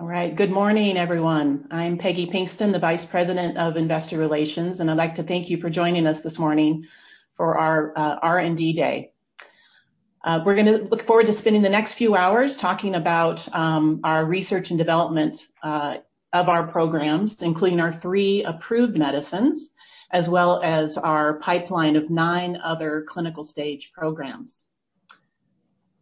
All right. Good morning, everyone. I'm Peggy Pinkston, the Vice President of Investor Relations, and I'd like to thank you for joining us this morning for our R&D Day. We're going to look forward to spending the next few hours talking about our research and development of our programs, including our three approved medicines, as well as our pipeline of nine other clinical stage programs.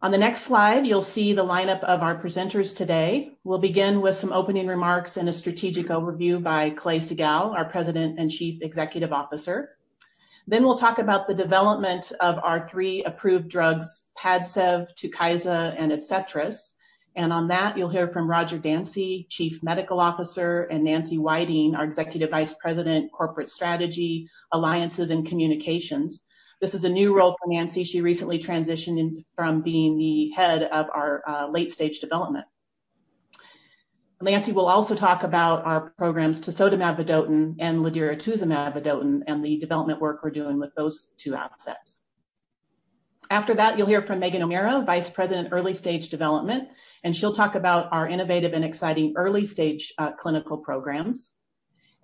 On the next slide, you'll see the lineup of our presenters today. We'll begin with some opening remarks and a strategic overview by Clay Siegall, our President and Chief Executive Officer. We'll talk about the development of our three approved drugs, PADCEV, TUKYSA, and ADCETRIS. On that, you'll hear from Roger Dansey, Chief Medical Officer, and Nancy Whiting, our Executive Vice President, Corporate Strategy, Alliances, and Communications. This is a new role for Nancy. She recently transitioned in from being the head of our late-stage development. Nancy will also talk about our programs, tisotumab vedotin and ladiratuzumab vedotin, and the development work we're doing with those two assets. After that, you'll hear from Megan O'Meara, Vice President, Early Stage Development. She'll talk about our innovative and exciting early-stage clinical programs.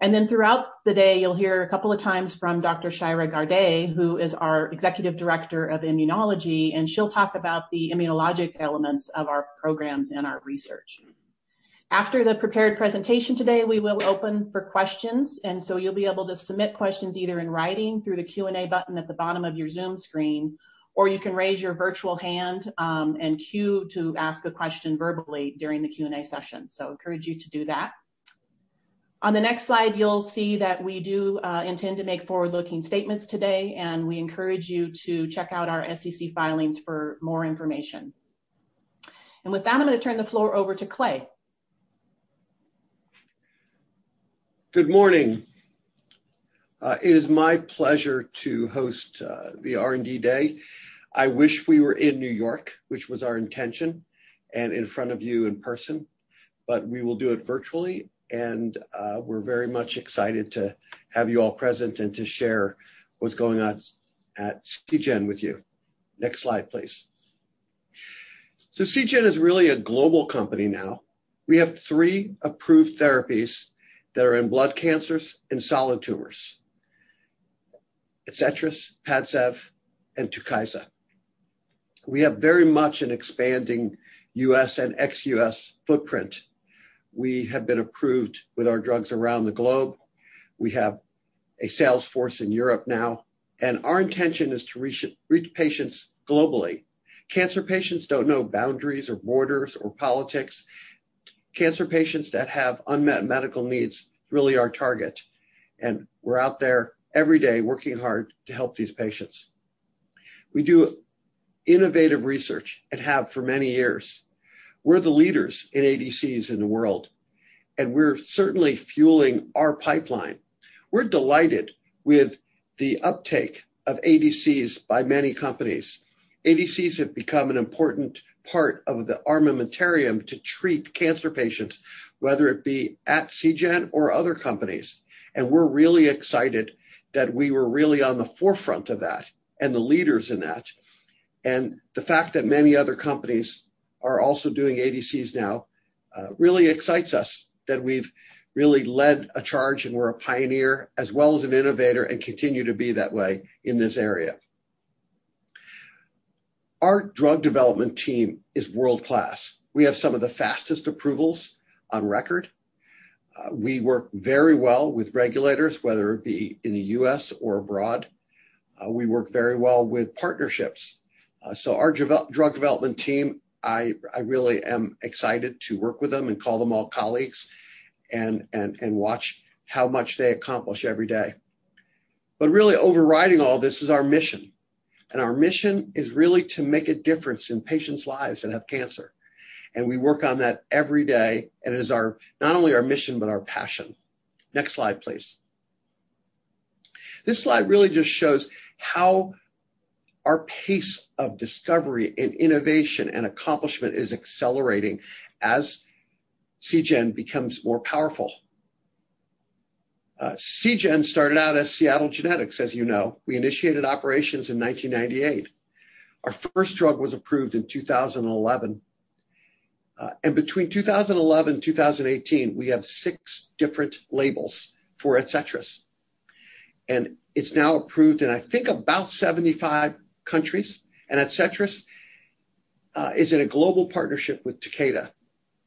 Throughout the day, you'll hear a couple of times from Dr. Shyra Gardai, who is our Executive Director of Immunology. She'll talk about the immunologic elements of our programs and our research. After the prepared presentation today, we will open for questions. You'll be able to submit questions either in writing through the Q&A button at the bottom of your Zoom screen, or you can raise your virtual hand and queue to ask a question verbally during the Q&A session. Encourage you to do that. On the next slide, you'll see that we do intend to make forward-looking statements today. We encourage you to check out our SEC filings for more information. With that, I'm going to turn the floor over to Clay. Good morning. It is my pleasure to host the R&D Day. I wish we were in New York, which was our intention, and in front of you in person. We will do it virtually, and we're very much excited to have you all present and to share what's going on at Seagen with you. Next slide, please. Seagen is really a global company now. We have three approved therapies that are in blood cancers and solid tumors, ADCETRIS, PADCEV, and TUKYSA. We have very much an expanding U.S. and ex-U.S. footprint. We have been approved with our drugs around the globe. We have a sales force in Europe now, and our intention is to reach patients globally. Cancer patients don't know boundaries or borders or politics. Cancer patients that have unmet medical needs really are our target, and we're out there every day working hard to help these patients. We do innovative research and have for many years. We're the leaders in ADCs in the world, and we're certainly fueling our pipeline. We're delighted with the uptake of ADCs by many companies. ADCs have become an important part of the armamentarium to treat cancer patients, whether it be at Seagen or other companies. We're really excited that we were really on the forefront of that and the leaders in that. The fact that many other companies are also doing ADCs now really excites us that we've really led a charge and we're a pioneer as well as an innovator and continue to be that way in this area. Our drug development team is world-class. We have some of the fastest approvals on record. We work very well with regulators, whether it be in the U.S. or abroad. We work very well with partnerships. Our drug development team, I really am excited to work with them and call them all colleagues and watch how much they accomplish every day. Really overriding all this is our mission, and our mission is really to make a difference in patients' lives that have cancer. We work on that every day, and it is not only our mission but our passion. Next slide, please. This slide really just shows how our pace of discovery and innovation and accomplishment is accelerating as Seagen becomes more powerful. Seagen started out as Seattle Genetics, as you know. We initiated operations in 1998. Our first drug was approved in 2011. Between 2011 and 2018, we have six different labels for ADCETRIS, and it's now approved in, I think, about 75 countries. ADCETRIS is in a global partnership with Takeda.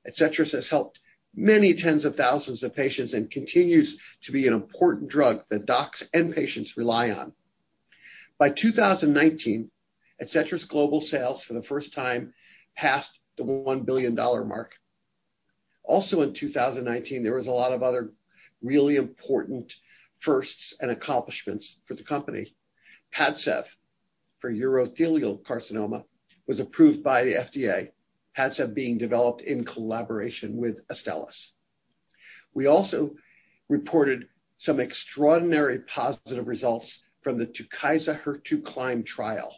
ADCETRIS has helped many tens of thousands of patients and continues to be an important drug that docs and patients rely on. By 2019, ADCETRIS global sales, for the first time, passed the $1 billion mark. Also in 2019, there was a lot of other really important firsts and accomplishments for the company. PADCEV, for urothelial carcinoma, was approved by the FDA, PADCEV being developed in collaboration with Astellas. We also reported some extraordinary positive results from the TUKYSA HER2CLIMB trial.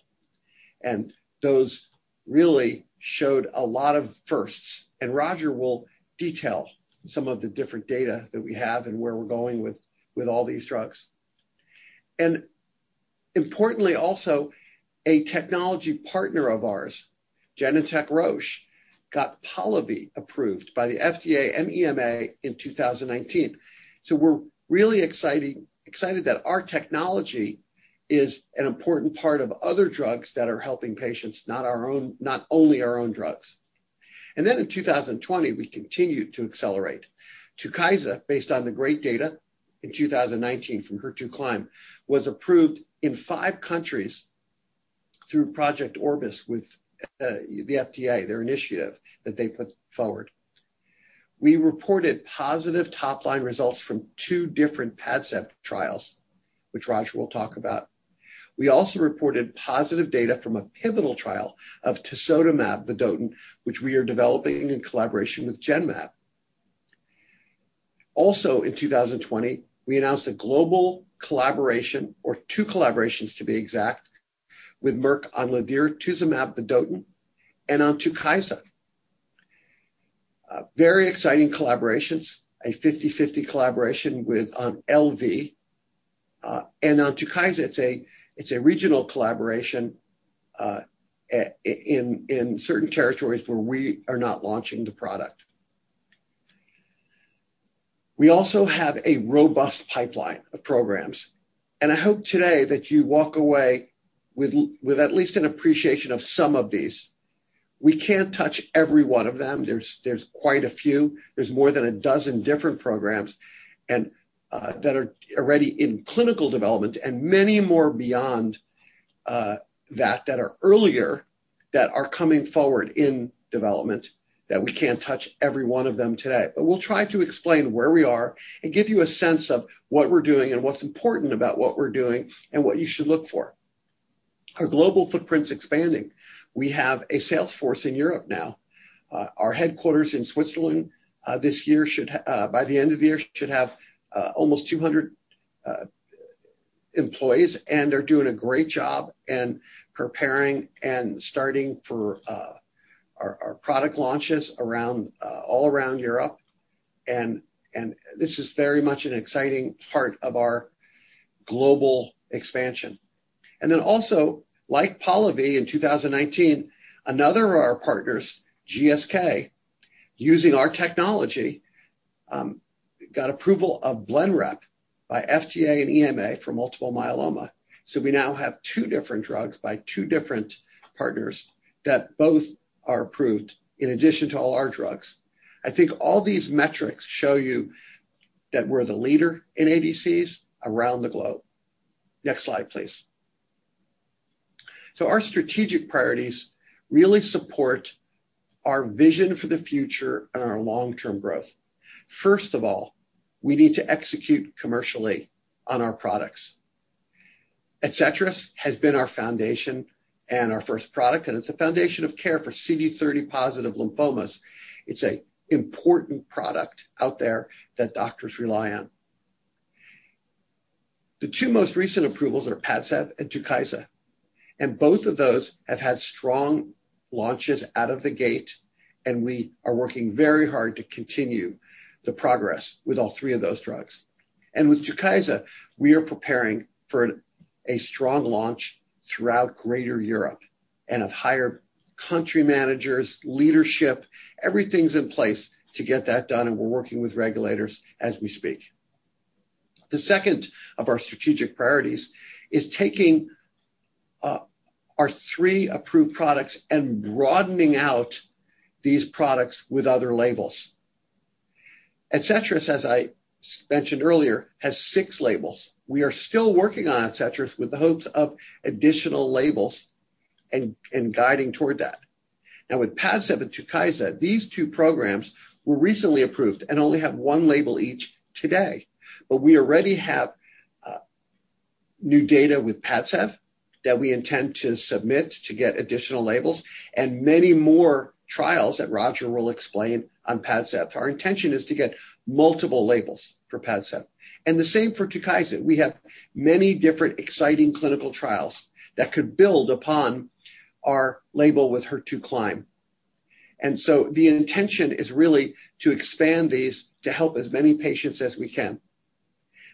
Those really showed a lot of firsts. Roger will detail some of the different data that we have and where we're going with all these drugs. Importantly also, a technology partner of ours, Genentech Roche, got POLIVY approved by the FDA and EMA in 2019. We're really excited that our technology is an important part of other drugs that are helping patients, not only our own drugs. In 2020, we continued to accelerate. TUKYSA, based on the great data in 2019 from HER2CLIMB, was approved in five countries through Project Orbis with the FDA, their initiative that they put forward. We reported positive top-line results from two different PADCEV trials, which Roger will talk about. We also reported positive data from a pivotal trial of tisotumab vedotin, which we are developing in collaboration with Genmab. Also in 2020, we announced a global collaboration, or two collaborations to be exact, with Merck on ladiratuzumab vedotin and on TUKYSA. Very exciting collaborations, a 50/50 collaboration with on LV, and on TUKYSA, it's a regional collaboration in certain territories where we are not launching the product. We also have a robust pipeline of programs, and I hope today that you walk away with at least an appreciation of some of these. We can't touch every one of them. There's quite a few. There's more than a dozen different programs that are already in clinical development and many more beyond that that are earlier, that are coming forward in development, that we can't touch every one of them today. We'll try to explain where we are and give you a sense of what we're doing and what's important about what we're doing and what you should look for. Our global footprint's expanding. We have a sales force in Europe now. Our headquarters in Switzerland this year, by the end of the year, should have almost 200 employees. They're doing a great job in preparing and starting for our product launches all around Europe. This is very much an exciting part of our global expansion. Then also, like POLIVY in 2019, another of our partners, GSK, using our technology, got approval of BLENREP by FDA and EMA for multiple myeloma. We now have two different drugs by two different partners that both are approved in addition to all our drugs. I think all these metrics show you that we're the leader in ADCs around the globe. Next slide, please. Our strategic priorities really support our vision for the future and our long-term growth. First of all, we need to execute commercially on our products. ADCETRIS has been our foundation and our first product, and it's a foundation of care for CD30-positive lymphomas. It's an important product out there that doctors rely on. The two most recent approvals are PADCEV and TUKYSA, and both of those have had strong launches out of the gate, and we are working very hard to continue the progress with all three of those drugs. With TUKYSA, we are preparing for a strong launch throughout greater Europe and have hired country managers, leadership. Everything's in place to get that done, and we're working with regulators as we speak. The second of our strategic priorities is taking our three approved products and broadening out these products with other labels. ADCETRIS, as I mentioned earlier, has six labels. We are still working on ADCETRIS with the hopes of additional labels and guiding toward that. With PADCEV and TUKYSA, these two programs were recently approved and only have one label each today. We already have new data with PADCEV that we intend to submit to get additional labels and many more trials that Roger will explain on PADCEV. Our intention is to get multiple labels for PADCEV. The same for TUKYSA. We have many different exciting clinical trials that could build upon our label with HER2CLIMB. The intention is really to expand these to help as many patients as we can.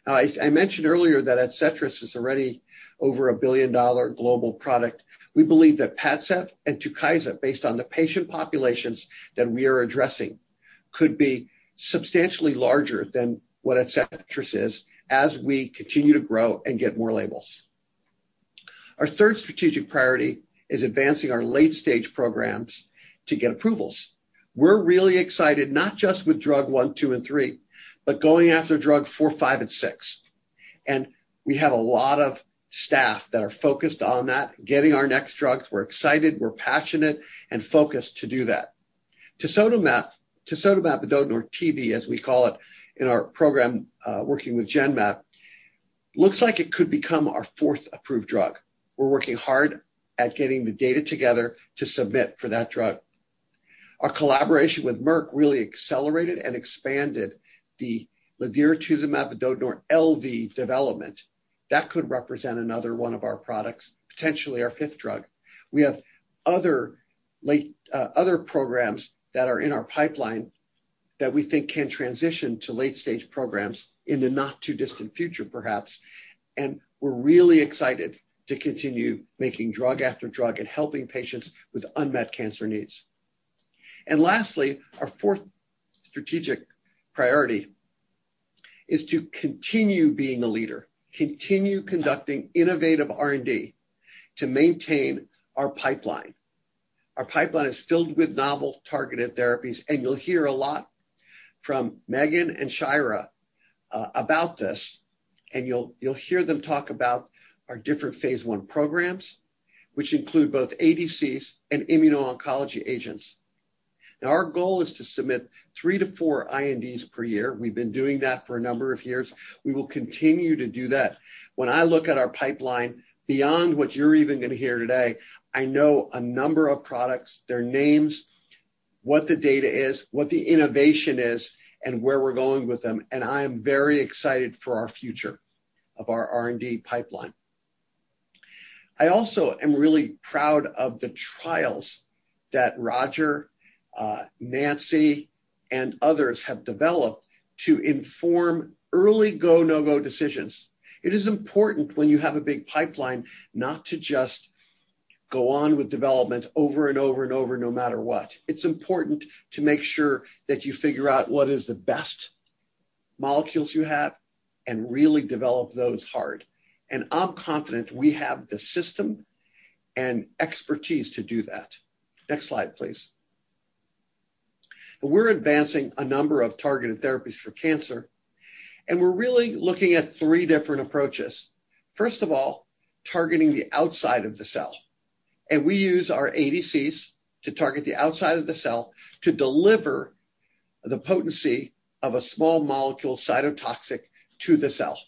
I mentioned earlier that ADCETRIS is already over a billion-dollar global product. We believe that PADCEV and TUKYSA, based on the patient populations that we are addressing, could be substantially larger than what ADCETRIS is as we continue to grow and get more labels. Our third strategic priority is advancing our late-stage programs to get approvals. We're really excited, not just with drug one, two, and three, but going after drug four, five, and six. We have a lot of staff that are focused on that, getting our next drugs. We're excited, we're passionate, and focused to do that. Tisotumab vedotin, or TV as we call it in our program working with Genmab, looks like it could become our fourth approved drug. We're working hard at getting the data together to submit for that drug. Our collaboration with Merck really accelerated and expanded the ladiratuzumab vedotin, or LV, development. That could represent another one of our products, potentially our fifth drug. We have other programs that are in our pipeline that we think can transition to late-stage programs in the not-too-distant future, perhaps. We're really excited to continue making drug after drug and helping patients with unmet cancer needs. Lastly, our fourth strategic priority is to continue being a leader, continue conducting innovative R&D to maintain our pipeline. Our pipeline is filled with novel targeted therapies, and you'll hear a lot from Megan and Shyra about this, and you'll hear them talk about our different phase I programs, which include both ADCs and immuno-oncology agents. Our goal is to submit three to four INDs per year. We've been doing that for a number of years. We will continue to do that. When I look at our pipeline beyond what you're even going to hear today, I know a number of products, their names, what the data is, what the innovation is, and where we're going with them, and I am very excited for our future of our R&D pipeline. I also am really proud of the trials that Roger, Nancy, and others have developed to inform early go/no-go decisions. It's important when you have a big pipeline not to just go on with development over and over and over, no matter what. It's important to make sure that you figure out what is the best molecules you have and really develop those hard. I'm confident we have the system and expertise to do that. Next slide, please. We're advancing a number of targeted therapies for cancer, we're really looking at three different approaches. First of all, targeting the outside of the cell. We use our ADCs to target the outside of the cell to deliver the potency of a small molecule cytotoxic to the cell.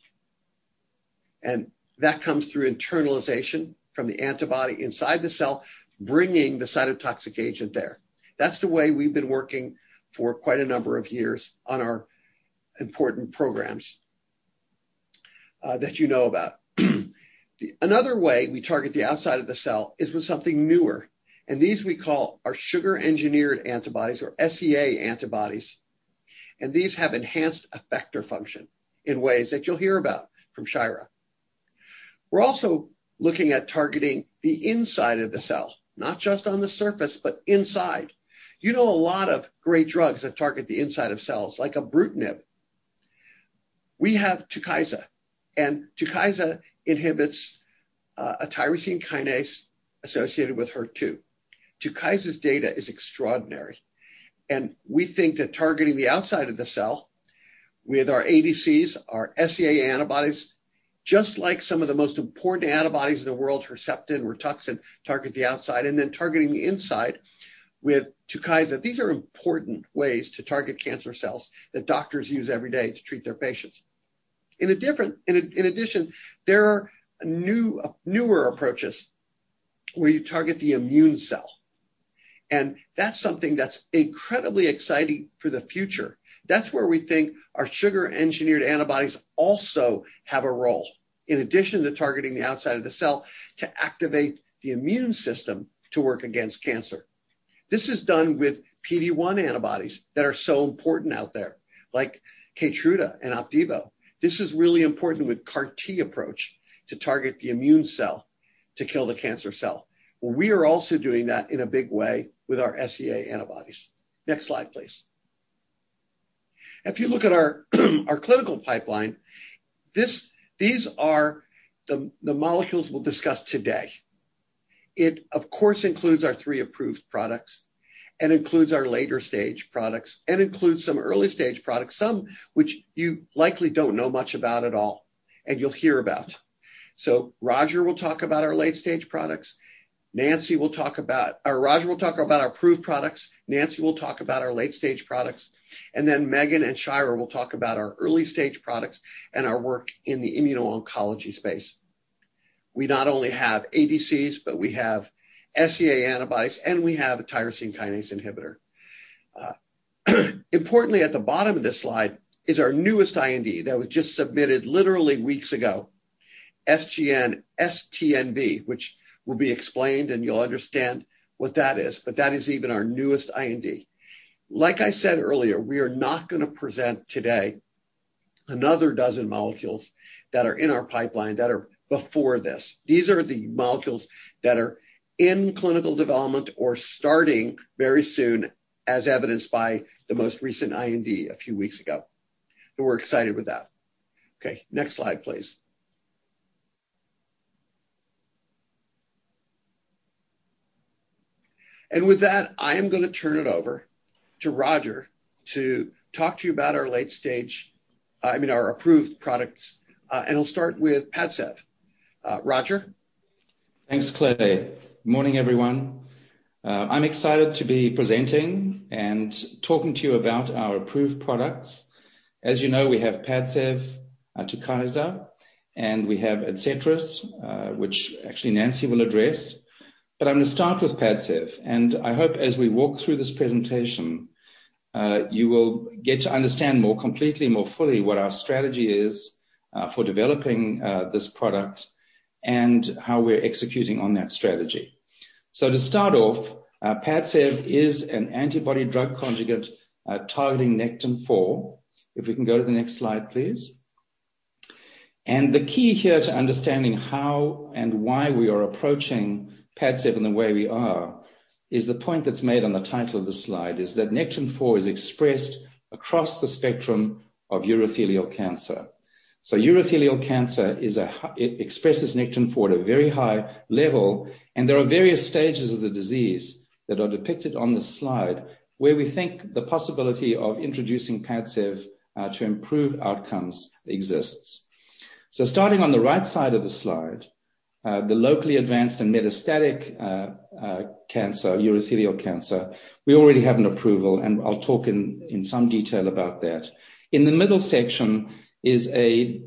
That comes through internalization from the antibody inside the cell, bringing the cytotoxic agent there. That's the way we've been working for quite a number of years on our important programs that you know about. Another way we target the outside of the cell is with something newer, and these we call our Sugar-Engineered Antibodies or SEA antibodies, and these have enhanced effector function in ways that you'll hear about from Shyra. We're also looking at targeting the inside of the cell, not just on the surface, but inside. You know a lot of great drugs that target the inside of cells like ibrutinib. We have TUKYSA. TUKYSA inhibits a tyrosine kinase associated with HER2. TUKYSA's data is extraordinary. We think that targeting the outside of the cell with our ADCs, our SEA antibodies, just like some of the most important antibodies in the world, Herceptin, RITUXAN, target the outside, and then targeting the inside with TUKYSA. These are important ways to target cancer cells that doctors use every day to treat their patients. In addition, there are newer approaches where you target the immune cell, and that's something that's incredibly exciting for the future. That's where we think our Sugar-Engineered Antibodies also have a role, in addition to targeting the outside of the cell to activate the immune system to work against cancer. This is done with PD-1 antibodies that are so important out there, like KEYTRUDA and OPDIVO. This is really important with CAR T approach to target the immune cell to kill the cancer cell. We are also doing that in a big way with our SEA antibodies. Next slide, please. If you look at our clinical pipeline, these are the molecules we'll discuss today. It, of course, includes our three approved products and includes our later-stage products and includes some early-stage products, some which you likely don't know much about at all and you'll hear about. Roger will talk about our approved products. Nancy will talk about our late-stage products. Megan and Shyra will talk about our early-stage products and our work in the immuno-oncology space. We not only have ADCs, but we have SEA antibodies, and we have a tyrosine kinase inhibitor. Importantly, at the bottom of this slide is our newest IND that was just submitted literally weeks ago, STNV, which will be explained, and you'll understand what that is. That is even our newest IND. Like I said earlier, we are not going to present today another dozen molecules that are in our pipeline that are before this. These are the molecules that are in clinical development or starting very soon, as evidenced by the most recent IND a few weeks ago. We're excited with that. Okay, next slide, please. With that, I am going to turn it over to Roger to talk to you about our late-stage, I mean, our approved products. He'll start with PADCEV. Roger. Thanks, Clay. Morning, everyone. I'm excited to be presenting and talking to you about our approved products. As you know, we have PADCEV, TUKYSA, and we have ADCETRIS, which actually Nancy will address. I'm going to start with PADCEV, and I hope as we walk through this presentation, you will get to understand more completely, more fully what our strategy is for developing this product and how we're executing on that strategy. To start off, PADCEV is an antibody-drug conjugate targeting nectin-4. If we can go to the next slide, please. The key here to understanding how and why we are approaching PADCEV in the way we are, is the point that's made on the title of this slide, is that nectin-4 is expressed across the spectrum of urothelial cancer. Urothelial cancer expresses nectin-4 at a very high level, and there are various stages of the disease that are depicted on this slide, where we think the possibility of introducing PADCEV to improve outcomes exists. Starting on the right side of the slide, the locally advanced and metastatic urothelial cancer, we already have an approval, and I'll talk in some detail about that. In the middle section is a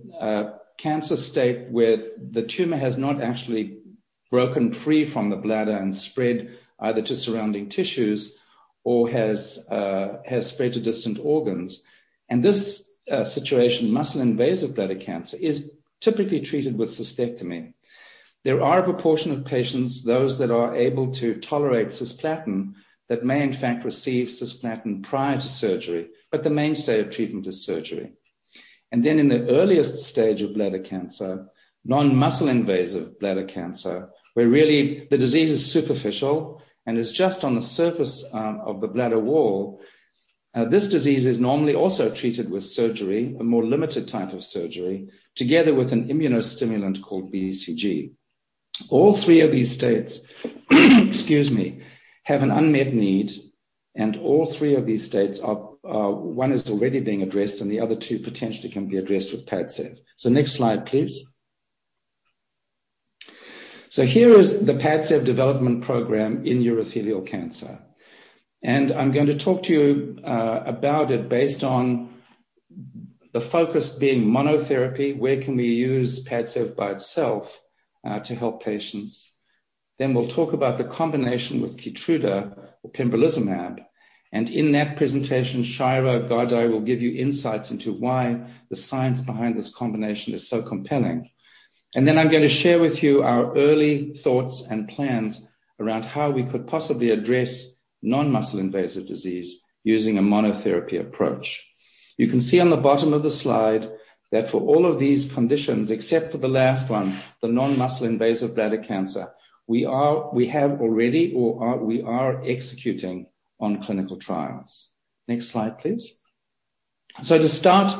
cancer state where the tumor has not actually broken free from the bladder and spread either to surrounding tissues or has spread to distant organs. This situation, muscle-invasive bladder cancer, is typically treated with cystectomy. There are a proportion of patients, those that are able to tolerate cisplatin, that may in fact receive cisplatin prior to surgery, but the mainstay of treatment is surgery. In the earliest stage of bladder cancer, non-muscle invasive bladder cancer, where really the disease is superficial and is just on the surface of the bladder wall. This disease is normally also treated with surgery, a more limited type of surgery, together with an immunostimulant called BCG. All three of these states have an unmet need, all three of these states, one is already being addressed, the other two potentially can be addressed with PADCEV. Next slide, please. Here is the PADCEV development program in urothelial cancer. I'm going to talk to you about it based on the focus being monotherapy. Where can we use PADCEV by itself to help patients? We'll talk about the combination with Keytruda or pembrolizumab. In that presentation, Shyra Gardai will give you insights into why the science behind this combination is so compelling. Then I'm going to share with you our early thoughts and plans around how we could possibly address non-muscle invasive disease using a monotherapy approach. You can see on the bottom of the slide that for all of these conditions, except for the last one, the non-muscle invasive bladder cancer, we have already or we are executing on clinical trials. Next slide, please. To start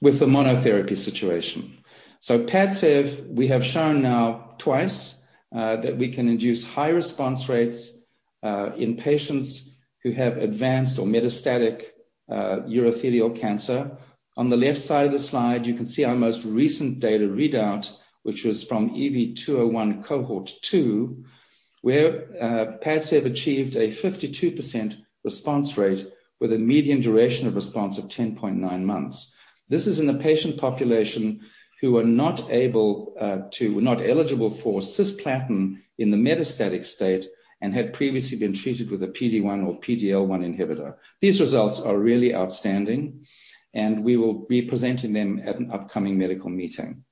with the monotherapy situation. PADCEV, we have shown now twice that we can induce high response rates in patients who have advanced or metastatic urothelial cancer. On the left side of the slide, you can see our most recent data readout, which was from EV-201 Cohort 2, where PADCEV achieved a 52% response rate with a median duration of response of 10.9 months. This is in a patient population who are not eligible for cisplatin in the metastatic state and had previously been treated with a PD-1 or PD-L1 inhibitor. These results are really outstanding. We will be presenting them at an upcoming medical meeting.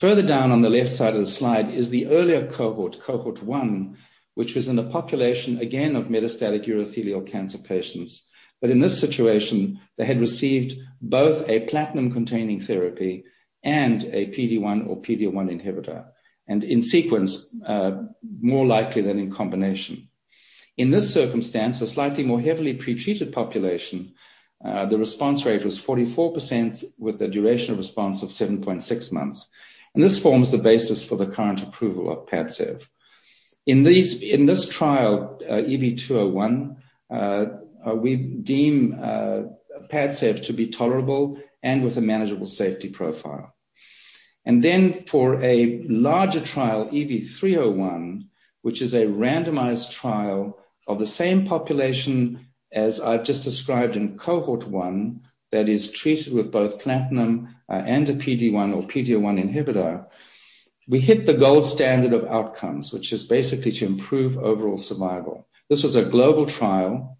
Further down on the left side of the slide is the earlier Cohort 1, which was in a population, again, of metastatic urothelial cancer patients. In this situation, they had received both a platinum-containing therapy and a PD-1 or PD-L1 inhibitor, and in sequence, more likely than in combination. In this circumstance, a slightly more heavily pretreated population, the response rate was 44% with a duration of response of 7.6 months, and this forms the basis for the current approval of PADCEV. In this trial, EV-201, we deem PADCEV to be tolerable and with a manageable safety profile. For a larger trial, EV-301, which is a randomized trial of the same population as I've just described in Cohort 1, that is treated with both platinum and a PD-1 or PD-L1 inhibitor. We hit the gold standard of outcomes, which is basically to improve overall survival. This was a global trial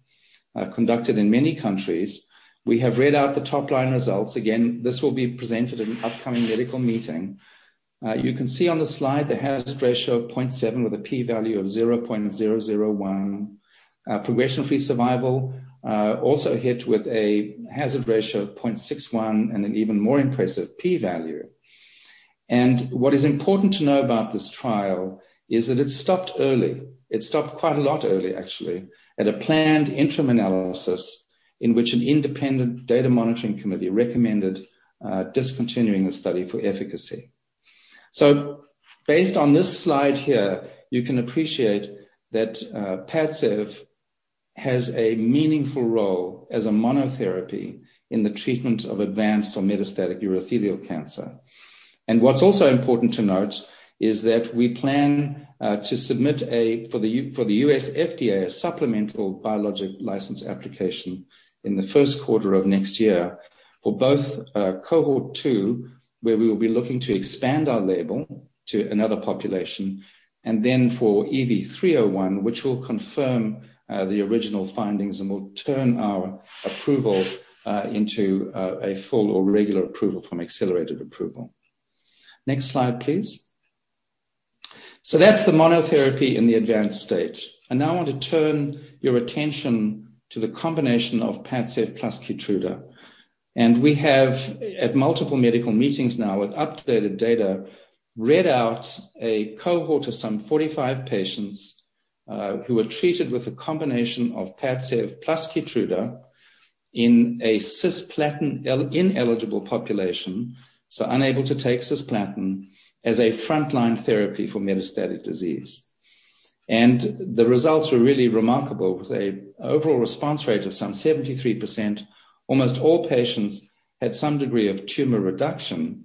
conducted in many countries. We have read out the top-line results. Again, this will be presented in an upcoming medical meeting. You can see on the slide the hazard ratio of 0.7 with a P value of 0.001. Progression-free survival also hit with a hazard ratio of 0.61 and an even more impressive P value. What is important to know about this trial is that it stopped early. It stopped quite a lot early, actually, at a planned interim analysis in which an independent data monitoring committee recommended discontinuing the study for efficacy. Based on this slide here, you can appreciate that PADCEV has a meaningful role as a monotherapy in the treatment of advanced or metastatic urothelial cancer. What's also important to note is that we plan to submit for the U.S. FDA a supplemental biologic license application in the first quarter of next year for both Cohort 2, where we will be looking to expand our label to another population, and then for EV-301, which will confirm the original findings and will turn our approval into a full or regular approval from accelerated approval. Next slide, please. That's the monotherapy in the advanced stage. Now I want to turn your attention to the combination of PADCEV plus KEYTRUDA. We have, at multiple medical meetings now with updated data, read out a cohort of some 45 patients who were treated with a combination of PADCEV plus KEYTRUDA in a cisplatin-ineligible population, so unable to take cisplatin as a frontline therapy for metastatic disease. The results were really remarkable, with a overall response rate of some 73%. Almost all patients had some degree of tumor reduction.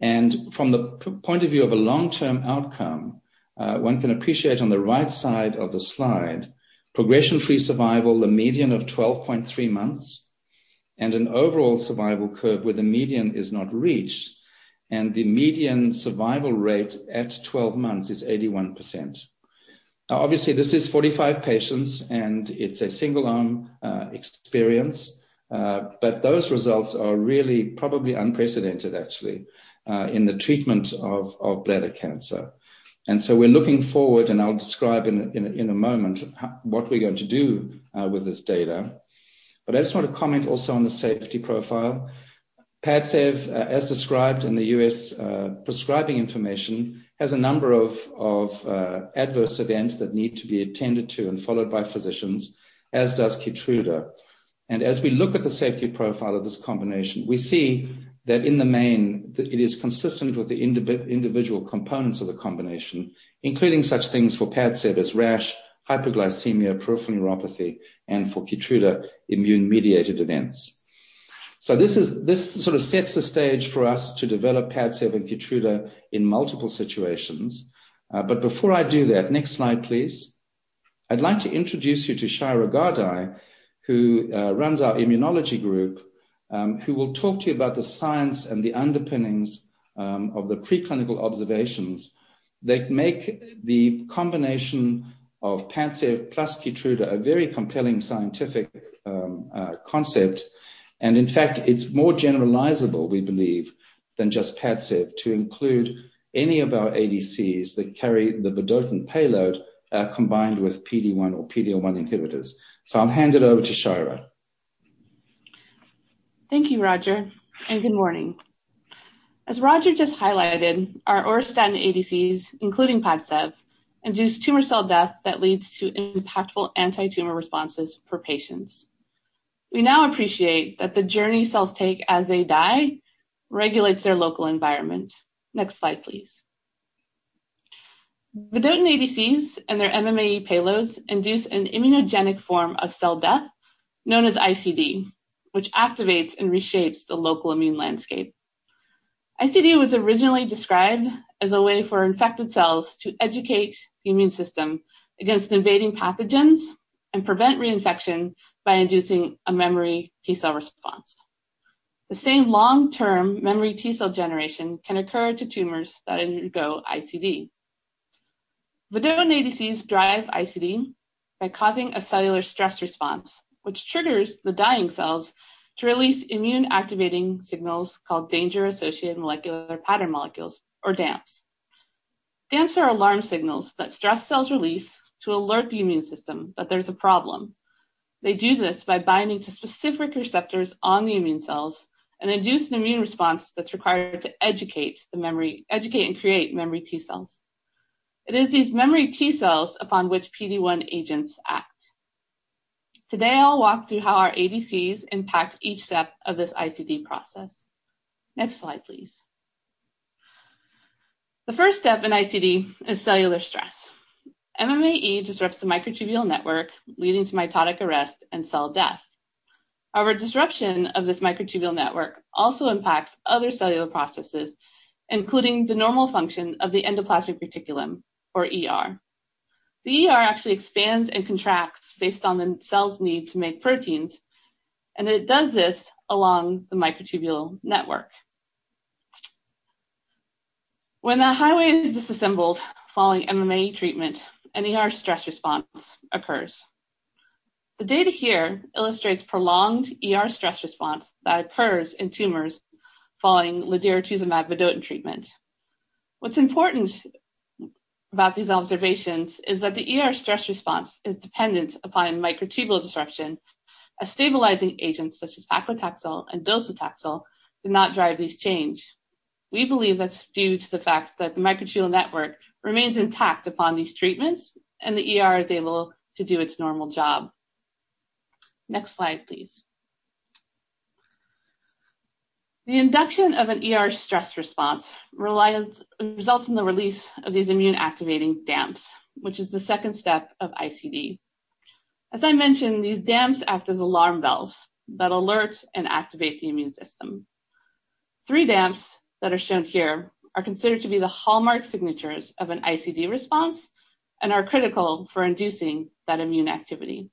From the point of view of a long-term outcome, one can appreciate on the right side of the slide, progression-free survival, a median of 12.3 months, and an overall survival curve where the median is not reached, and the median survival rate at 12 months is 81%. Now, obviously, this is 45 patients, and it's a single-arm experience. Those results are really probably unprecedented actually, in the treatment of bladder cancer. We're looking forward, and I'll describe in a moment what we're going to do with this data. I just want to comment also on the safety profile. PADCEV, as described in the U.S. prescribing information, has a number of adverse events that need to be attended to and followed by physicians, as does KEYTRUDA. As we look at the safety profile of this combination, we see that in the main, it is consistent with the individual components of the combination, including such things for PADCEV as rash, hypoglycemia, peripheral neuropathy, and for KEYTRUDA, immune-mediated events. This sort of sets the stage for us to develop PADCEV and KEYTRUDA in multiple situations. Before I do that, next slide, please. I'd like to introduce you to Shyra Gardai, who runs our immunology group, who will talk to you about the science and the underpinnings of the preclinical observations that make the combination of PADCEV plus KEYTRUDA a very compelling scientific concept. In fact, it's more generalizable, we believe, than just PADCEV to include any of our ADCs that carry the vedotin payload, combined with PD-1 or PD-L1 inhibitors. I'll hand it over to Shyra. Thank you, Roger, and good morning. As Roger just highlighted, our auristatin ADCs, including PADCEV, induce tumor cell death that leads to impactful anti-tumor responses for patients. We now appreciate that the journey cells take as they die regulates their local environment. Next slide, please. Vedotin ADCs and their MMAE payloads induce an immunogenic form of cell death known as ICD, which activates and reshapes the local immune landscape. ICD was originally described as a way for infected cells to educate the immune system against invading pathogens and prevent reinfection by inducing a memory T cell response. The same long-term memory T cell generation can occur to tumors that undergo ICD. Vedotin ADCs drive ICD by causing a cellular stress response, which triggers the dying cells to release immune-activating signals called danger-associated molecular pattern molecules, or DAMPs. DAMPs are alarm signals that stressed cells release to alert the immune system that there's a problem. They do this by binding to specific receptors on the immune cells and induce an immune response that's required to educate and create memory T cells. It is these memory T cells upon which PD-1 agents act. Today, I'll walk through how our ADCs impact each step of this ICD process. Next slide, please. The first step in ICD is cellular stress. MMAE disrupts the microtubule network, leading to mitotic arrest and cell death. Disruption of this microtubule network also impacts other cellular processes, including the normal function of the endoplasmic reticulum, or ER. The ER actually expands and contracts based on the cell's need to make proteins, and it does this along the microtubule network. When the highway is disassembled following MMAE treatment, an ER stress response occurs. The data here illustrates prolonged ER stress response that occurs in tumors following ladiratuzumab vedotin treatment. What's important about these observations is that the ER stress response is dependent upon microtubule disruption, as stabilizing agents such as paclitaxel and docetaxel do not drive this change. We believe that's due to the fact that the microtubule network remains intact upon these treatments, and the ER is able to do its normal job. Next slide, please. The induction of an ER stress response results in the release of these immune-activating DAMPs, which is the second step of ICD. As I mentioned, these DAMPs act as alarm bells that alert and activate the immune system. Three DAMPs that are shown here are considered to be the hallmark signatures of an ICD response and are critical for inducing that immune activity.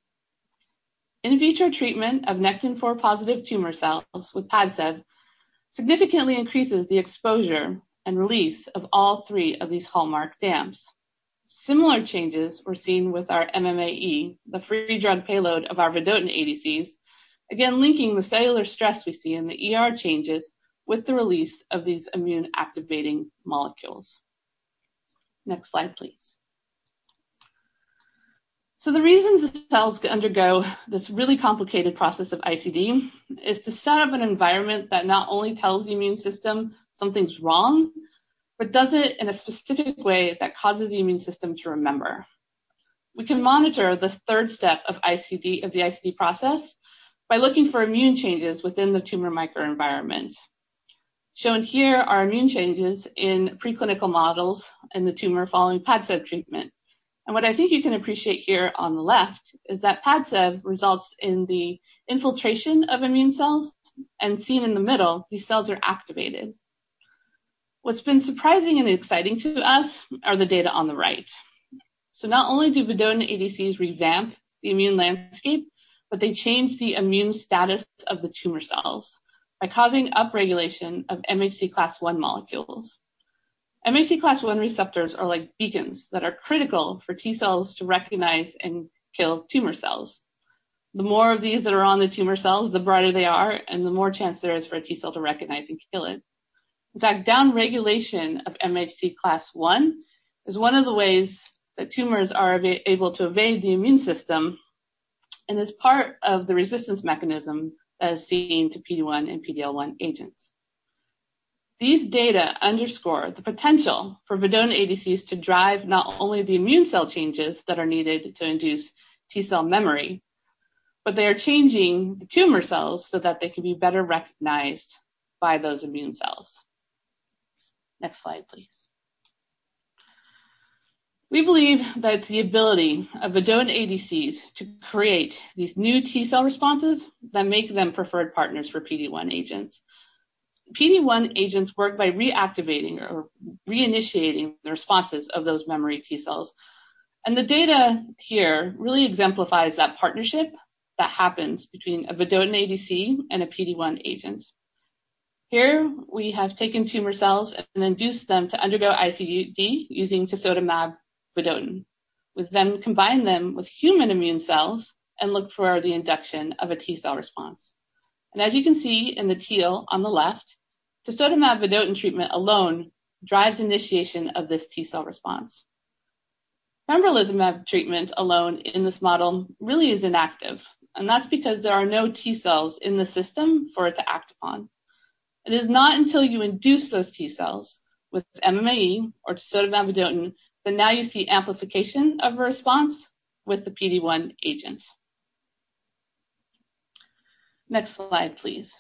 In vitro treatment of nectin-4-positive tumor cells with PADCEV significantly increases the exposure and release of all three of these hallmark DAMPs. Similar changes were seen with our MMAE, the free drug payload of our vedotin ADCs, again linking the cellular stress we see in the ER changes with the release of these immune-activating molecules. Next slide, please. The reasons the cells undergo this really complicated process of ICD is to set up an environment that not only tells the immune system something's wrong, but does it in a specific way that causes the immune system to remember. We can monitor the third step of the ICD process by looking for immune changes within the tumor microenvironment. Shown here are immune changes in preclinical models in the tumor following PADCEV treatment. What I think you can appreciate here on the left is that PADCEV results in the infiltration of immune cells, and seen in the middle, these cells are activated. What's been surprising and exciting to us are the data on the right. Not only do vedotin ADCs revamp the immune landscape, but they change the immune status of the tumor cells by causing upregulation of MHC class I molecules. MHC class I receptors are like beacons that are critical for T cells to recognize and kill tumor cells. The more of these that are on the tumor cells, the brighter they are, and the more chance there is for a T cell to recognize and kill it. Downregulation of MHC class I is one of the ways that tumors are able to evade the immune system, and is part of the resistance mechanism as seen to PD-1 and PD-L1 agents. These data underscore the potential for vedotin ADCs to drive not only the immune cell changes that are needed to induce T cell memory, but they are changing the tumor cells so that they can be better recognized by those immune cells. Next slide, please. We believe that it's the ability of vedotin ADCs to create these new T cell responses that make them preferred partners for PD-1 agents. PD-1 agents work by reactivating or reinitiating the responses of those memory T cells. The data here really exemplifies that partnership that happens between a vedotin ADC and a PD-1 agent. Here, we have taken tumor cells and induced them to undergo ICD using tisotumab vedotin. We've combined them with human immune cells and looked for the induction of a T cell response. As you can see in the teal on the left, tisotumab vedotin treatment alone drives initiation of this T cell response. pembrolizumab treatment alone in this model really is inactive, that's because there are no T cells in the system for it to act upon. It is not until you induce those T cells with MMAE or tisotumab vedotin that now you see amplification of a response with the PD-1 agent. Next slide, please.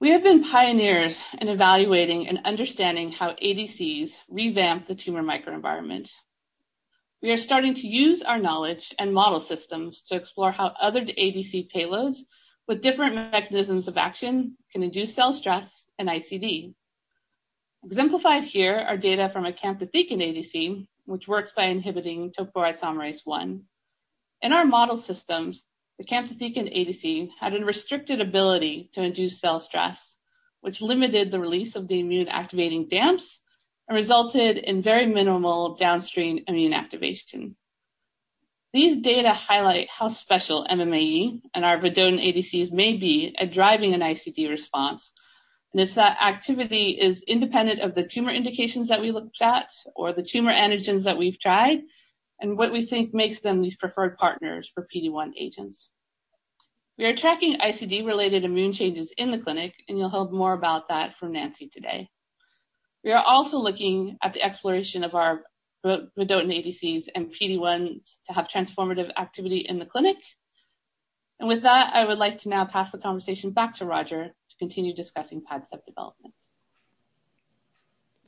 We have been pioneers in evaluating and understanding how ADCs revamp the tumor microenvironment. We are starting to use our knowledge and model systems to explore how other ADC payloads with different mechanisms of action can induce cell stress and ICD. Exemplified here are data from a camptothecin ADC, which works by inhibiting topoisomerase I. In our model systems, the camptothecin ADC had a restricted ability to induce cell stress, which limited the release of the immune-activating DAMPs and resulted in very minimal downstream immune activation. These data highlight how special MMAE and our vedotin ADCs may be at driving an ICD response. This activity is independent of the tumor indications that we looked at or the tumor antigens that we've tried, and what we think makes them these preferred partners for PD-1 agents. We are tracking ICD-related immune changes in the clinic, and you'll hear more about that from Nancy today. We are also looking at the exploration of our vedotin ADCs and PD-1 to have transformative activity in the clinic. With that, I would like to now pass the conversation back to Roger to continue discussing PADCEV development.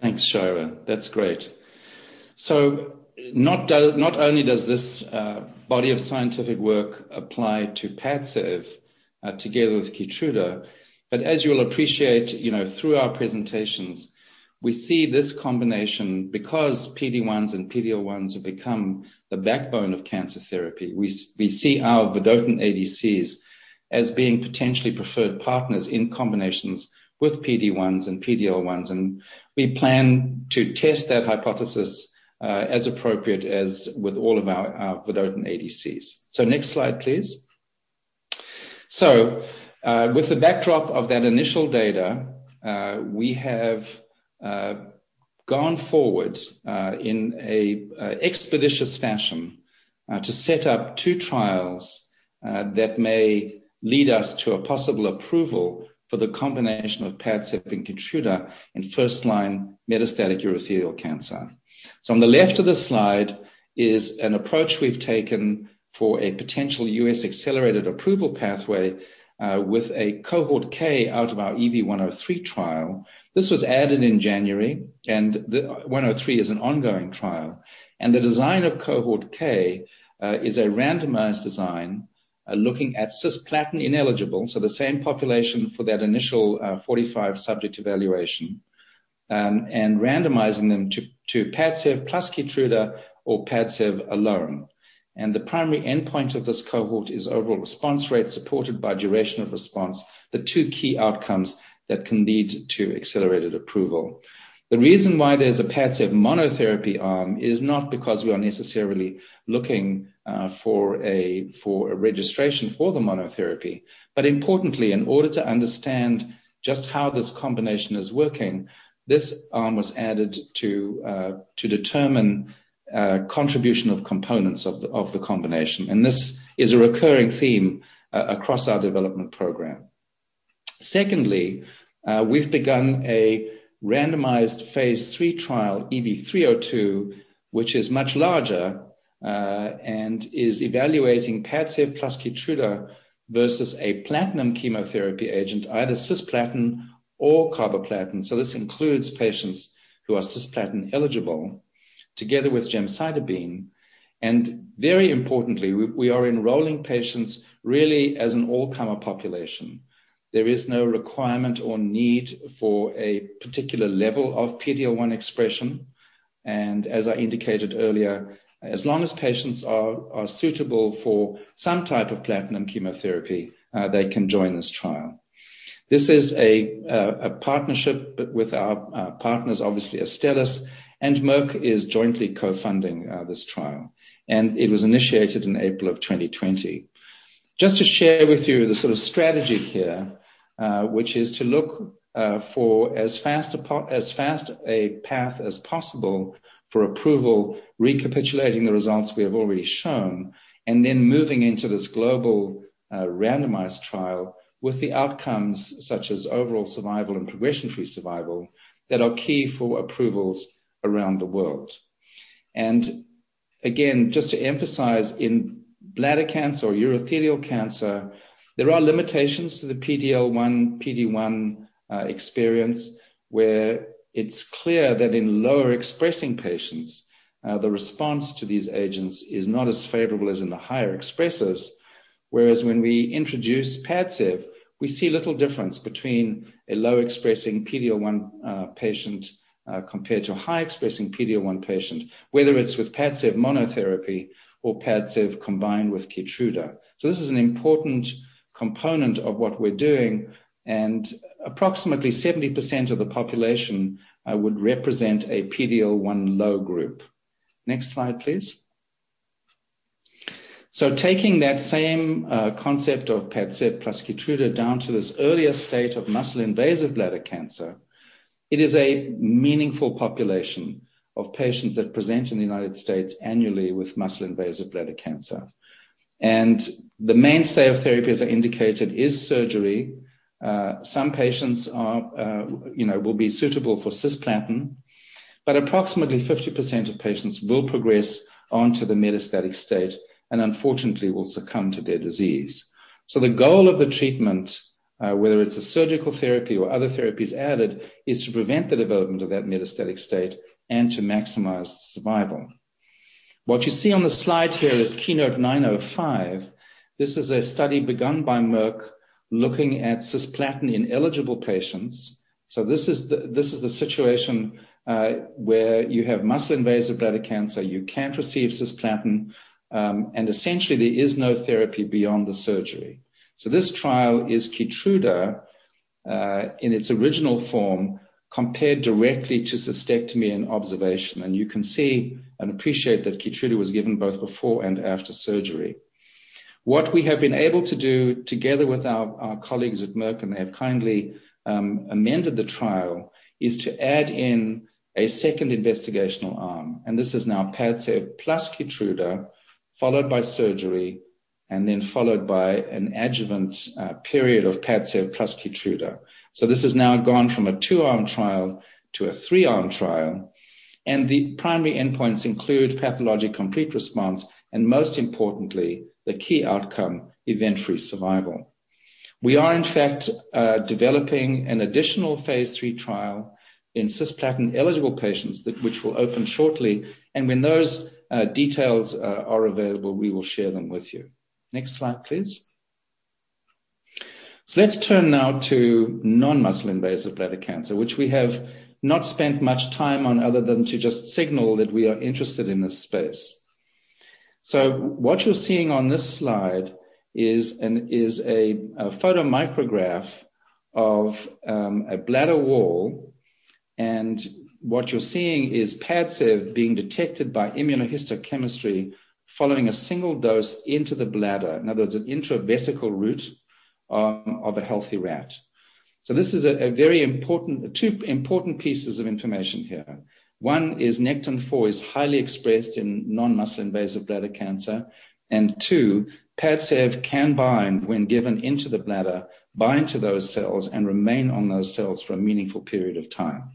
Thanks, Shyra. That's great. Not only does this body of scientific work apply to PADCEV together with KEYTRUDA, but as you'll appreciate through our presentations, we see this combination because PD-1s and PD-L1s have become the backbone of cancer therapy. We see our vedotin ADCs as being potentially preferred partners in combinations with PD-1s and PD-L1s, and we plan to test that hypothesis as appropriate as with all of our vedotin ADCs. Next slide, please. With the backdrop of that initial data, we have gone forward in an expeditious fashion to set up two trials that may lead us to a possible approval for the combination of PADCEV and KEYTRUDA in first-line metastatic urothelial cancer. On the left of the slide is an approach we've taken for a potential U.S. accelerated approval pathway with a Cohort K out of our EV-103 trial. This was added in January. The 103 is an ongoing trial. The design of Cohort K is a randomized design looking at cisplatin-ineligible, so the same population for that initial 45-subject evaluation, randomizing them to PADCEV plus KEYTRUDA or PADCEV alone. The primary endpoint of this Cohort is overall response rate supported by duration of response, the two key outcomes that can lead to accelerated approval. The reason why there's a PADCEV monotherapy arm is not because we are necessarily looking for a registration for the monotherapy, but importantly, in order to understand just how this combination is working, this arm was added to determine contribution of components of the combination. This is a recurring theme across our development program. Secondly, we've begun a randomized phase III trial, EV-302, which is much larger, and is evaluating PADCEV plus KEYTRUDA versus a platinum chemotherapy agent, either cisplatin or carboplatin. This includes patients who are cisplatin eligible together with gemcitabine. Very importantly, we are enrolling patients really as an all-comer population. There is no requirement or need for a particular level of PD-L1 expression. As I indicated earlier, as long as patients are suitable for some type of platinum chemotherapy, they can join this trial. This is a partnership with our partners, obviously Astellas, and Merck is jointly co-funding this trial. It was initiated in April of 2020. Just to share with you the sort of strategy here, which is to look for as fast a path as possible for approval, recapitulating the results we have already shown, and then moving into this global randomized trial with the outcomes such as overall survival and progression-free survival that are key for approvals around the world. Again, just to emphasize, in bladder cancer or urothelial cancer, there are limitations to the PD-L1, PD-1 experience, where it's clear that in lower expressing patients, the response to these agents is not as favorable as in the higher expressers. Whereas when we introduce PADCEV, we see little difference between a low-expressing PD-L1 patient, compared to a high-expressing PD-L1 patient, whether it's with PADCEV monotherapy or PADCEV combined with KEYTRUDA. This is an important component of what we're doing, and approximately 70% of the population would represent a PD-L1 low group. Next slide, please. Taking that same concept of PADCEV plus KEYTRUDA down to this earlier state of muscle-invasive bladder cancer, it is a meaningful population of patients that present in the United States annually with muscle-invasive bladder cancer. The mainstay of therapy, as I indicated, is surgery. Approximately 50% of patients will progress on to the metastatic state and unfortunately will succumb to their disease. The goal of the treatment, whether it's a surgical therapy or other therapies added, is to prevent the development of that metastatic state and to maximize survival. What you see on the slide here is KEYNOTE-905. This is a study begun by Merck looking at cisplatin in eligible patients. This is the situation where you have muscle-invasive bladder cancer, you can't receive cisplatin, and essentially there is no therapy beyond the surgery. This trial is KEYTRUDA in its original form, compared directly to cystectomy and observation. You can see and appreciate that KEYTRUDA was given both before and after surgery. What we have been able to do together with our colleagues at Merck, they have kindly amended the trial, is to add in a second investigational arm, this is now PADCEV plus KEYTRUDA, followed by surgery, followed by an adjuvant period of PADCEV plus KEYTRUDA. This has now gone from a two-arm trial to a three-arm trial, the primary endpoints include pathologic complete response, most importantly, the key outcome, event-free survival. We are in fact developing an additional phase III trial in cisplatin-eligible patients, which will open shortly. When those details are available, we will share them with you. Next slide, please. Let's turn now to non-muscle invasive bladder cancer, which we have not spent much time on other than to just signal that we are interested in this space. What you're seeing on this slide is a photomicrograph of a bladder wall. What you're seeing is PADCEV being detected by immunohistochemistry following a single dose into the bladder, in other words, an intravesical route of a healthy rat. This is two important pieces of information here. One is nectin-4 is highly expressed in non-muscle invasive bladder cancer. Two, PADCEV can bind when given into the bladder, bind to those cells, and remain on those cells for a meaningful period of time.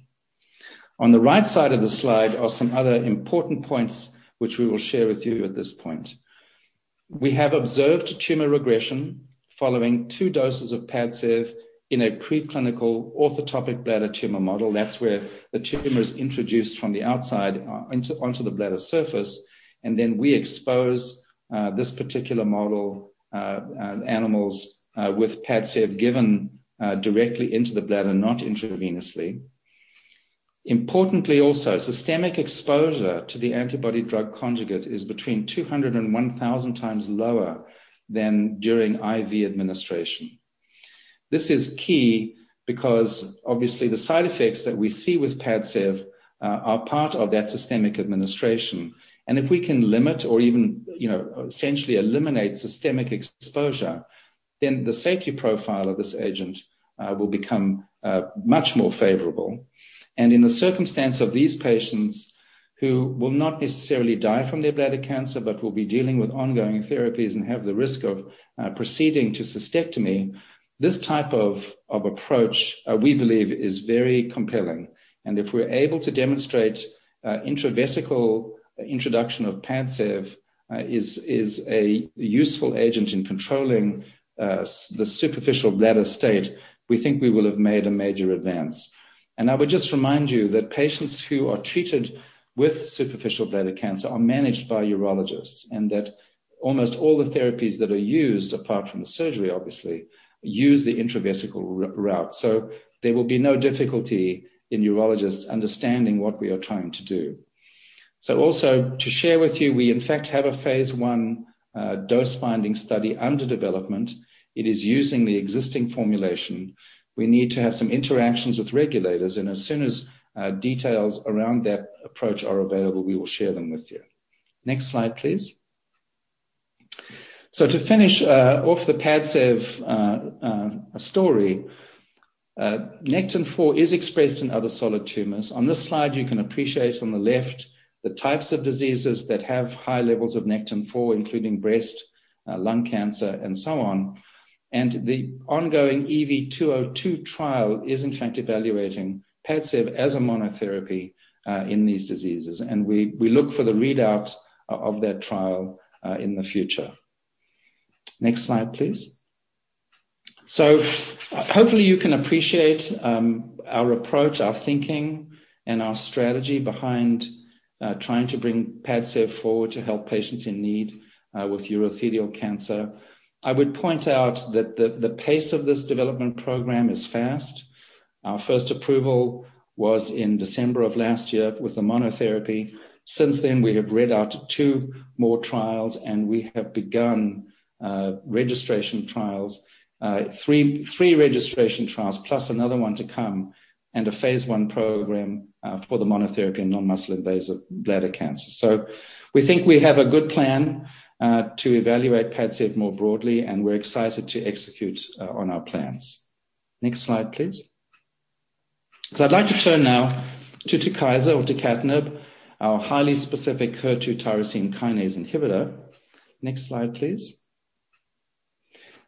On the right side of the slide are some other important points which we will share with you at this point. We have observed tumor regression following two doses of PADCEV in a preclinical orthotopic bladder tumor model. That's where the tumor is introduced from the outside onto the bladder surface, and then we expose this particular model, animals with PADCEV given directly into the bladder, not intravenously. Importantly, also, systemic exposure to the antibody-drug conjugate is between 200 and 1,000 times lower than during IV administration. This is key because obviously the side effects that we see with PADCEV are part of that systemic administration. If we can limit or even essentially eliminate systemic exposure, then the safety profile of this agent will become much more favorable. In the circumstance of these patients who will not necessarily die from their bladder cancer, but will be dealing with ongoing therapies and have the risk of proceeding to cystectomy, this type of approach we believe is very compelling. If we're able to demonstrate intravesical introduction of PADCEV is a useful agent in controlling the superficial bladder state, we think we will have made a major advance. I would just remind you that patients who are treated with superficial bladder cancer are managed by urologists, and that almost all the therapies that are used, apart from the surgery obviously, use the intravesical route. There will be no difficulty in urologists understanding what we are trying to do. Also to share with you, we in fact have a phase I dose-finding study under development. It is using the existing formulation. We need to have some interactions with regulators, and as soon as details around that approach are available, we will share them with you. Next slide, please. To finish off the PADCEV story, nectin-4 is expressed in other solid tumors. On this slide, you can appreciate on the left the types of diseases that have high levels of nectin-4, including breast, lung cancer, and so on. The ongoing EV-202 trial is in fact evaluating PADCEV as a monotherapy in these diseases. We look for the readout of that trial in the future. Next slide, please. Hopefully you can appreciate our approach, our thinking, and our strategy behind trying to bring PADCEV forward to help patients in need with urothelial cancer. I would point out that the pace of this development program is fast. Our first approval was in December of last year with the monotherapy. Since then, we have read out two more trials, and we have begun registration trials, three registration trials, plus another one to come, and a phase I program for the monotherapy in non-muscle invasive bladder cancer. We think we have a good plan to evaluate PADCEV more broadly, and we're excited to execute on our plans. Next slide, please. I'd like to turn now to TUKYSA or tucatinib, our highly specific HER2 tyrosine kinase inhibitor. Next slide, please.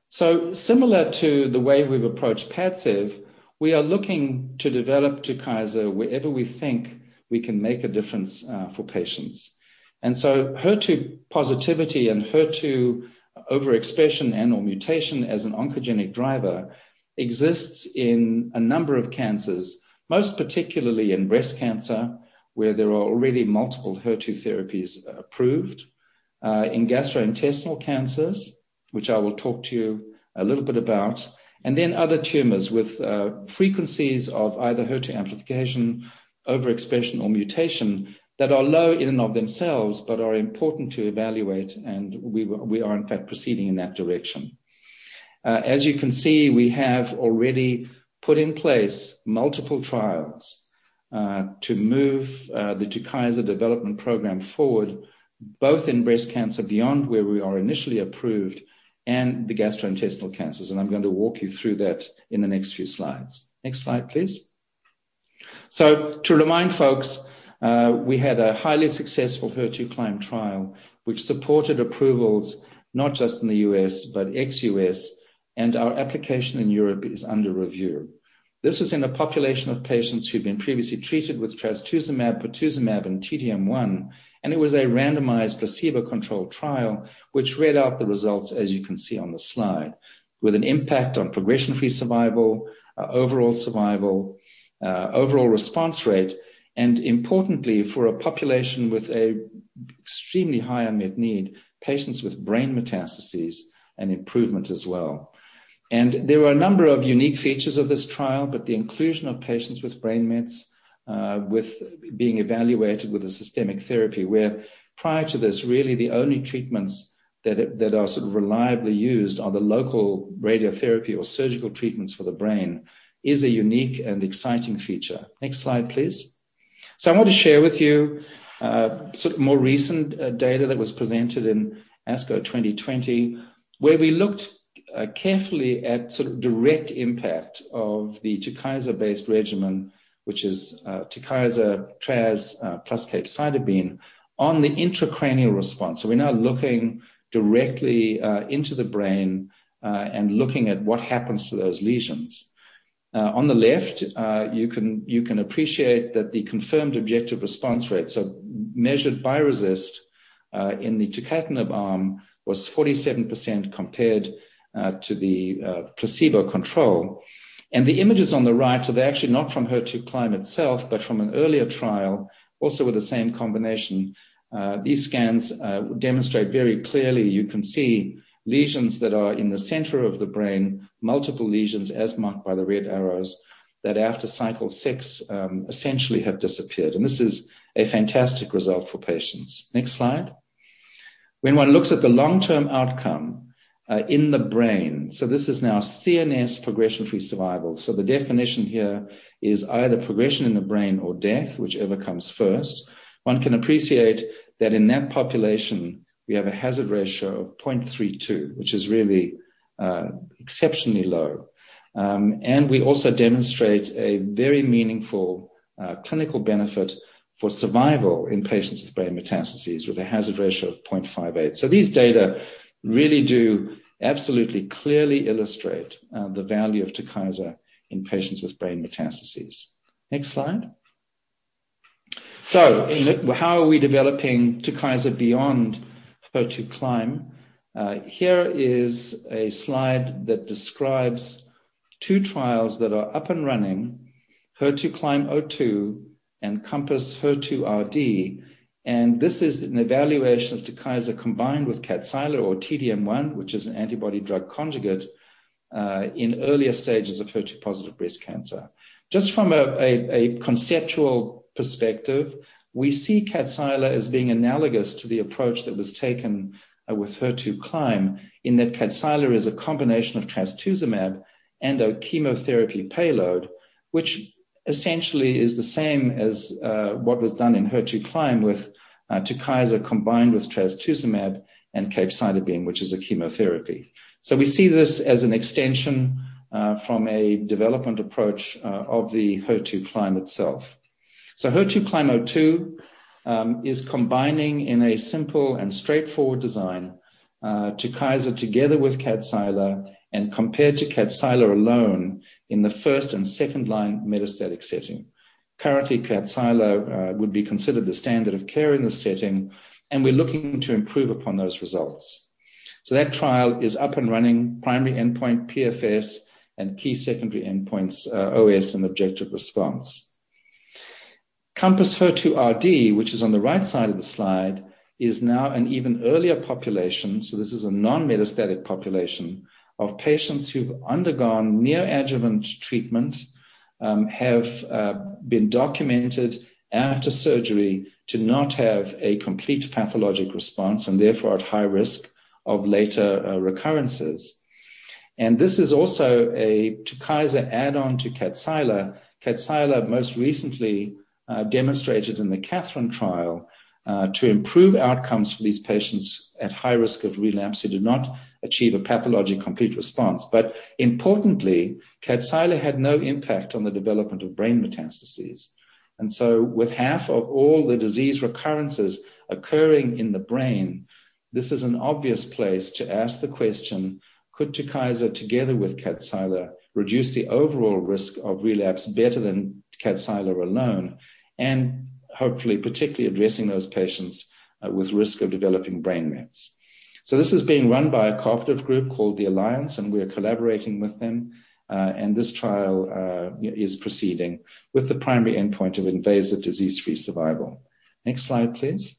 Similar to the way we've approached PADCEV, we are looking to develop TUKYSA wherever we think we can make a difference for patients. HER2 positivity and HER2 overexpression and/or mutation as an oncogenic driver exists in a number of cancers, most particularly in breast cancer, where there are already multiple HER2 therapies approved. In gastrointestinal cancers, which I will talk to you a little bit about, and then other tumors with frequencies of either HER2 amplification, overexpression, or mutation that are low in and of themselves but are important to evaluate, and we are in fact proceeding in that direction. As you can see, we have already put in place multiple trials to move the TUKYSA development program forward, both in breast cancer beyond where we are initially approved and the gastrointestinal cancers. I'm going to walk you through that in the next few slides. Next slide, please. To remind folks, we had a highly successful HER2CLIMB trial which supported approvals not just in the U.S. but ex-U.S., and our application in Europe is under review. This was in a population of patients who'd been previously treated with trastuzumab, pertuzumab, and T-DM1, and it was a randomized placebo-controlled trial which read out the results as you can see on the slide, with an impact on progression-free survival, overall survival, overall response rate, and importantly, for a population with a extremely high unmet need, patients with brain metastases and improvement as well. There were a number of unique features of this trial, but the inclusion of patients with brain mets with being evaluated with a systemic therapy, where prior to this, really the only treatments that are sort of reliably used are the local radiotherapy or surgical treatments for the brain is a unique and exciting feature. Next slide, please. I want to share with you sort of more recent data that was presented in ASCO 2020, where we looked carefully at sort of direct impact of the TUKYSA-based regimen, which is TUKYSA, tras, plus capecitabine, on the intracranial response. We're now looking directly into the brain and looking at what happens to those lesions. On the left, you can appreciate that the confirmed objective response rates are measured by RECIST in the tucatinib arm was 47% compared to the placebo control. The images on the right are actually not from HER2CLIMB itself but from an earlier trial also with the same combination. These scans demonstrate very clearly, you can see lesions that are in the center of the brain, multiple lesions as marked by the red arrows, that after cycle six essentially have disappeared. This is a fantastic result for patients. Next slide. When one looks at the long-term outcome in the brain, so this is now CNS progression-free survival. The definition here is either progression in the brain or death, whichever comes first. One can appreciate that in that population, we have a hazard ratio of 0.32, which is really exceptionally low. We also demonstrate a very meaningful clinical benefit for survival in patients with brain metastases with a hazard ratio of 0.58. These data really do absolutely, clearly illustrate the value of TUKYSA in patients with brain metastases. Next slide. How are we developing TUKYSA beyond HER2CLIMB? Here is a slide that describes two trials that are up and running, HER2CLIMB-02 and CompassHER2 RD. This is an evaluation of TUKYSA combined with KADCYLA or T-DM1, which is an antibody-drug conjugate, in earlier stages of HER2-positive breast cancer. Just from a conceptual perspective, we see KADCYLA as being analogous to the approach that was taken with HER2CLIMB, in that KADCYLA is a combination of trastuzumab and a chemotherapy payload, which essentially is the same as what was done in HER2CLIMB with TUKYSA combined with trastuzumab and capecitabine, which is a chemotherapy. We see this as an extension from a development approach of the HER2CLIMB itself. HER2CLIMB-02 is combining, in a simple and straightforward design, TUKYSA together with KADCYLA and compared to KADCYLA alone in the first and second-line metastatic setting. Currently, KADCYLA would be considered the standard of care in this setting, and we're looking to improve upon those results. That trial is up and running. Primary endpoint, PFS, and key secondary endpoints, OS and objective response. CompassHER2 RD, which is on the right side of the slide, is now an even earlier population. This is a non-metastatic population of patients who've undergone neoadjuvant treatment, have been documented after surgery to not have a complete pathologic response, and therefore at high risk of later recurrences. This is also a TUKYSA add-on to KADCYLA. KADCYLA most recently demonstrated in the KATHERINE trial, to improve outcomes for these patients at high risk of relapse who did not achieve a pathologic complete response. Importantly, KADCYLA had no impact on the development of brain metastases. With half of all the disease recurrences occurring in the brain, this is an obvious place to ask the question, could TUKYSA together with KADCYLA reduce the overall risk of relapse better than KADCYLA alone? Hopefully particularly addressing those patients with risk of developing brain mets. This is being run by a cooperative group called the Alliance, and we are collaborating with them. This trial is proceeding with the primary endpoint of invasive disease-free survival. Next slide, please.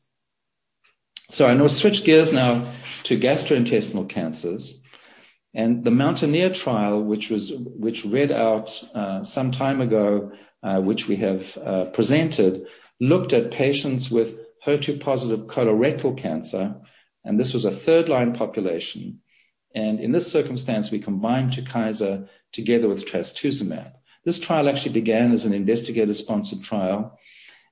I now switch gears now to gastrointestinal cancers and the MOUNTAINEER trial, which read out some time ago, which we have presented, looked at patients with HER2 positive colorectal cancer, and this was a third-line population. In this circumstance, we combined TUKYSA together with trastuzumab. This trial actually began as an investigator-sponsored trial,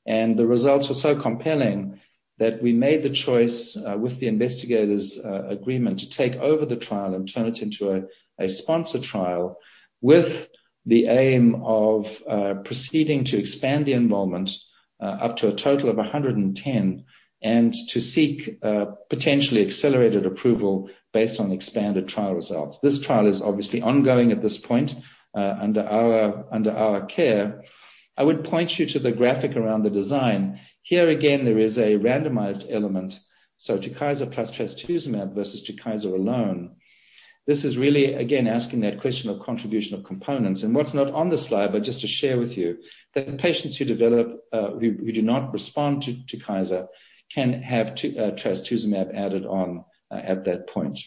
and the results were so compelling that we made the choice, with the investigator's agreement, to take over the trial and turn it into a sponsor trial with the aim of proceeding to expand the enrollment up to a total of 110 and to seek potentially accelerated approval based on expanded trial results. This trial is obviously ongoing at this point under our care. I would point you to the graphic around the design. Here again, there is a randomized element, so TUKYSA plus trastuzumab versus TUKYSA alone. This is really, again, asking that question of contribution of components. What's not on the slide, but just to share with you, that patients who do not respond to TUKYSA can have trastuzumab added on at that point.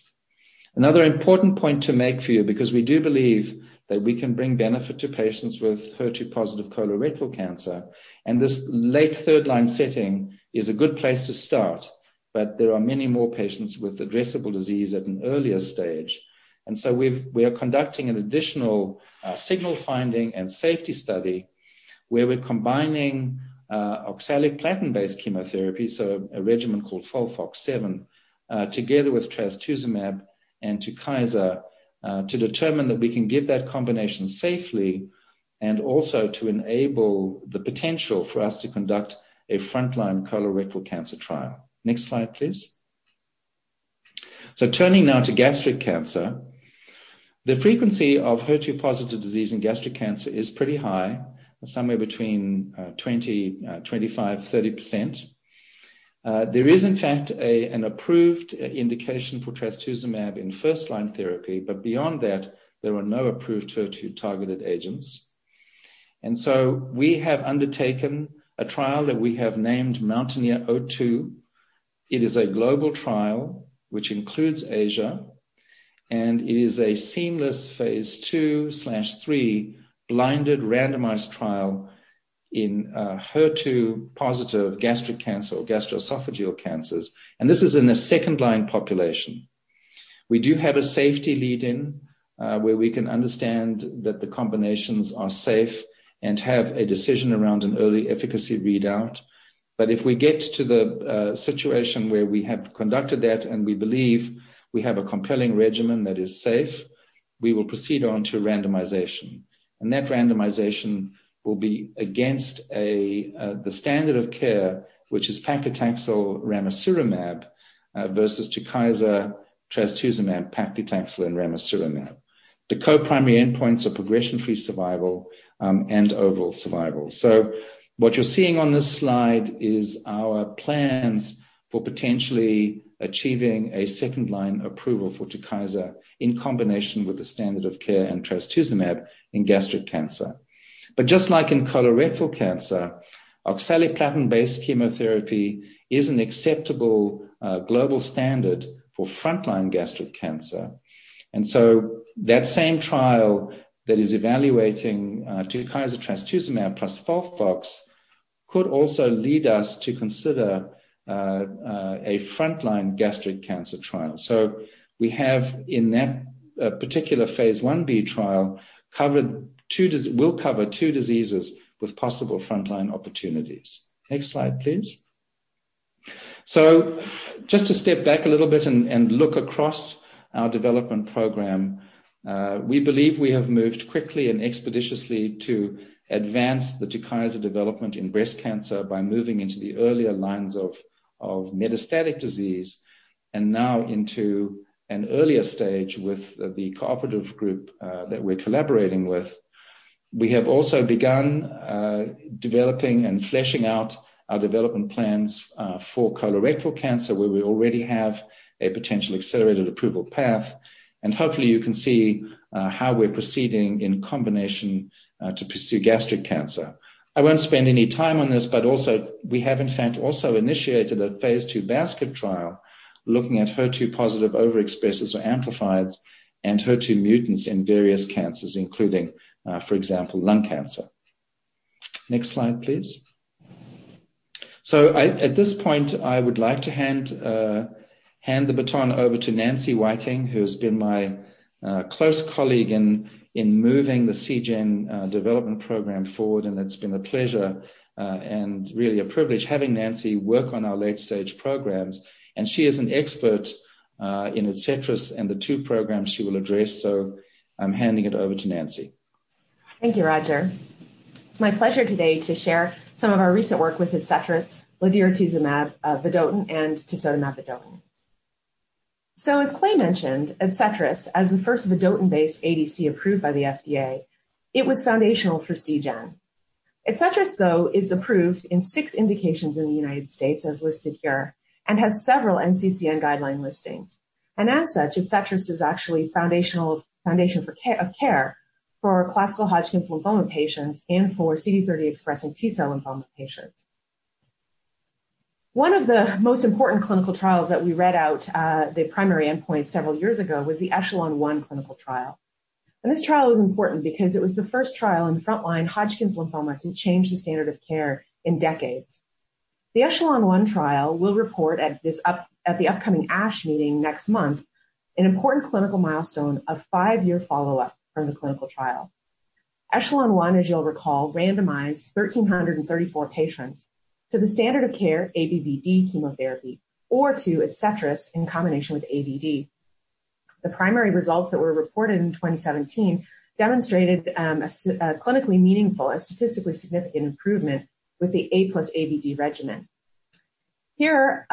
Another important point to make for you, because we do believe that we can bring benefit to patients with HER2-positive colorectal cancer, this late third-line setting is a good place to start. There are many more patients with addressable disease at an earlier stage. We are conducting an additional signal finding and safety study where we're combining oxaliplatin-based chemotherapy, so a regimen called FOLFOX7, together with trastuzumab and TUKYSA, to determine that we can give that combination safely and also to enable the potential for us to conduct a frontline colorectal cancer trial. Next slide, please. Turning now to gastric cancer. The frequency of HER2-positive disease in gastric cancer is pretty high, somewhere between 20%, 25%, 30%. There is in fact an approved indication for trastuzumab in first-line therapy, beyond that, there are no approved HER2-targeted agents. We have undertaken a trial that we have named MOUNTAINEER-02. It is a global trial which includes Asia, and it is a seamless Phase II/III blinded randomized trial in HER2-positive gastric cancer or gastroesophageal cancers. This is in a second-line population. We get to the situation where we have conducted that and we believe we have a compelling regimen that is safe, we will proceed on to randomization. That randomization will be against the standard of care, which is paclitaxel ramucirumab, versus TUKYSA, trastuzumab, paclitaxel, and ramucirumab. The co-primary endpoints are progression-free survival and overall survival. What you're seeing on this slide is our plans for potentially achieving a second-line approval for TUKYSA in combination with the standard of care and trastuzumab in gastric cancer. Just like in colorectal cancer, oxaliplatin-based chemotherapy is an acceptable global standard for frontline gastric cancer. That same trial that is evaluating TUKYSA trastuzumab plus FOLFOX could also lead us to consider a frontline gastric cancer trial. We have in that particular phase I-B trial will cover two diseases with possible frontline opportunities. Next slide, please. Just to step back a little bit and look across our development program. We believe we have moved quickly and expeditiously to advance the TUKYSA development in breast cancer by moving into the earlier lines of metastatic disease and now into an earlier stage with the cooperative group that we're collaborating with. We have also begun developing and fleshing out our development plans for colorectal cancer, where we already have a potential accelerated approval path, and hopefully you can see how we're proceeding in combination to pursue gastric cancer. I won't spend any time on this, but also we have in fact also initiated a phase II basket trial looking at HER2-positive overexpressers or amplifiers and HER2 mutants in various cancers including, for example, lung cancer. Next slide, please. At this point, I would like to hand the baton over to Nancy Whiting, who has been my close colleague in moving the Seagen development program forward, and it's been a pleasure and really a privilege having Nancy work on our late-stage programs. She is an expert in ADCETRIS and the two programs she will address. I'm handing it over to Nancy. Thank you, Roger. It's my pleasure today to share some of our recent work with ADCETRIS, with enfortumab vedotin and tisotumab vedotin. As Clay mentioned, ADCETRIS, as the first vedotin-based ADC approved by the FDA, it was foundational for Seagen. ADCETRIS, though, is approved in six indications in the U.S., as listed here, and has several NCCN guideline listings. As such, ADCETRIS is actually foundation of care for classical Hodgkin's lymphoma patients and for CD30 expressing T-cell lymphoma patients. One of the most important clinical trials that we read out the primary endpoint several years ago was the ECHELON-1 clinical trial. This trial was important because it was the first trial in frontline Hodgkin's lymphoma to change the standard of care in decades. The ECHELON-1 trial will report at the upcoming ASH meeting next month an important clinical milestone, a five-year follow-up from the clinical trial. ECHELON-1, as you'll recall, randomized 1,334 patients to the standard of care ABVD chemotherapy or to ADCETRIS in combination with AVD. The primary results that were reported in 2017 demonstrated a clinically meaningful and statistically significant improvement with the A+AVD regimen. Here,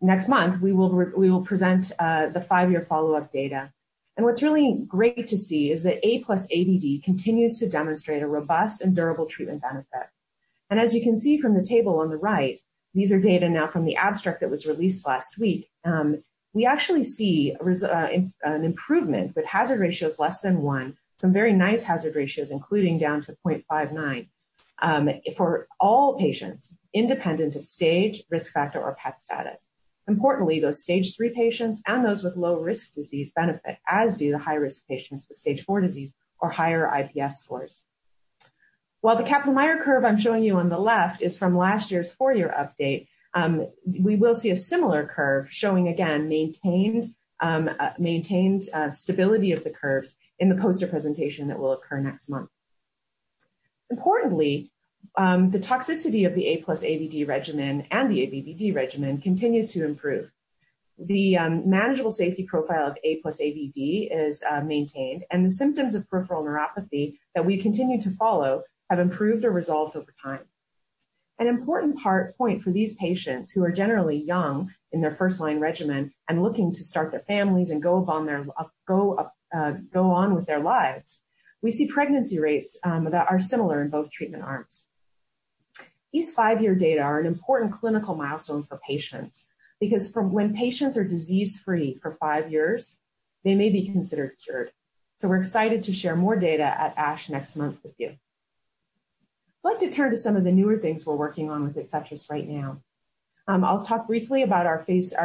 next month, we will present the five-year follow-up data. What's really great to see is that A+AVD continues to demonstrate a robust and durable treatment benefit. As you can see from the table on the right, these are data now from the abstract that was released last week. We actually see an improvement, with hazard ratios less than one, some very nice hazard ratios, including down to 0.59, for all patients, independent of stage, risk factor, or PET status. Importantly, those Stage 3 patients and those with low-risk disease benefit, as do the high-risk patients with Stage 4 disease or higher IPS scores. While the Kaplan-Meier curve I'm showing you on the left is from last year's four-year update, we will see a similar curve showing again, maintained stability of the curves in the poster presentation that will occur next month. Importantly, the toxicity of the A +AVD regimen and the ABVD regimen continues to improve. The manageable safety profile of A+AVD is maintained, and the symptoms of peripheral neuropathy that we continue to follow have improved or resolved over time. An important point for these patients who are generally young in their first-line regimen and looking to start their families and go on with their lives. We see pregnancy rates that are similar in both treatment arms. These five-year data are an important clinical milestone for patients, because when patients are disease-free for five years, they may be considered cured. We're excited to share more data at ASH next month with you. I'd like to turn to some of the newer things we're working on with ADCETRIS right now. I'll talk briefly about our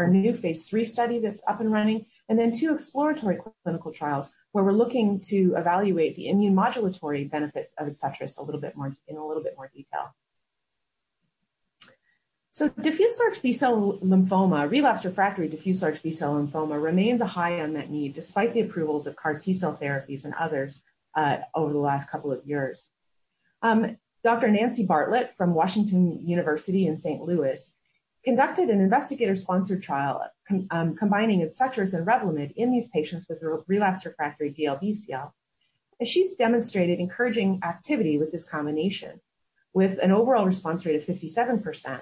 new phase III study that's up and running, and then two exploratory clinical trials where we're looking to evaluate the immunomodulatory benefits of ADCETRIS in a little bit more detail. Diffuse large B-cell lymphoma, relapse-refractory diffuse large B-cell lymphoma remains a high unmet need despite the approvals of CAR T-cell therapies and others over the last couple of years. Dr. Nancy Bartlett from Washington University in St. Louis conducted an investigator-sponsored trial combining ADCETRIS and Revlimid in these patients with relapsed/refractory DLBCL. She's demonstrated encouraging activity with this combination, with an overall response rate of 57%.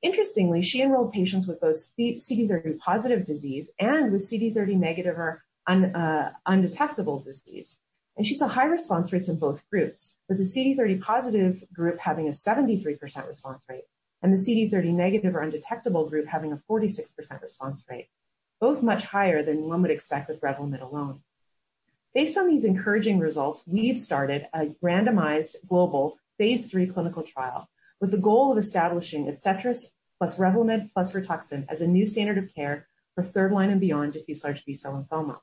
Interestingly, she enrolled patients with both CD30 positive disease and with CD30 negative or undetectable disease. She saw high response rates in both groups, with the CD30 positive group having a 73% response rate and the CD30 negative or undetectable group having a 46% response rate, both much higher than one would expect with Revlimid alone. Based on these encouraging results, we've started a randomized global phase III clinical trial with the goal of establishing ADCETRIS plus Revlimid plus Rituxan as a new standard of care for third-line and beyond diffuse large B-cell lymphoma.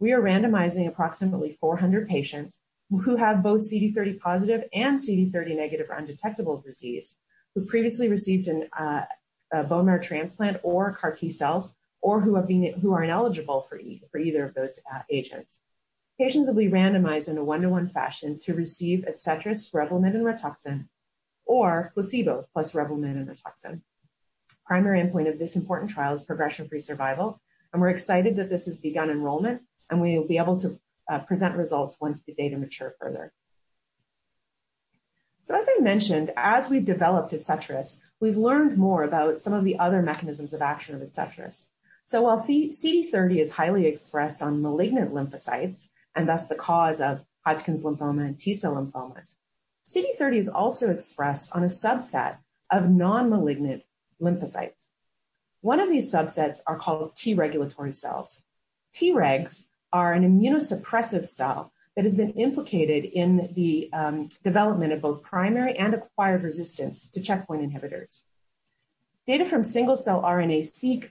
We are randomizing approximately 400 patients who have both CD30 positive and CD30 negative or undetectable disease, who previously received a bone marrow transplant or CAR T-cells, or who are ineligible for either of those agents. Patients will be randomized in a one-to-one fashion to receive ADCETRIS, REVLIMID, and RITUXAN or placebo plus REVLIMID and RITUXAN. Primary endpoint of this important trial is progression-free survival, and we're excited that this has begun enrollment, and we will be able to present results once the data mature further. As I mentioned, as we've developed ADCETRIS, we've learned more about some of the other mechanisms of action of ADCETRIS. While CD30 is highly expressed on malignant lymphocytes and thus the cause of Hodgkin lymphoma and T-cell lymphomas, CD30 is also expressed on a subset of non-malignant lymphocytes. One of these subsets are called T-regulatory cells. Tregs are an immunosuppressive cell that has been implicated in the development of both primary and acquired resistance to checkpoint inhibitors. Data from single-cell RNA-seq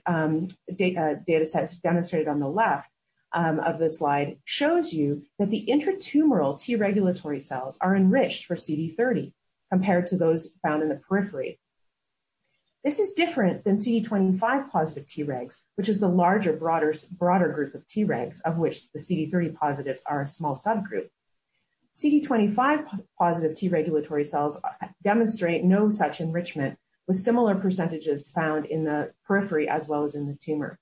datasets demonstrated on the left of the slide shows you that the intratumoral T-regulatory cells are enriched for CD30 compared to those found in the periphery. This is different than CD25 positive Tregs, which is the larger, broader group of Tregs, of which the CD30 positives are a small subgroup. CD25 positive T-regulatory cells demonstrate no such enrichment, with similar percentages found in the periphery as well as in the tumor.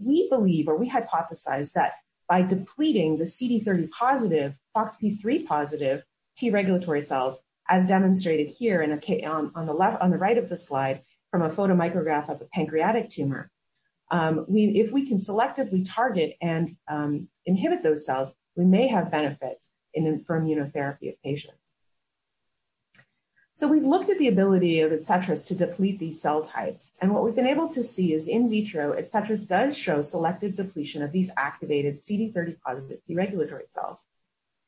We believe, or we hypothesize that by depleting the CD30 positive, FOXP3 positive T-regulatory cells, as demonstrated here on the right of the slide from a photomicrograph of a pancreatic tumor, if we can selectively target and inhibit those cells, we may have benefits for immunotherapy of patients. We've looked at the ability of ADCETRIS to deplete these cell types, and what we've been able to see is in vitro, ADCETRIS does show selective depletion of these activated CD30 positive T-regulatory cells.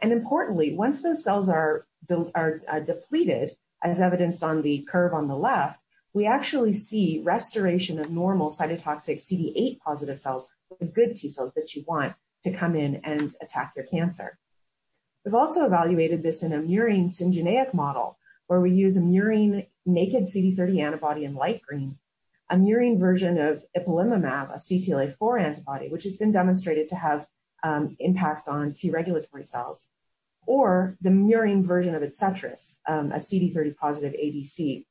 Importantly, once those cells are depleted, as evidenced on the curve on the left, we actually see restoration of normal cytotoxic CD8 positive cells or the good T-cells that you want to come in and attack your cancer. We've also evaluated this in a murine syngeneic model where we use a murine naked CD30 antibody in light green, a murine version of ipilimumab, a CTLA-4 antibody, which has been demonstrated to have impacts on T-regulatory cells, or the murine version of ADCETRIS, a CD30 positive ADC.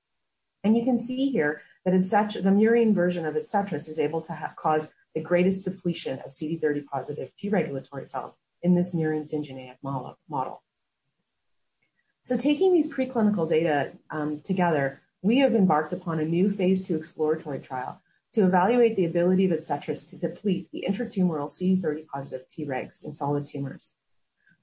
You can see here that the murine version of ADCETRIS is able to cause the greatest depletion of CD30 positive T-regulatory cells in this murine syngeneic model. Taking these preclinical data together, we have embarked upon a new phase II exploratory trial to evaluate the ability of ADCETRIS to deplete the intratumoral CD30 positive Tregs in solid tumors.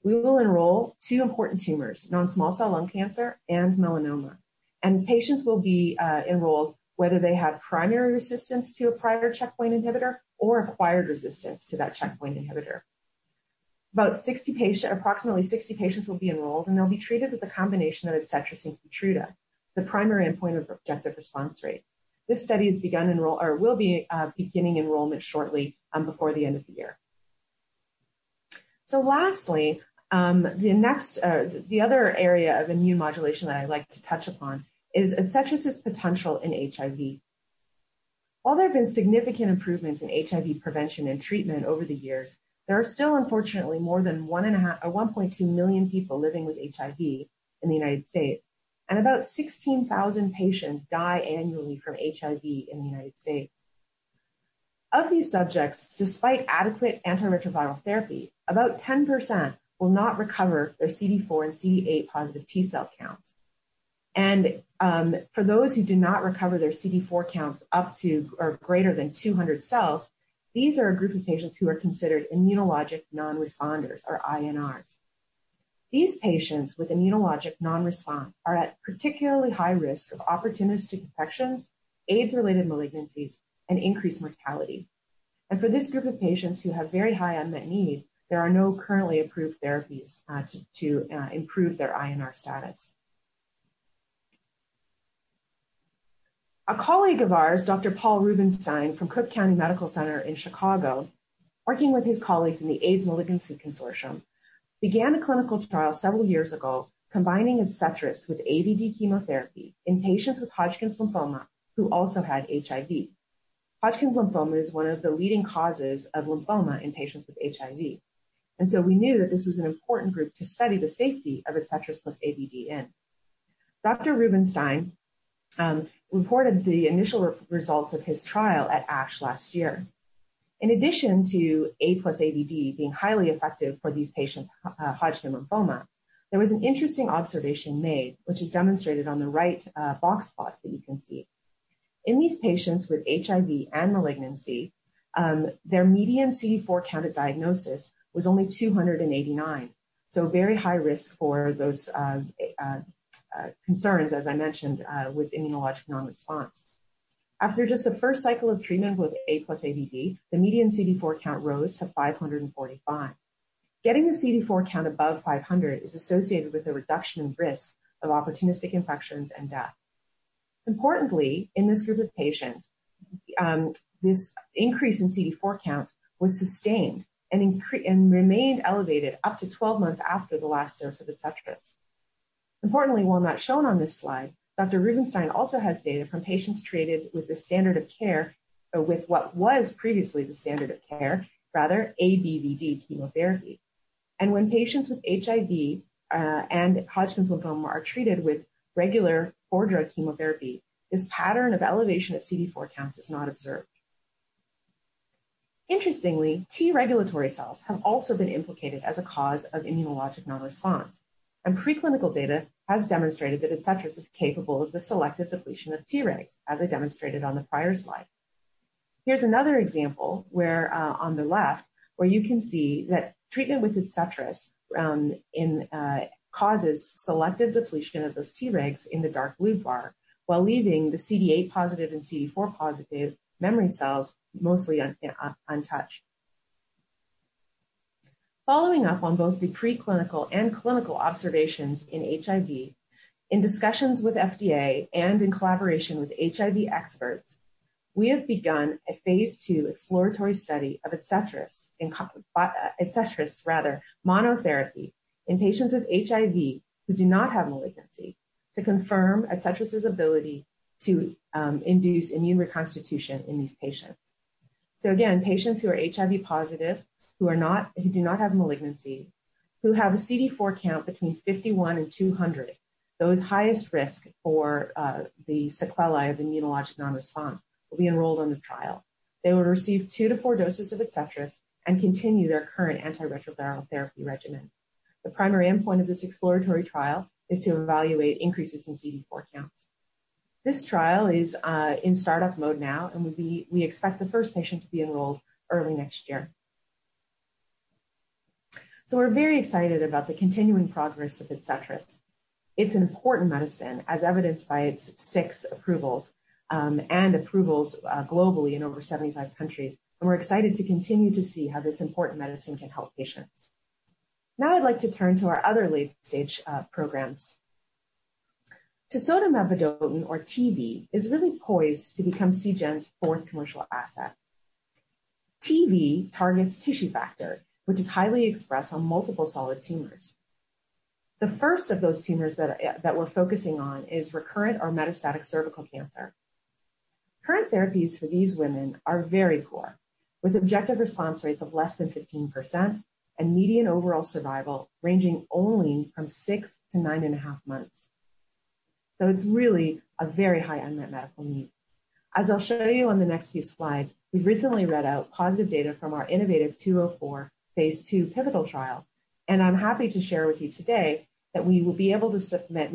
We will enroll two important tumors, non-small cell lung cancer and melanoma, and patients will be enrolled whether they had primary resistance to a prior checkpoint inhibitor or acquired resistance to that checkpoint inhibitor. Approximately 60 patients will be enrolled, and they'll be treated with a combination of ADCETRIS and KEYTRUDA. The primary endpoint of objective response rate. This study will be beginning enrollment shortly before the end of the year. Lastly, the other area of immune modulation that I'd like to touch upon is ADCETRIS' potential in HIV. While there have been significant improvements in HIV prevention and treatment over the years, there are still, unfortunately, more than 1.2 million people living with HIV in the U.S., and about 16,000 patients die annually from HIV in the U.S. Of these subjects, despite adequate antiretroviral therapy, about 10% will not recover their CD4 and CD8-positive T-cell counts. For those who do not recover their CD4 counts up to or greater than 200 cells, these are a group of patients who are considered immunologic non-responders or INRs. For this group of patients who have very high unmet need, there are no currently approved therapies to improve their INR status. A colleague of ours, Dr. Paul Rubinstein from Cook County Medical Center in Chicago, working with his colleagues in the AIDS Malignancy Consortium, began a clinical trial several years ago combining ADCETRIS with AVD chemotherapy in patients with Hodgkin lymphoma who also had HIV. Hodgkin lymphoma is one of the leading causes of lymphoma in patients with HIV. So we knew that this was an important group to study the safety of ADCETRIS plus AVD. Dr. Rubinstein reported the initial results of his trial at ASH last year. In addition to A+AVD being highly effective for these patients with Hodgkin lymphoma, there was an interesting observation made, which is demonstrated on the right box plots that you can see. In these patients with HIV and malignancy, their median CD4 count at diagnosis was only 289, very high risk for those concerns, as I mentioned, with immunologic non-response. After just the first cycle of treatment with A+AVD, the median CD4 count rose to 545. Getting the CD4 count above 500 is associated with a reduction in risk of opportunistic infections and death. Importantly, in this group of patients, this increase in CD4 count was sustained and remained elevated up to 12 months after the last dose of ADCETRIS. Importantly, while not shown on this slide, Dr. Rubinstein also has data from patients treated with the standard of care, or with what was previously the standard of care, rather, ABVD chemotherapy. When patients with HIV and Hodgkin lymphoma are treated with regular four-drug chemotherapy, this pattern of elevation of CD4 counts is not observed. Interestingly, T-regulatory cells have also been implicated as a cause of immunologic non-response, and preclinical data has demonstrated that ADCETRIS is capable of the selective depletion of Tregs, as I demonstrated on the prior slide. Here's another example where on the left where you can see that treatment with ADCETRIS causes selective depletion of those Tregs in the dark blue bar while leaving the CD8 positive and CD4 positive memory cells mostly untouched. Following up on both the preclinical and clinical observations in HIV, in discussions with FDA and in collaboration with HIV experts, we have begun a phase II exploratory study of ADCETRIS, rather monotherapy in patients with HIV who do not have malignancy to confirm ADCETRIS' ability to induce immune reconstitution in these patients. Again, patients who are HIV positive who do not have malignancy, who have a CD4 count between 51 and 200, those highest risk for the sequelae of immunologic non-response will be enrolled in the trial. They will receive two to four doses of ADCETRIS and continue their current antiretroviral therapy regimen. The primary endpoint of this exploratory trial is to evaluate increases in CD4 counts. This trial is in startup mode now, and we expect the first patient to be enrolled early next year. We're very excited about the continuing progress with ADCETRIS. It's an important medicine, as evidenced by its six approvals globally in over 75 countries. We're excited to continue to see how this important medicine can help patients. Now I'd like to turn to our other late-stage programs. Tisotumab vedotin, or TV, is really poised to become Seagen's fourth commercial asset. TV targets tissue factor, which is highly expressed on multiple solid tumors. The first of those tumors that we're focusing on is recurrent or metastatic cervical cancer. Current therapies for these women are very poor, with objective response rates of less than 15% and median overall survival ranging only from six to 9.5 months. It's really a very high unmet medical need. I'll show you on the next few slides, we recently read out positive data from our innovaTV 204 phase II pivotal trial, and I'm happy to share with you today that we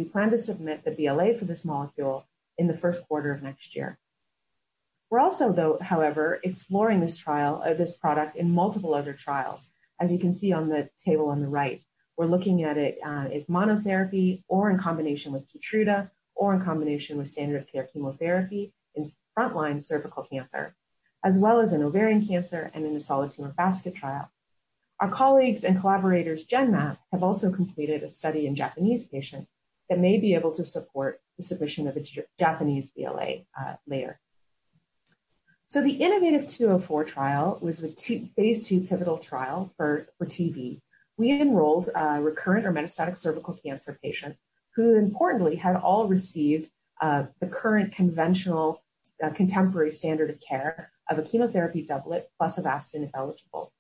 plan to submit the BLA for this molecule in the first quarter of next year. We're also, however, exploring this product in multiple other trials. You can see on the table on the right, we're looking at it as monotherapy or in combination with KEYTRUDA or in combination with standard of care chemotherapy in frontline cervical cancer, as well as in ovarian cancer and in the solid tumor basket trial. Our colleagues and collaborators Genmab have also completed a study in Japanese patients that may be able to support the submission of a Japanese BLA later. The innovaTV 204 trial was a phase II pivotal trial for TV. We enrolled recurrent or metastatic cervical cancer patients who importantly had all received the current conventional contemporary standard of care of a chemotherapy doublet plus Avastin if eligible.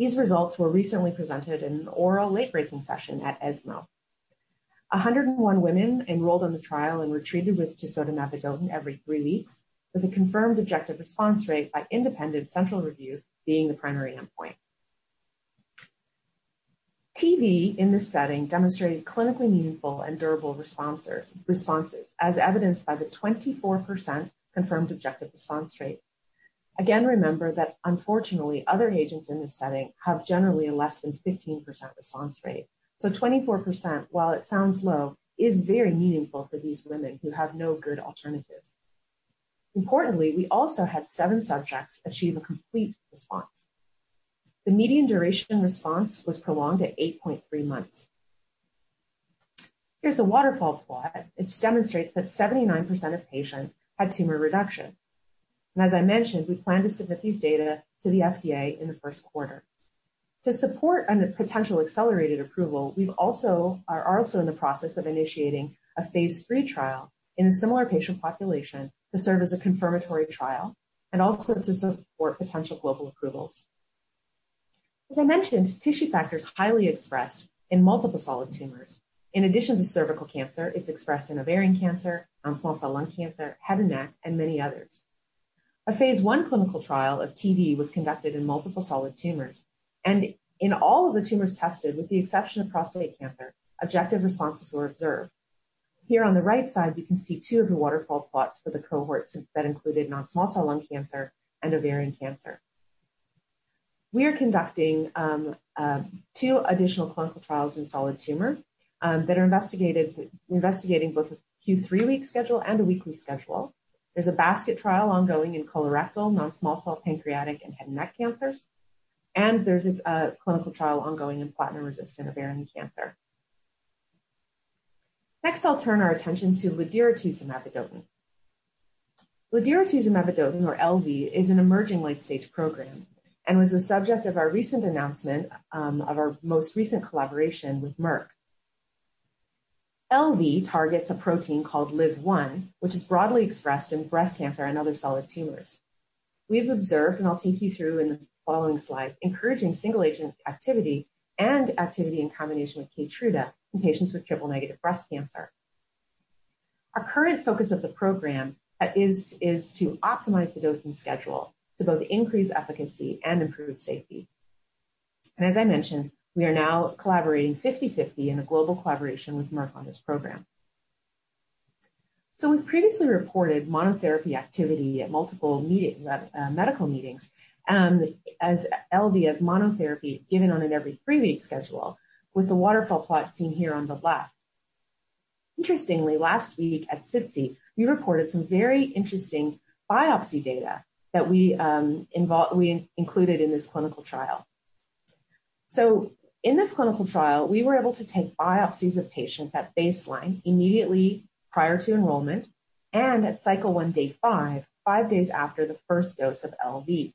These results were recently presented in an oral late breaking session at ESMO. 101 women enrolled on the trial and were treated with tisotumab vedotin every three weeks with a confirmed objective response rate by independent central review being the primary endpoint. TV in this setting demonstrated clinically meaningful and durable responses, as evidenced by the 24% confirmed objective response rate. Again, remember that unfortunately, other agents in this setting have generally a less than 15% response rate. 24%, while it sounds low, is very meaningful for these women who have no good alternatives. Importantly, we also had seven subjects achieve a complete response. The median duration response was prolonged at 8.3 months. Here's a waterfall plot which demonstrates that 79% of patients had tumor reduction. As I mentioned, we plan to submit these data to the FDA in the first quarter. To support a potential accelerated approval, we are also in the process of initiating a phase III trial in a similar patient population to serve as a confirmatory trial and also to support potential global approvals. As I mentioned, tissue factor is highly expressed in multiple solid tumors. In addition to cervical cancer, it's expressed in ovarian cancer, non-small cell lung cancer, head and neck, and many others. A phase I clinical trial of TV was conducted in multiple solid tumors, and in all of the tumors tested, with the exception of prostate cancer, objective responses were observed. Here on the right side, we can see two of the waterfall plots for the Cohorts that included non-small cell lung cancer and ovarian cancer. We are conducting two additional clinical trials in solid tumor that are investigating both a Q3-week schedule and a weekly schedule. There's a basket trial ongoing in colorectal, non-small cell lung pancreatic and head and neck cancers, and there's a clinical trial ongoing in platinum-resistant ovarian cancer. Next, I'll turn our attention to ladiratuzumab vedotin. Ladiratuzumab vedotin, or LV, is an emerging late-stage program and was the subject of our recent announcement of our most recent collaboration with Merck. LV targets a protein called LIV-1, which is broadly expressed in breast cancer and other solid tumors. We've observed, and I'll take you through in the following slides, encouraging single-agent activity and activity in combination with KEYTRUDA in patients with triple-negative breast cancer. Our current focus of the program is to optimize the dosing schedule to both increase efficacy and improve safety. As I mentioned, we are now collaborating 50/50 in a global collaboration with Merck on this program. We've previously reported monotherapy activity at multiple medical meetings, and as LV as monotherapy given on an every three-week schedule with the waterfall plot seen here on the left. Interestingly, last week at SITC, we reported some very interesting biopsy data that we included in this clinical trial. In this clinical trial, we were able to take biopsies of patients at baseline immediately prior to enrollment and at Cycle 1, day five days after the first dose of LV.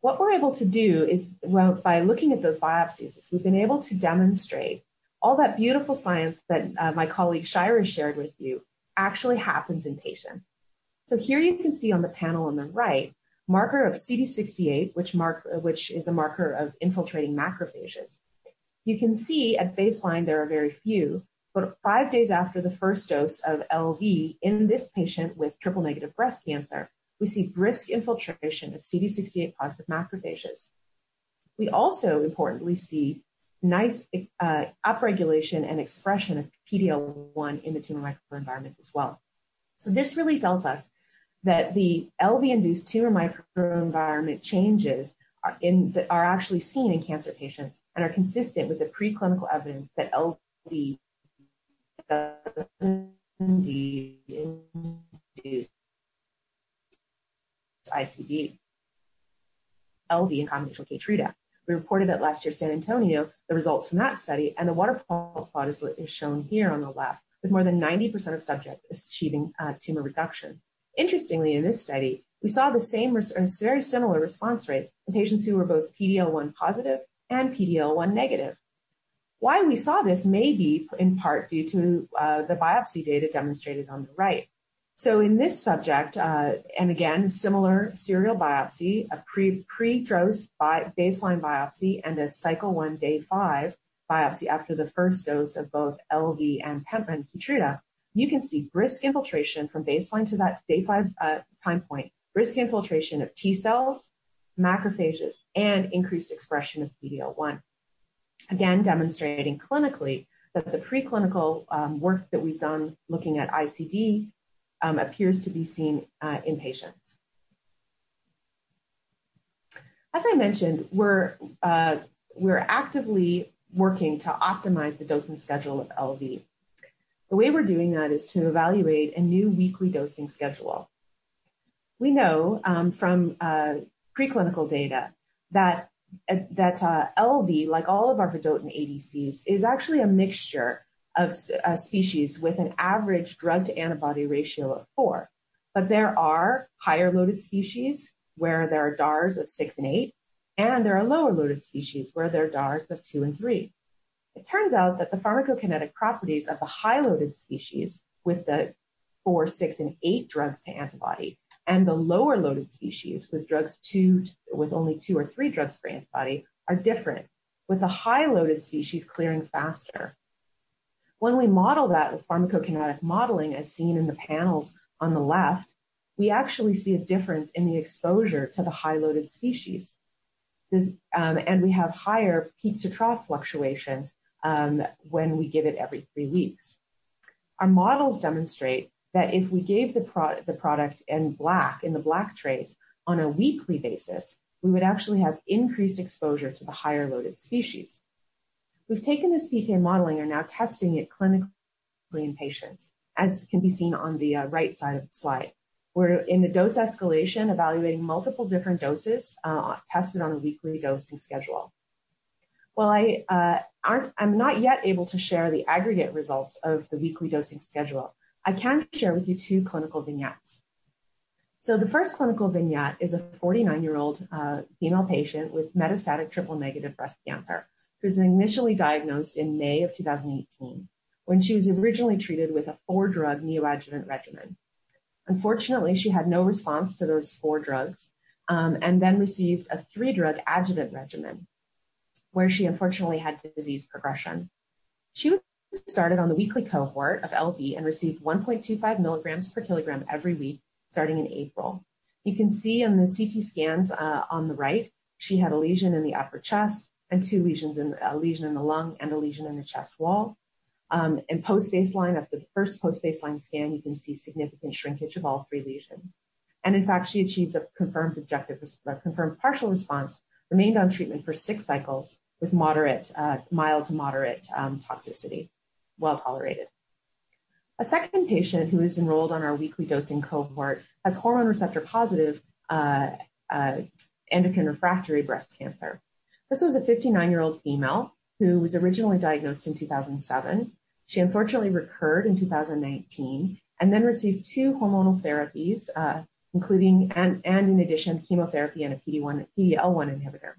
What we're able to do is by looking at those biopsies, is we've been able to demonstrate all that beautiful science that my colleague Shyra shared with you actually happens in patients. Here you can see on the panel on the right, marker of CD68, which is a marker of infiltrating macrophages. You can see at baseline there are very few, but five days after the first dose of LV in this patient with triple-negative breast cancer, we see brisk infiltration of CD68 positive macrophages. We also importantly see nice upregulation and expression of PD-L1 in the tumor microenvironment as well. This really tells us that the LV-induced tumor microenvironment changes are actually seen in cancer patients and are consistent with the preclinical evidence that LV induced ICD. LV in combination with KEYTRUDA. We reported at last year's San Antonio the results from that study, the waterfall plot is shown here on the left, with more than 90% of subjects achieving tumor reduction. Interestingly, in this study, we saw very similar response rates in patients who were both PD-L1 positive and PD-L1 negative. Why we saw this may be in part due to the biopsy data demonstrated on the right. In this subject, and again, similar serial biopsy, a pre-dose baseline biopsy, and a Cycle 1, day five biopsy after the first dose of both LV and KEYTRUDA. You can see brisk infiltration from baseline to that day 5 time point, brisk infiltration of T-cells, macrophages, and increased expression of PD-L1. Again, demonstrating clinically that the preclinical work that we've done looking at ICD appears to be seen in patients. As I mentioned, we're actively working to optimize the dosing schedule of LV. The way we're doing that is to evaluate a new weekly dosing schedule. We know from preclinical data that LV, like all of our vedotin ADCs, is actually a mixture of species with an average drug-to-antibody ratio of four. There are higher loaded species where there are DARs of six and eight, and there are lower loaded species where there are DARs of two and three. It turns out that the pharmacokinetic properties of the high loaded species with the four, six, and eight drugs to antibody and the lower loaded species with only two or three drugs per antibody are different, with the high loaded species clearing faster. When we model that with pharmacokinetic modeling as seen in the panels on the left, we actually see a difference in the exposure to the high loaded species. We have higher peak-to-trough fluctuations when we give it every three weeks. Our models demonstrate that if we gave the product in the black trace on a weekly basis, we would actually have increased exposure to the higher loaded species. We've taken this PK modeling and are now testing it clinically in patients, as can be seen on the right side of the slide. We're in the dose escalation evaluating multiple different doses tested on a weekly dosing schedule. While I'm not yet able to share the aggregate results of the weekly dosing schedule, I can share with you two clinical vignettes. The first clinical vignette is a 49-year-old female patient with metastatic triple-negative breast cancer, who was initially diagnosed in May of 2018 when she was originally treated with a four-drug neoadjuvant regimen. Unfortunately, she had no response to those four drugs and then received a three-drug adjuvant regimen, where she unfortunately had disease progression. She was started on the weekly cohort of LV and received 1.25 milligrams per kilogram every week, starting in April. You can see on the CT scans on the right, she had a lesion in the upper chest and two lesions, a lesion in the lung and a lesion in the chest wall. Post-baseline, at the first post-baseline scan, you can see significant shrinkage of all three lesions. In fact, she achieved a confirmed partial response, remained on treatment for six cycles with mild to moderate toxicity, well tolerated. A second patient who is enrolled on our weekly dosing Cohort has hormone receptor-positive endocrine refractory breast cancer. This was a 59-year-old female who was originally diagnosed in 2007. She unfortunately recurred in 2019, then received two hormonal therapies and in addition, chemotherapy and a PD-L1 inhibitor.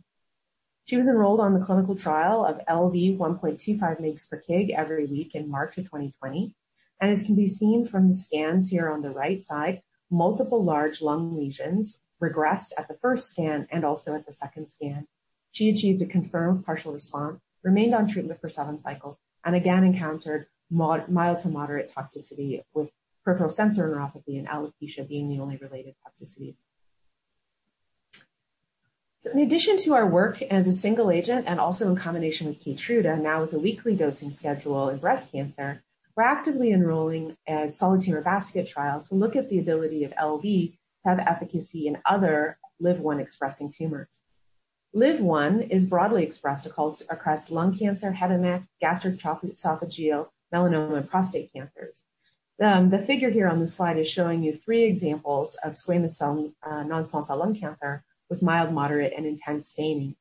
She was enrolled on the clinical trial of LV 1.25 mgs per kg every week in March of 2020. As can be seen from the scans here on the right side, multiple large lung lesions regressed at the first scan and also at the second scan. She achieved a confirmed partial response, remained on treatment for seven cycles, and again encountered mild to moderate toxicity with peripheral sensory neuropathy and alopecia being the only related toxicities. In addition to our work as a single agent and also in combination with KEYTRUDA, now with a weekly dosing schedule in breast cancer, we're actively enrolling a solid tumor basket trial to look at the ability of ladiratuzumab vedotin to have efficacy in other LIV-1 expressing tumors. LIV-1 is broadly expressed across lung cancer, head and neck, gastric, esophageal, melanoma, and prostate cancers. The figure here on this slide is showing you three examples of squamous cell, non-small cell lung cancer with mild, moderate, and intense staining.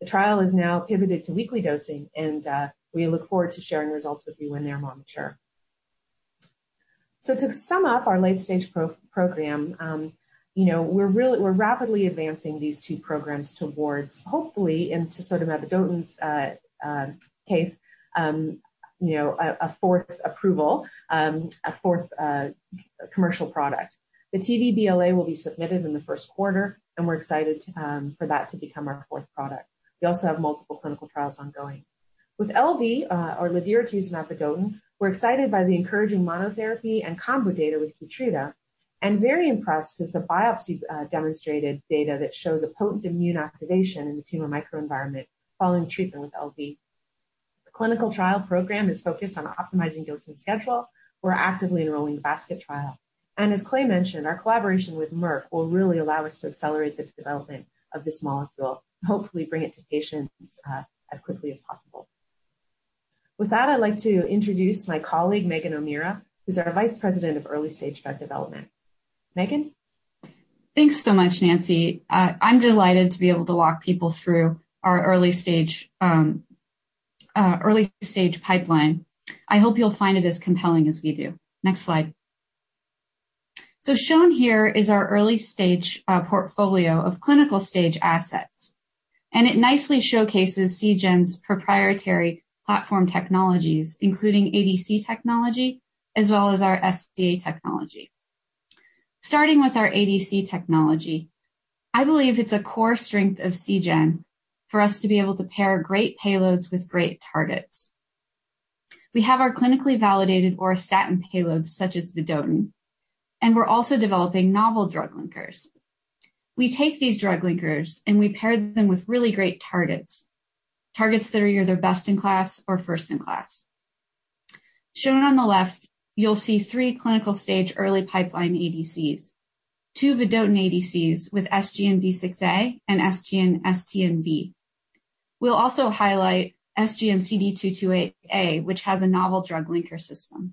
The trial is now pivoted to weekly dosing, and we look forward to sharing results with you when they're more mature. To sum up our late-stage program, we're rapidly advancing these two programs towards, hopefully, in tisotumab vedotin's case, a fourth approval, a fourth commercial product. The TV BLA will be submitted in the first quarter, and we're excited for that to become our fourth product. We also have multiple clinical trials ongoing. With LV, or ladiratuzumab vedotin, we're excited by the encouraging monotherapy and combo data with KEYTRUDA, and very impressed with the biopsy-demonstrated data that shows a potent immune activation in the tumor microenvironment following treatment with LV. The clinical trial program is focused on optimizing dosing schedule. As Clay mentioned, our collaboration with Merck will really allow us to accelerate the development of this molecule, and hopefully bring it to patients as quickly as possible. With that, I'd like to introduce my colleague, Megan O'Meara, who's our vice president of early stage drug development. Megan? Thanks so much, Nancy. I'm delighted to be able to walk people through our early-stage pipeline. I hope you'll find it as compelling as we do. Next slide. Shown here is our early-stage portfolio of clinical-stage assets, and it nicely showcases Seagen's proprietary platform technologies, including ADC technology as well as our SEA technology. Starting with our ADC technology, I believe it's a core strength of Seagen for us to be able to pair great payloads with great targets. We have our clinically validated auristatin payloads such as the vedotin, and we're also developing novel drug linkers. We take these drug linkers and we pair them with really great targets that are either best in class or first in class. Shown on the left, you'll see three clinical-stage early pipeline ADCs, two vedotin ADCs with SGN-B6A and SGN-STNV. We'll also highlight SGN-CD228A, which has a novel drug linker system.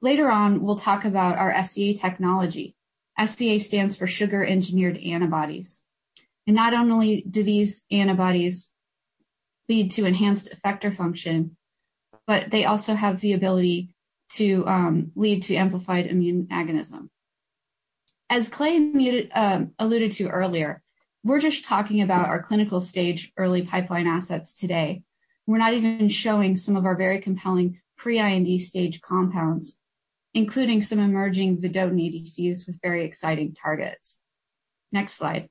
Later on, we'll talk about our SEA technology. SEA stands for Sugar-Engineered Antibodies. Not only do these antibodies lead to enhanced effector function, but they also have the ability to lead to amplified immune agonism. As Clay alluded to earlier, we're just talking about our clinical-stage early pipeline assets today. We're not even showing some of our very compelling pre-IND stage compounds, including some emerging vedotin ADCs with very exciting targets. Next slide.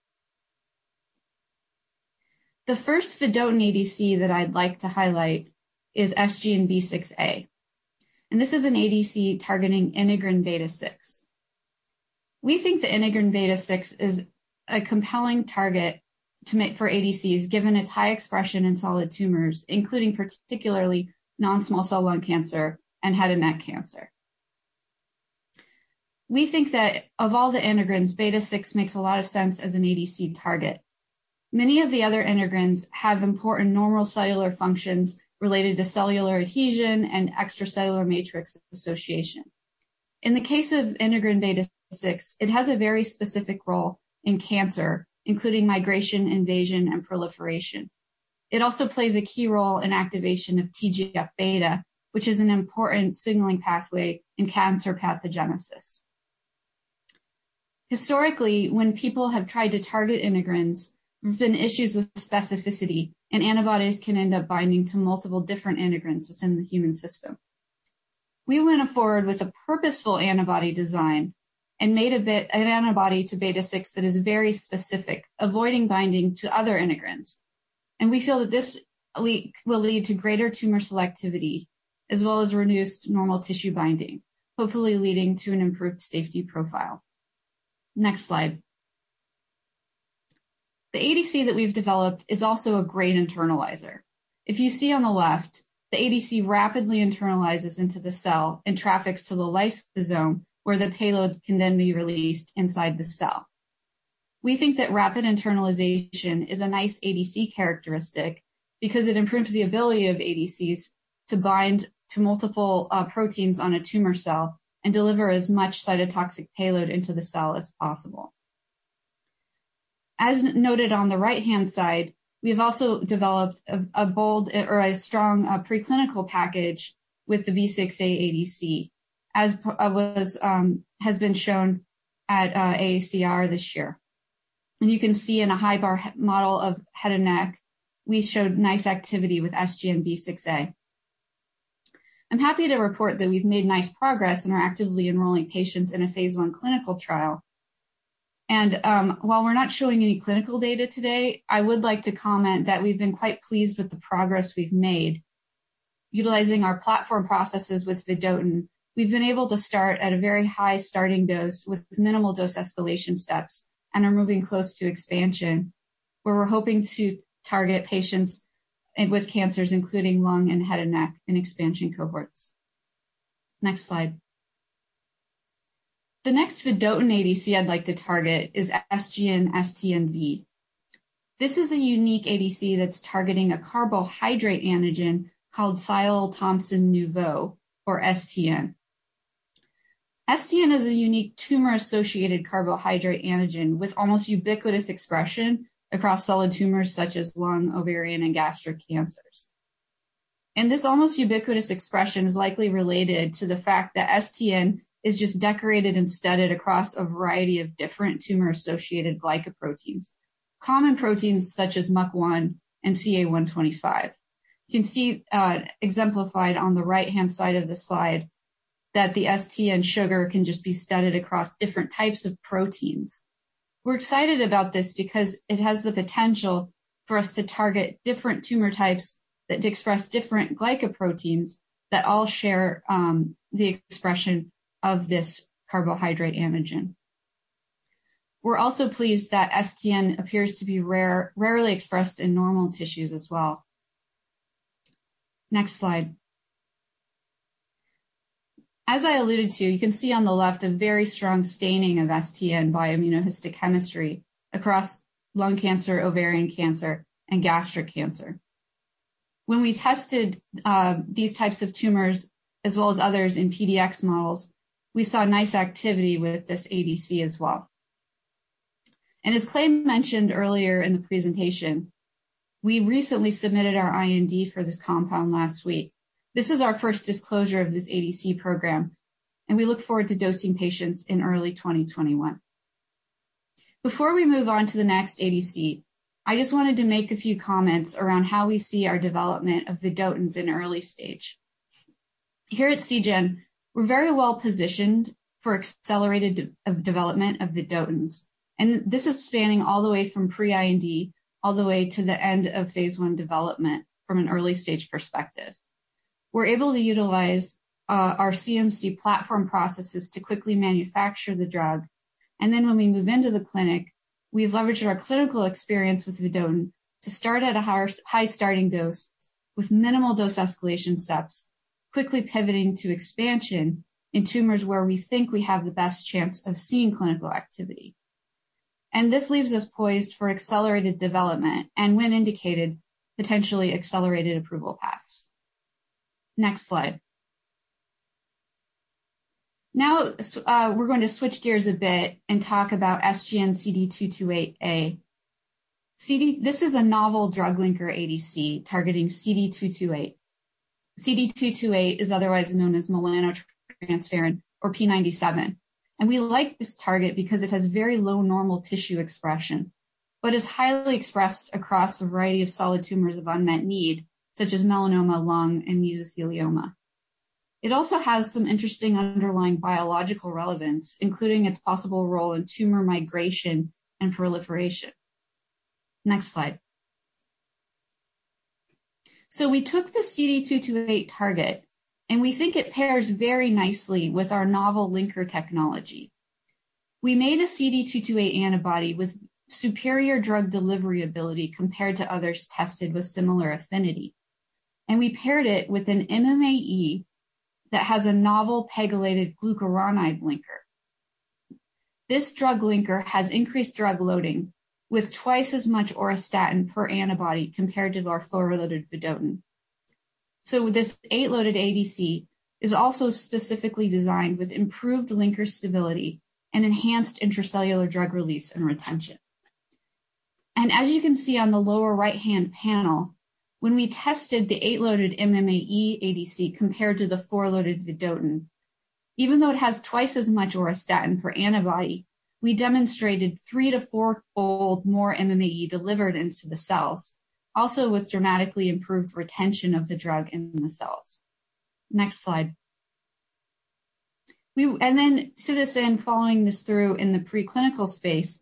The first vedotin ADC that I'd like to highlight is SGN-B6A, this is an ADC targeting integrin beta-6. We think that integrin beta-6 is a compelling target to make for ADCs given its high expression in solid tumors, including particularly non-small cell lung cancer and head and neck cancer. We think that of all the integrins, beta-6 makes a lot of sense as an ADC target. Many of the other integrins have important normal cellular functions related to cellular adhesion and extracellular matrix association. In the case of integrin beta-6, it has a very specific role in cancer, including migration, invasion, and proliferation. It also plays a key role in activation of TGF-β, which is an important signaling pathway in cancer pathogenesis. Historically, when people have tried to target integrins, there's been issues with specificity, and antibodies can end up binding to multiple different integrins within the human system. We went forward with a purposeful antibody design and made an antibody to beta-6 that is very specific, avoiding binding to other integrins. We feel that this will lead to greater tumor selectivity as well as reduced normal tissue binding, hopefully leading to an improved safety profile. Next slide. The ADC that we've developed is also a great internalizer. If you see on the left, the ADC rapidly internalizes into the cell and traffics to the lysosome, where the payload can then be released inside the cell. We think that rapid internalization is a nice ADC characteristic because it improves the ability of ADCs to bind to multiple proteins on a tumor cell and deliver as much cytotoxic payload into the cell as possible. As noted on the right-hand side, we've also developed a bold or a strong preclinical package with the V6A ADC, as has been shown at AACR this year. You can see in a HIBAR model of head and neck, we showed nice activity with SGN-B6A. I'm happy to report that we've made nice progress and are actively enrolling patients in a phase I clinical trial. While we're not showing any clinical data today, I would like to comment that we've been quite pleased with the progress we've made. Utilizing our platform processes with vedotin, we've been able to start at a very high starting dose with minimal dose escalation steps and are moving close to expansion, where we're hoping to target patients with cancers including lung and head and neck in expansion Cohorts. Next slide. The next vedotin ADC I'd like to target is SGN-STNV. This is a unique ADC that's targeting a carbohydrate antigen called Sialyl-Thomsen-nouveau, or STN. STN is a unique tumor-associated carbohydrate antigen with almost ubiquitous expression across solid tumors such as lung, ovarian, and gastric cancers. This almost ubiquitous expression is likely related to the fact that STN is just decorated and studded across a variety of different tumor-associated glycoproteins, common proteins such as MUC1 and CA-125. You can see exemplified on the right-hand side of the slide that the STN sugar can just be studded across different types of proteins. We're excited about this because it has the potential for us to target different tumor types that express different glycoproteins that all share the expression of this carbohydrate antigen. We're also pleased that STN appears to be rarely expressed in normal tissues as well. Next slide. As I alluded to, you can see on the left a very strong staining of STN by immunohistochemistry across lung cancer, ovarian cancer, and gastric cancer. When we tested these types of tumors as well as others in PDX models, we saw nice activity with this ADC as well. As Clay mentioned earlier in the presentation, we recently submitted our IND for this compound last week. This is our first disclosure of this ADC program, and we look forward to dosing patients in early 2021. Before we move on to the next ADC, I just wanted to make a few comments around how we see our development of vedotins in early stage. Here at Seagen, we're very well-positioned for accelerated development of vedotins, and this is spanning all the way from pre-IND all the way to the end of phase I development from an early-stage perspective. We're able to utilize our CMC platform processes to quickly manufacture the drug. Then when we move into the clinic, we've leveraged our clinical experience with vedotin to start at a high starting dose with minimal dose escalation steps, quickly pivoting to expansion in tumors where we think we have the best chance of seeing clinical activity. This leaves us poised for accelerated development and, when indicated, potentially accelerated approval paths. Next slide. Now we're going to switch gears a bit and talk about SGN-CD228A. This is a novel drug linker ADC targeting CD228. CD228 is otherwise known as melanotransferrin or p97. We like this target because it has very low normal tissue expression, but is highly expressed across a variety of solid tumors of unmet need, such as melanoma, lung, and mesothelioma. It also has some interesting underlying biological relevance, including its possible role in tumor migration and proliferation. Next slide. We took the CD228 target, and we think it pairs very nicely with our novel linker technology. We made a CD228 antibody with superior drug delivery ability compared to others tested with similar affinity, and we paired it with an MMAE that has a novel pegylated glucuronide linker. This drug linker has increased drug loading with twice as much auristatin per antibody compared to our fluor-loaded vedotin. This eight-loaded ADC is also specifically designed with improved linker stability and enhanced intracellular drug release and retention. As you can see on the lower right-hand panel, when we tested the eight-loaded MMAE ADC compared to the four-loaded vedotin, even though it has twice as much auristatin per antibody, we demonstrated three to fourfold more MMAE delivered into the cells, also with dramatically improved retention of the drug in the cells. Next slide. To this end, following this through in the preclinical space,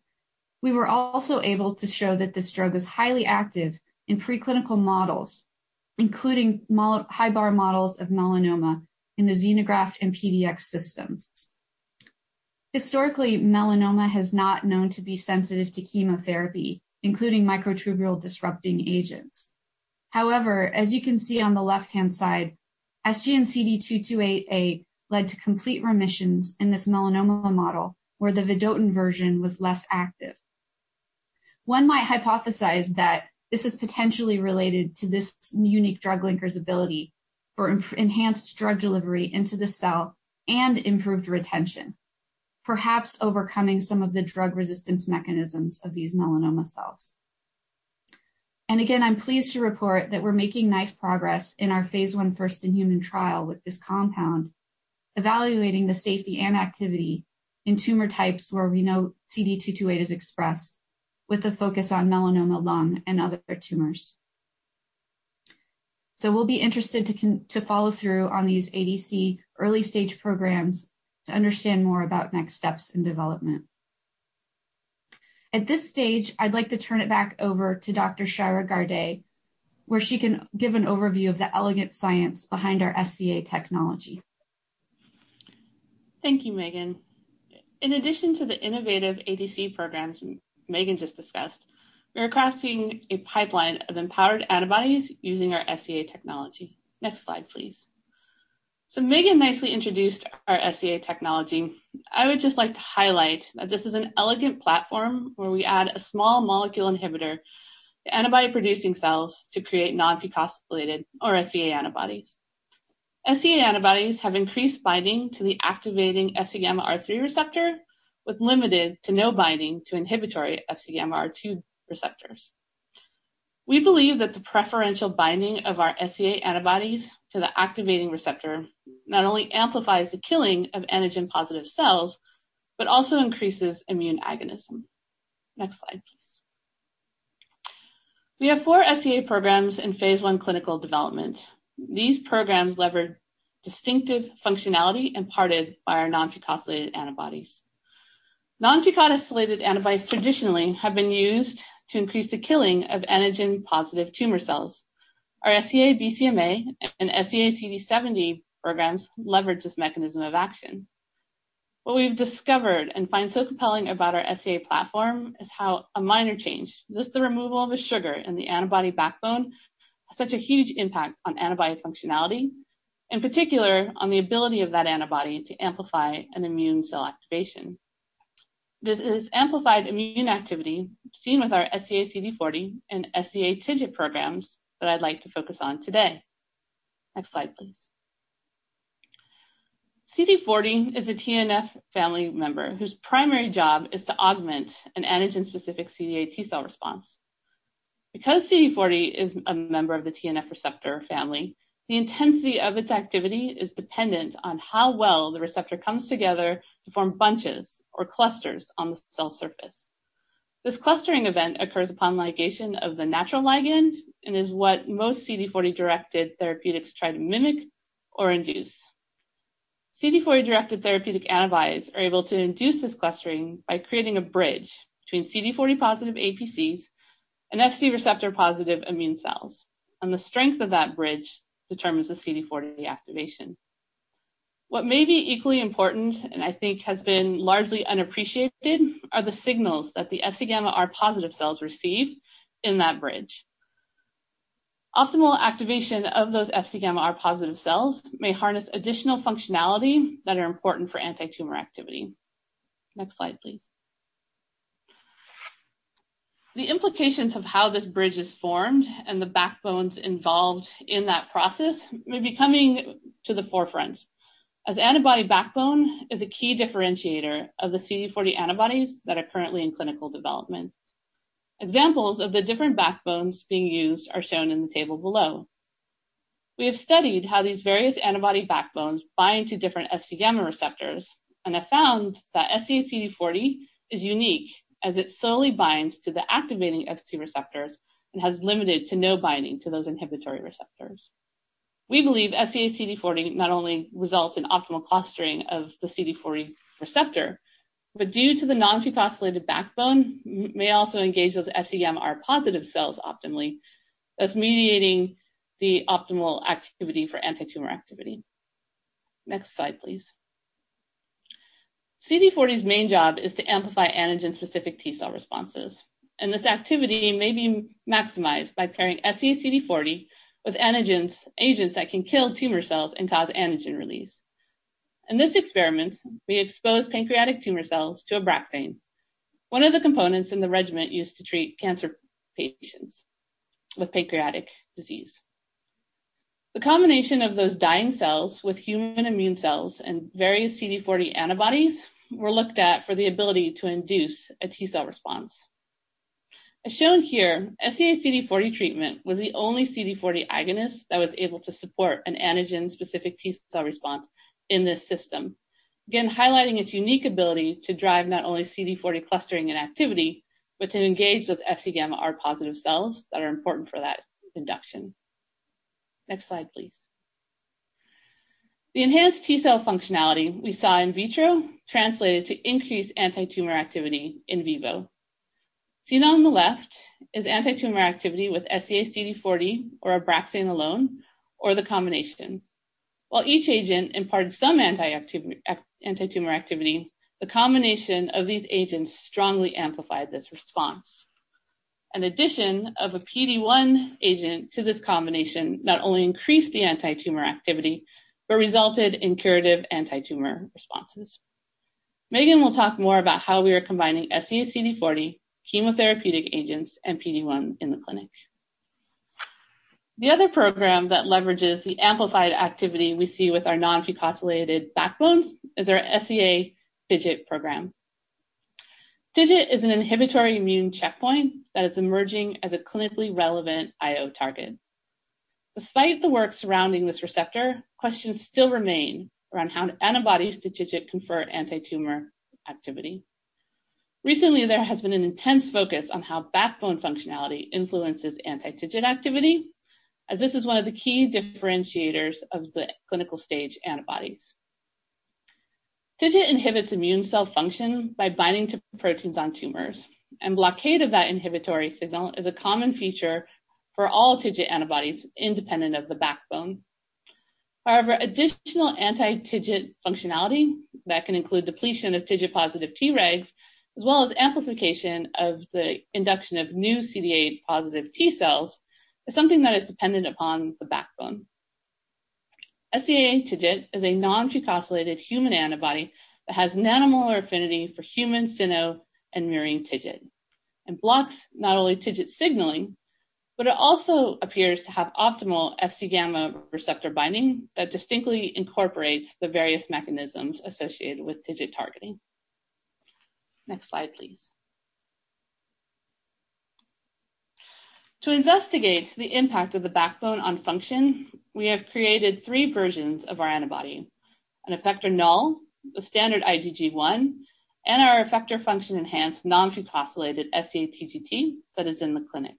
we were also able to show that this drug is highly active in preclinical models, including HIBAR models of melanoma in the xenograft and PDX systems. Historically, melanoma has not known to be sensitive to chemotherapy, including microtubule-disrupting agents. However, as you can see on the left-hand side, SGN-CD228a led to complete remissions in this melanoma model where the vedotin version was less active. One might hypothesize that this is potentially related to this unique drug linker's ability for enhanced drug delivery into the cell and improved retention, perhaps overcoming some of the drug resistance mechanisms of these melanoma cells. I'm pleased to report that we're making nice progress in our phase I first-in-human trial with this compound, evaluating the safety and activity in tumor types where we know CD228 is expressed, with a focus on melanoma lung and other tumors. We'll be interested to follow through on these ADC early-stage programs to understand more about next steps in development. I'd like to turn it back over to Dr. Shyra Gardai, where she can give an overview of the elegant science behind our SEA technology. Thank you, Megan. In addition to the innovative ADC programs Megan just discussed, we are crafting a pipeline of empowered antibodies using our SEA technology. Next slide, please. Megan nicely introduced our SEA technology. I would just like to highlight that this is an elegant platform where we add a small molecule inhibitor to antibody-producing cells to create non-fucosylated or SEA antibodies. SEA antibodies have increased binding to the activating FcγRIIIA receptor with limited to no binding to inhibitory FcγRIIB receptors. We believe that the preferential binding of our SEA antibodies to the activating receptor not only amplifies the killing of antigen-positive cells but also increases immune agonism. Next slide, please. We have four SEA programs in Phase I clinical development. These programs lever distinctive functionality imparted by our non-fucosylated antibodies. Non-fucosylated antibodies traditionally have been used to increase the killing of antigen-positive tumor cells. Our SEA-BCMA and SEA-CD70 programs leverage this mechanism of action. What we've discovered and find so compelling about our SEA platform is how a minor change, just the removal of a sugar in the antibody backbone, has such a huge impact on antibody functionality, in particular on the ability of that antibody to amplify an immune cell activation. This is amplified immune activity seen with our SEA-CD40 and SEA-TGT programs that I'd like to focus on today. Next slide, please. CD40 is a TNF family member whose primary job is to augment an antigen-specific CD8 T-cell response. Because CD40 is a member of the TNF receptor family, the intensity of its activity is dependent on how well the receptor comes together to form bunches or clusters on the cell surface. This clustering event occurs upon ligation of the natural ligand and is what most CD40-directed therapeutics try to mimic or induce. CD40-directed therapeutic antibodies are able to induce this clustering by creating a bridge between CD40-positive APCs and FcγR-positive immune cells, and the strength of that bridge determines the CD40 activation. What may be equally important, and I think has been largely unappreciated, are the signals that the FcγR-positive cells receive in that bridge. Optimal activation of those FcγR-positive cells may harness additional functionality that are important for anti-tumor activity. Next slide, please. The implications of how this bridge is formed and the backbones involved in that process may be coming to the forefront as antibody backbone is a key differentiator of the CD40 antibodies that are currently in clinical development. Examples of the different backbones being used are shown in the table below. We have studied how these various antibody backbones bind to different FcγR receptors and have found that SEA-CD40 is unique as it solely binds to the activating Fc receptors and has limited to no binding to those inhibitory receptors. We believe SEA-CD40 not only results in optimal clustering of the CD40 receptor, but due to the non-fucosylated backbone, may also engage those FcγR-positive cells optimally, thus mediating the optimal activity for antitumor activity. Next slide, please. CD40's main job is to amplify antigen-specific T cell responses, and this activity may be maximized by pairing SEA-CD40 with antigens, agents that can kill tumor cells and cause antigen release. In this experiment, we exposed pancreatic tumor cells to ABRAXANE, one of the components in the regimen used to treat cancer patients with pancreatic disease. The combination of those dying cells with human immune cells and various CD40 antibodies were looked at for the ability to induce a T cell response. As shown here, SEA-CD40 treatment was the only CD40 agonist that was able to support an antigen-specific T cell response in this system. Again, highlighting its unique ability to drive not only CD40 clustering and activity, but to engage those FcγR-positive cells that are important for that induction. Next slide, please. The enhanced T cell functionality we saw in vitro translated to increased antitumor activity in vivo. Seen on the left is antitumor activity with SEA-CD40 or ABRAXANE alone or the combination. While each agent imparts some antitumor activity, the combination of these agents strongly amplified this response. An addition of a PD-1 agent to this combination not only increased the antitumor activity but resulted in curative antitumor responses. Megan will talk more about how we are combining SEA-CD40 chemotherapeutic agents and PD-1 in the clinic. The other program that leverages the amplified activity we see with our non-fucosylated backbones is our SEA-TGT program. TIGIT is an inhibitory immune checkpoint that is emerging as a clinically relevant IO target. Recently, there has been an intense focus on how backbone functionality influences anti-TIGIT activity, as this is one of the key differentiators of the clinical-stage antibodies. TIGIT inhibits immune cell function by binding to proteins on tumors, and blockade of that inhibitory signal is a common feature for all TIGIT antibodies independent of the backbone. However, additional anti-TIGIT functionality that can include depletion of TIGIT-positive Tregs, as well as amplification of the induction of new CD8-positive T cells, is something that is dependent upon the backbone. SEA-TGT is a non-fucosylated human antibody that has nanomolar affinity for human, cyno, and murine TIGIT, and blocks not only TIGIT signaling, but it also appears to have optimal Fc-gamma receptor binding that distinctly incorporates the various mechanisms associated with TIGIT targeting. Next slide, please. To investigate the impact of the backbone on function, we have created three versions of our antibody: an effector null, a standard IgG1, and our effector function enhanced non-fucosylated SEA-TGT that is in the clinic.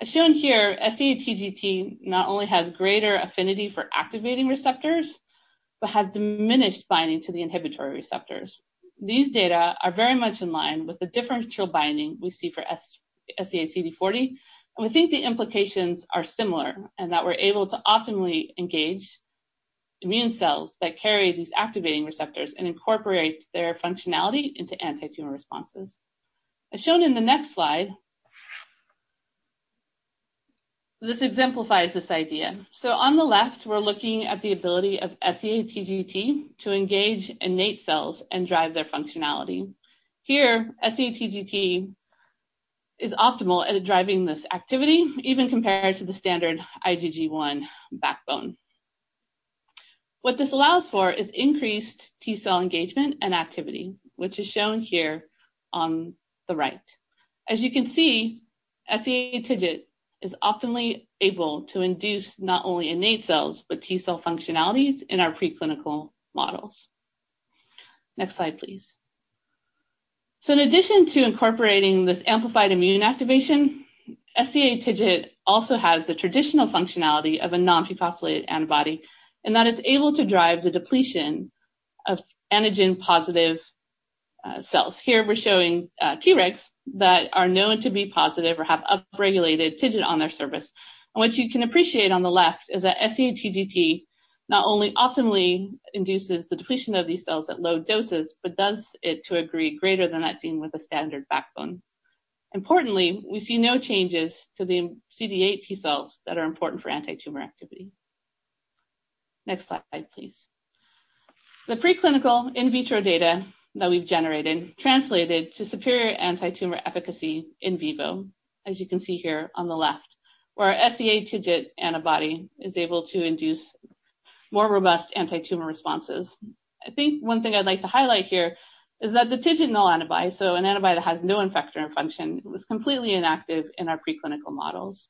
As shown here, SEA-TGT not only has greater affinity for activating receptors but has diminished binding to the inhibitory receptors. These data are very much in line with the differential binding we see for SEA-CD40, and we think the implications are similar and that we're able to optimally engage immune cells that carry these activating receptors and incorporate their functionality into antitumor responses. On the left, we're looking at the ability of SEA-TGT to engage innate cells and drive their functionality. Here, SEA-TGT is optimal at driving this activity, even compared to the standard IgG1 backbone. What this allows for is increased T cell engagement and activity, which is shown here on the right. As you can see, SEA-TGT is optimally able to induce not only innate cells but T cell functionalities in our preclinical models. Next slide, please. In addition to incorporating this amplified immune activation, SEA-TGT also has the traditional functionality of a nonfucosylated antibody in that it's able to drive the depletion of antigen-positive cells. Here we're showing Tregs that are known to be positive or have upregulated TIGIT on their surface. What you can appreciate on the left is that SEA-TGT not only optimally induces the depletion of these cells at low doses but does it to a degree greater than that seen with a standard backbone. Importantly, we see no changes to the CD8 T cells that are important for antitumor activity. Next slide, please. The preclinical in vitro data that we've generated translated to superior antitumor efficacy in vivo, as you can see here on the left, where our SEA-TGT antibody is able to induce more robust antitumor responses. I think one thing I'd like to highlight here is that the TIGIT null antibody, so an antibody that has no effector function, was completely inactive in our preclinical models.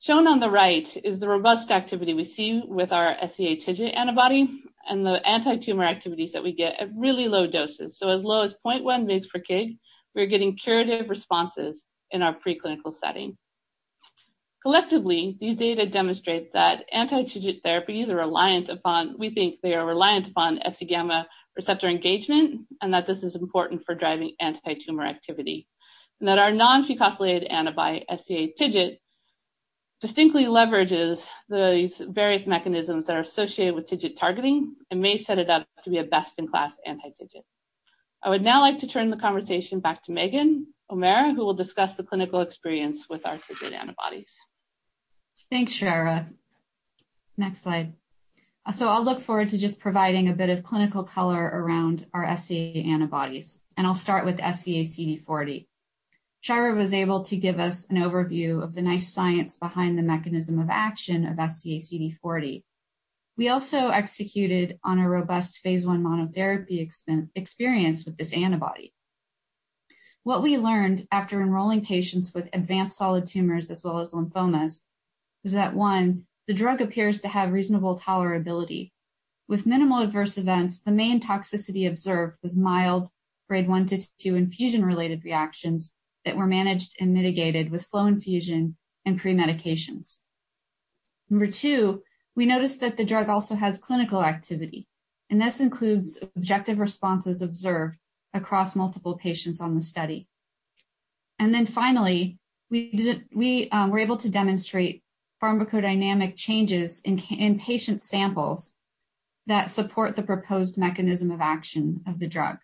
Shown on the right is the robust activity we see with our SEA-TGT antibody and the antitumor activities that we get at really low doses. As low as 0.1 mg per kg, we are getting curative responses in our preclinical setting. Collectively, these data demonstrate that anti-TIGIT therapies are reliant upon, we think they are reliant upon FcγR engagement, and that this is important for driving antitumor activity, and that our nonfucosylated antibody, SEA-TGT distinctly leverages these various mechanisms that are associated with TIGIT targeting and may set it up to be a best-in-class anti-TIGIT. I would now like to turn the conversation back to Megan O'Meara, who will discuss the clinical experience with our TIGIT antibodies. Thanks, Shyra. Next slide. I'll look forward to just providing a bit of clinical color around our SEA antibodies, and I'll start with SEA-CD40. Shyra was able to give us an overview of the nice science behind the mechanism of action of SEA-CD40. We also executed on a robust phase I monotherapy experience with this antibody. What we learned after enrolling patients with advanced solid tumors as well as lymphomas was that, one, the drug appears to have reasonable tolerability. With minimal adverse events, the main toxicity observed was mild Grade 1 to 2 infusion-related reactions that were managed and mitigated with slow infusion and pre-medications. Number two, we noticed that the drug also has clinical activity, and this includes objective responses observed across multiple patients on the study. Finally, we were able to demonstrate pharmacodynamic changes in patient samples that support the proposed mechanism of action of the drug.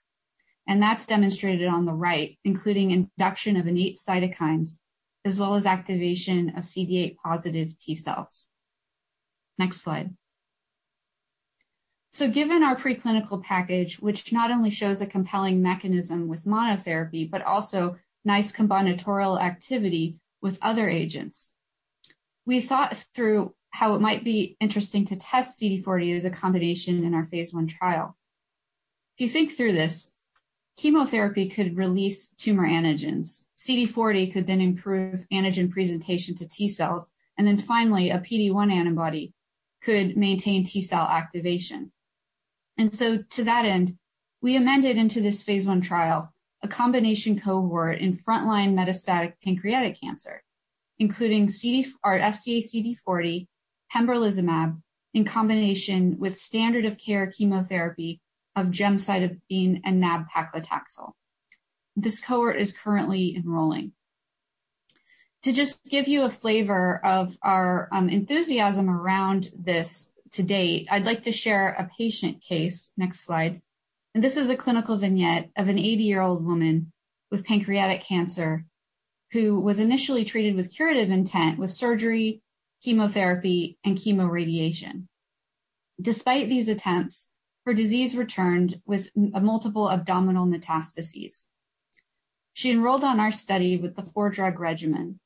That's demonstrated on the right, including induction of innate cytokines as well as activation of CD8-positive T cells. Next slide. Given our preclinical package, which not only shows a compelling mechanism with monotherapy, but also nice combinatorial activity with other agents, we thought through how it might be interesting to test CD40 as a combination in our phase I trial. If you think through this, chemotherapy could release tumor antigens. CD40 could then improve antigen presentation to T cells, and then finally, a PD-1 antibody could maintain T cell activation. To that end, we amended into this phase I trial a combination cohort in frontline metastatic pancreatic cancer, including our SEA-CD40, pembrolizumab, in combination with standard of care chemotherapy of gemcitabine and nab-paclitaxel. This Cohort is currently enrolling. To just give you a flavor of our enthusiasm around this to date, I'd like to share a patient case. Next slide. This is a clinical vignette of an 80-year-old woman with pancreatic cancer who was initially treated with curative intent with surgery, chemotherapy, and chemoradiation. Despite these attempts, her disease returned with multiple abdominal metastases. She enrolled on our study with the four-drug regimen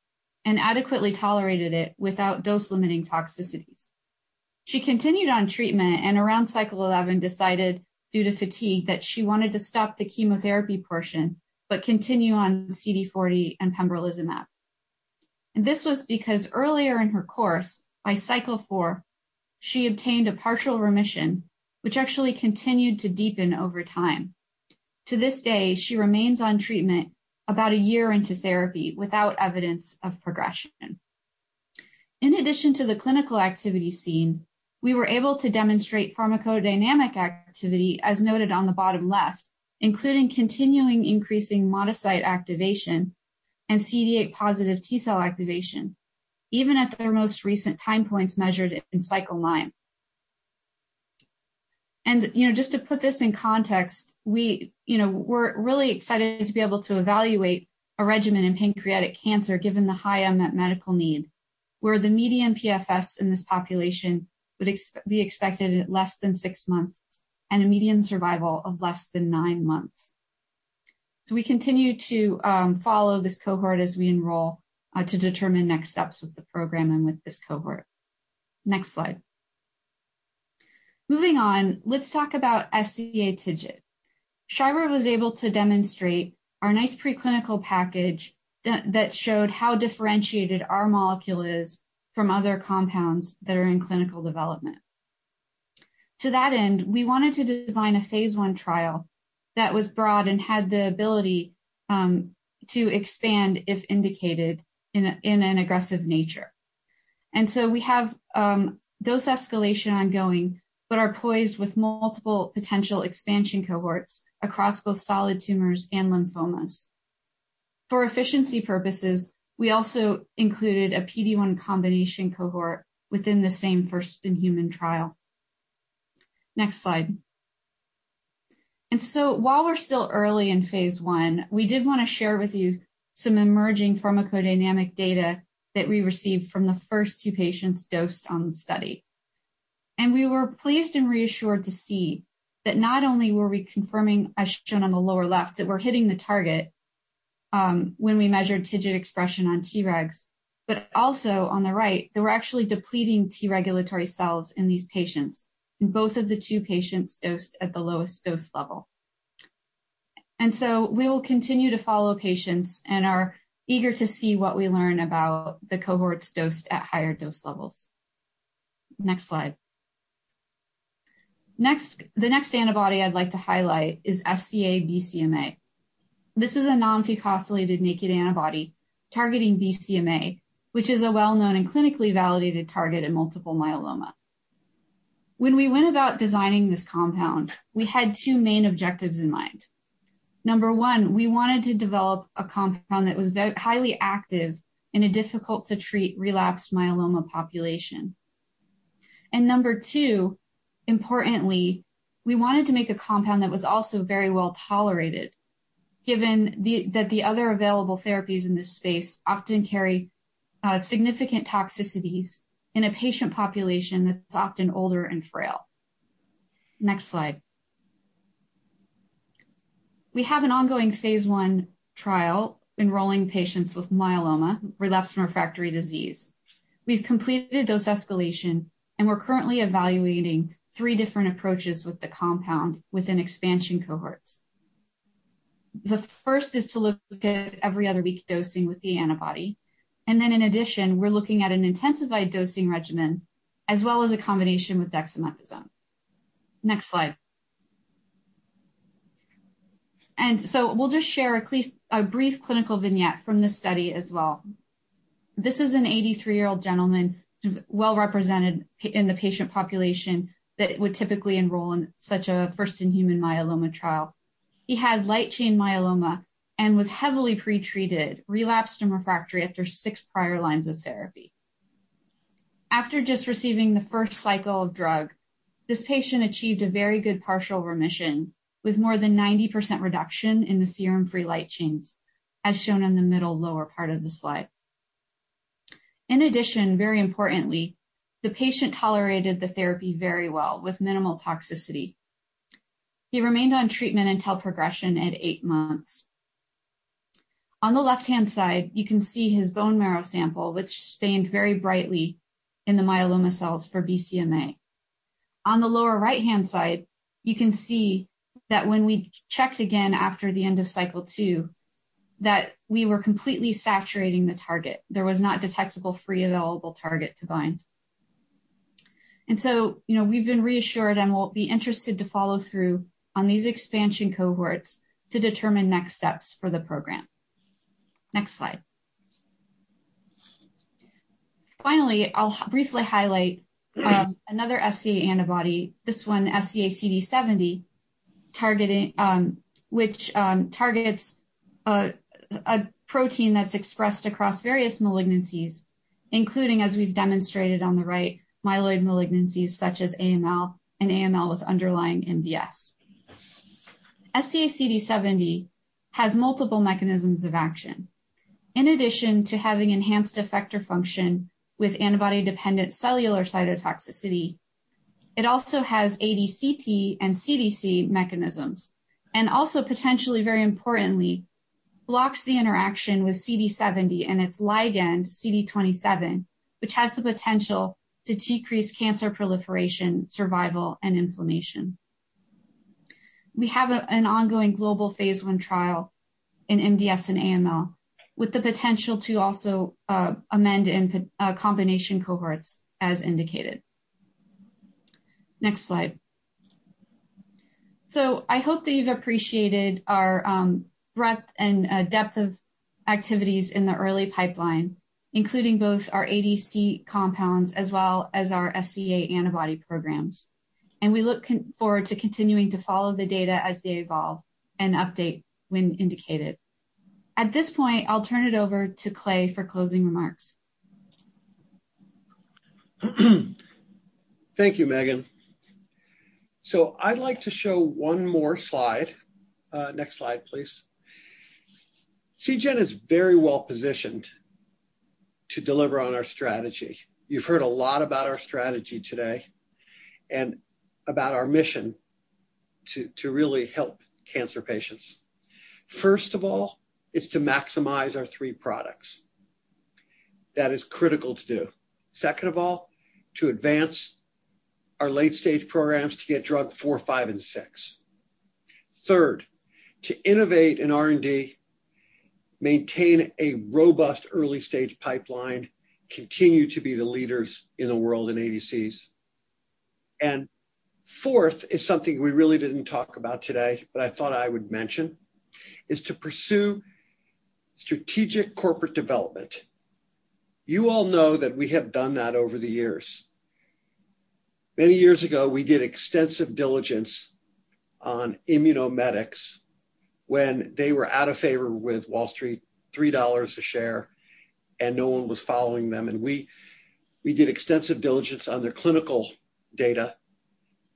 and adequately tolerated it without dose-limiting toxicities. She continued on treatment and around cycle 11, decided due to fatigue that she wanted to stop the chemotherapy portion but continue on CD40 and pembrolizumab. This was because earlier in her course, by cycle four, she obtained a partial remission, which actually continued to deepen over time. To this day, she remains on treatment about one year into therapy without evidence of progression. In addition to the clinical activity seen, we were able to demonstrate pharmacodynamic activity, as noted on the bottom left, including continuing increasing monocyte activation and CD8 positive T-cell activation, even at their most recent time points measured in cycle nine. Just to put this in context, we're really excited to be able to evaluate a regimen in pancreatic cancer, given the high unmet medical need, where the median PFS in this population would be expected at less than 6 months and a median survival of less than nine months. We continue to follow this Cohort as we enroll to determine next steps with the program and with this Cohort. Next slide. Moving on, let's talk about SEA-TGT. Shyra was able to demonstrate our nice preclinical package that showed how differentiated our molecule is from other compounds that are in clinical development. To that end, we wanted to design a phase I trial that was broad and had the ability to expand, if indicated, in an aggressive nature. We have dose escalation ongoing but are poised with multiple potential expansion cohorts across both solid tumors and lymphomas. For efficiency purposes, we also included a PD-1 combination Cohort within the same first-in-human trial. Next slide. While we're still early in phase I, we did want to share with you some emerging pharmacodynamic data that we received from the first two patients dosed on the study. We were pleased and reassured to see that not only were we confirming, as shown on the lower left, that we're hitting the target when we measured TIGIT expression on Tregs, but also on the right, that we're actually depleting T-regulatory cells in these patients, in both of the two patients dosed at the lowest dose level. We will continue to follow patients and are eager to see what we learn about the Cohorts dosed at higher dose levels. Next slide. The next antibody I'd like to highlight is SEA-BCMA. This is a nonfucosylated naked antibody targeting BCMA, which is a well-known and clinically validated target in multiple myeloma. When we went about designing this compound, we had two main objectives in mind. Number one, we wanted to develop a compound that was highly active in a difficult-to-treat relapsed myeloma population. Number two, importantly, we wanted to make a compound that was also very well tolerated, given that the other available therapies in this space often carry significant toxicities in a patient population that's often older and frail. Next slide. We have an ongoing phase I trial enrolling patients with myeloma, relapsed/refractory disease. We've completed dose escalation, and we're currently evaluating three different approaches with the compound within expansion cohorts. The first is to look at every other week dosing with the antibody. In addition, we're looking at an intensified dosing regimen, as well as a combination with dexamethasone. Next slide. We'll just share a brief clinical vignette from this study as well. This is an 83-year-old gentleman, well represented in the patient population that would typically enroll in such a first-in-human myeloma trial. He had light chain myeloma and was heavily pretreated, relapsed and refractory after six prior lines of therapy. After just receiving the first cycle of drug, this patient achieved a very good partial remission with more than 90% reduction in the serum free light chains, as shown in the middle lower part of the slide. In addition, very importantly, the patient tolerated the therapy very well with minimal toxicity. He remained on treatment until progression at eight months. On the left-hand side, you can see his bone marrow sample, which stained very brightly in the myeloma cells for BCMA. On the lower right-hand side, you can see that when we checked again after the end of Cycle 2, that we were completely saturating the target. There was not detectable free available target to bind. We've been reassured and will be interested to follow through on these expansion Cohorts to determine next steps for the program. Next slide. I'll briefly highlight another SEA antibody, this one, SEA-CD70, which targets a protein that's expressed across various malignancies, including, as we've demonstrated on the right, myeloid malignancies such as AML and AML with underlying MDS. SEA-CD70 has multiple mechanisms of action. In addition to having enhanced effector function with antibody-dependent cellular cytotoxicity, it also has ADCP and CDC mechanisms, and also potentially, very importantly, blocks the interaction with CD70 and its ligand, CD27, which has the potential to decrease cancer proliferation, survival, and inflammation. We have an ongoing global phase I trial in MDS and AML with the potential to also amend in combination Cohorts as indicated. Next slide. I hope that you've appreciated our breadth and depth of activities in the early pipeline, including both our ADC compounds as well as our SEA antibody programs. We look forward to continuing to follow the data as they evolve and update when indicated. At this point, I'll turn it over to Clay for closing remarks. Thank you, Megan. I'd like to show one more slide. Next slide, please. Seagen is very well-positioned to deliver on our strategy. You've heard a lot about our strategy today and about our mission to really help cancer patients. First of all, it's to maximize our three products. That is critical to do. Second of all, to advance our late-stage programs to get drug four, five, and six. Third, to innovate in R&D, maintain a robust early-stage pipeline, continue to be the leaders in the world in ADCs. Fourth is something we really didn't talk about today, but I thought I would mention, is to pursue strategic corporate development. You all know that we have done that over the years. Many years ago, we did extensive diligence on Immunomedics when they were out of favor with Wall Street, $3 a share, and no one was following them. We did extensive diligence on their clinical data,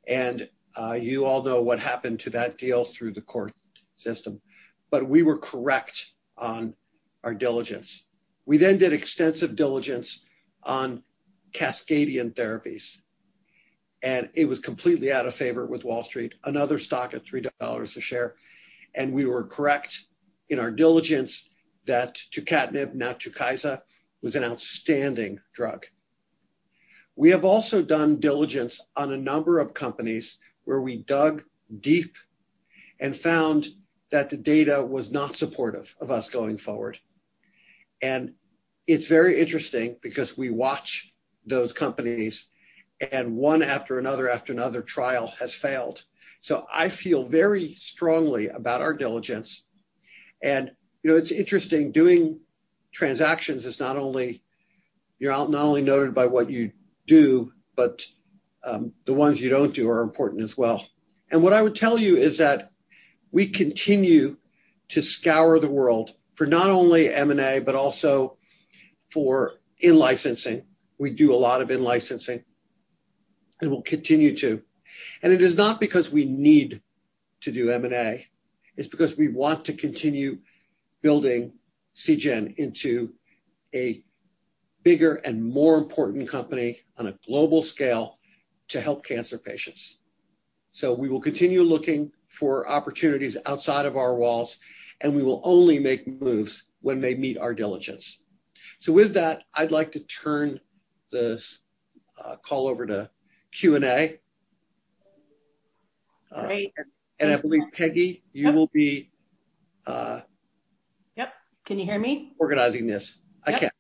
and you all know what happened to that deal through the court system. We were correct on our diligence. We did extensive diligence on Cascadian Therapeutics, and it was completely out of favor with Wall Street, another stock at $3 a share. We were correct in our diligence that tucatinib, now TUKYSA, was an outstanding drug. We have also done diligence on a number of companies where we dug deep and found that the data was not supportive of us going forward. It's very interesting because we watch those companies, and one after another after another trial has failed. I feel very strongly about our diligence. It's interesting doing transactions is not only you're not only noted by what you do, but the ones you don't do are important as well. What I would tell you is that we continue to scour the world for not only M&A, but also for in-licensing. We do a lot of in-licensing, and we'll continue to. It is not because we need to do M&A, it's because we want to continue building Seagen into a bigger and more important company on a global scale to help cancer patients. We will continue looking for opportunities outside of our walls, and we will only make moves when they meet our diligence. With that, I'd like to turn this call over to Q&A. Great. I believe, Peggy, you will. Yep. Can you hear me? organizing this. I can.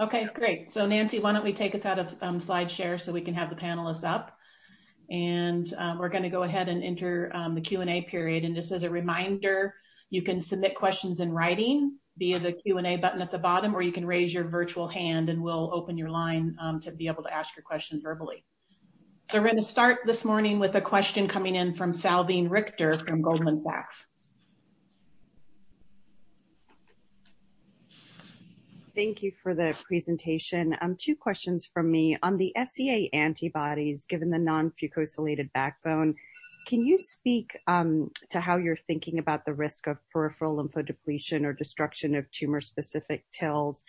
Okay, great. Nancy, why don't we take us out of SlideShare so we can have the panelists up, and we're going to go ahead and enter the Q&A period. Just as a reminder, you can submit questions in writing via the Q&A button at the bottom, or you can raise your virtual hand, and we'll open your line to be able to ask your question verbally. We're going to start this morning with a question coming in from Salveen Richter from Goldman Sachs. Thank you for the presentation. Two questions from me. On the SEA antibodies, given the nonfucosylated backbone, can you speak to how you're thinking about the risk of peripheral lymphodepletion or destruction of tumor-specific TILs?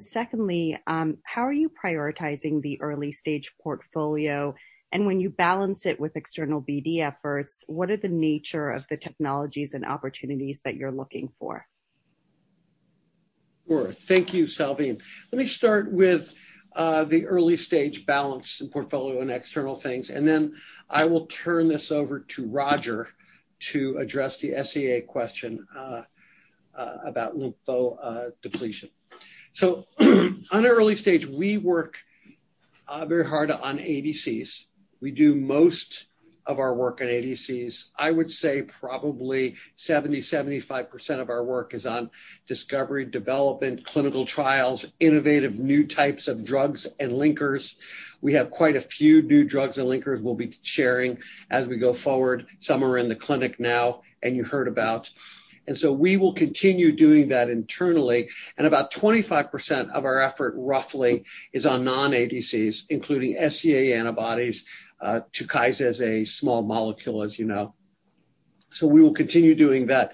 Secondly, how are you prioritizing the early-stage portfolio? When you balance it with external BD efforts, what are the nature of the technologies and opportunities that you're looking for? Sure. Thank you, Salveen. Let me start with the early stage balance in portfolio and external things. Then I will turn this over to Roger to address the SEA question about lymphodepletion. On early stage, we work very hard on ADCs. We do most of our work on ADCs. I would say probably 70%-75% of our work is on discovery, development, clinical trials, innovative new types of drugs, and linkers. We have quite a few new drugs and linkers we'll be sharing as we go forward. Some are in the clinic now, and you heard about. We will continue doing that internally. About 25% of our effort, roughly, is on non-ADCs, including SEA antibodies. TUKYSA is a small molecule, as you know. We will continue doing that.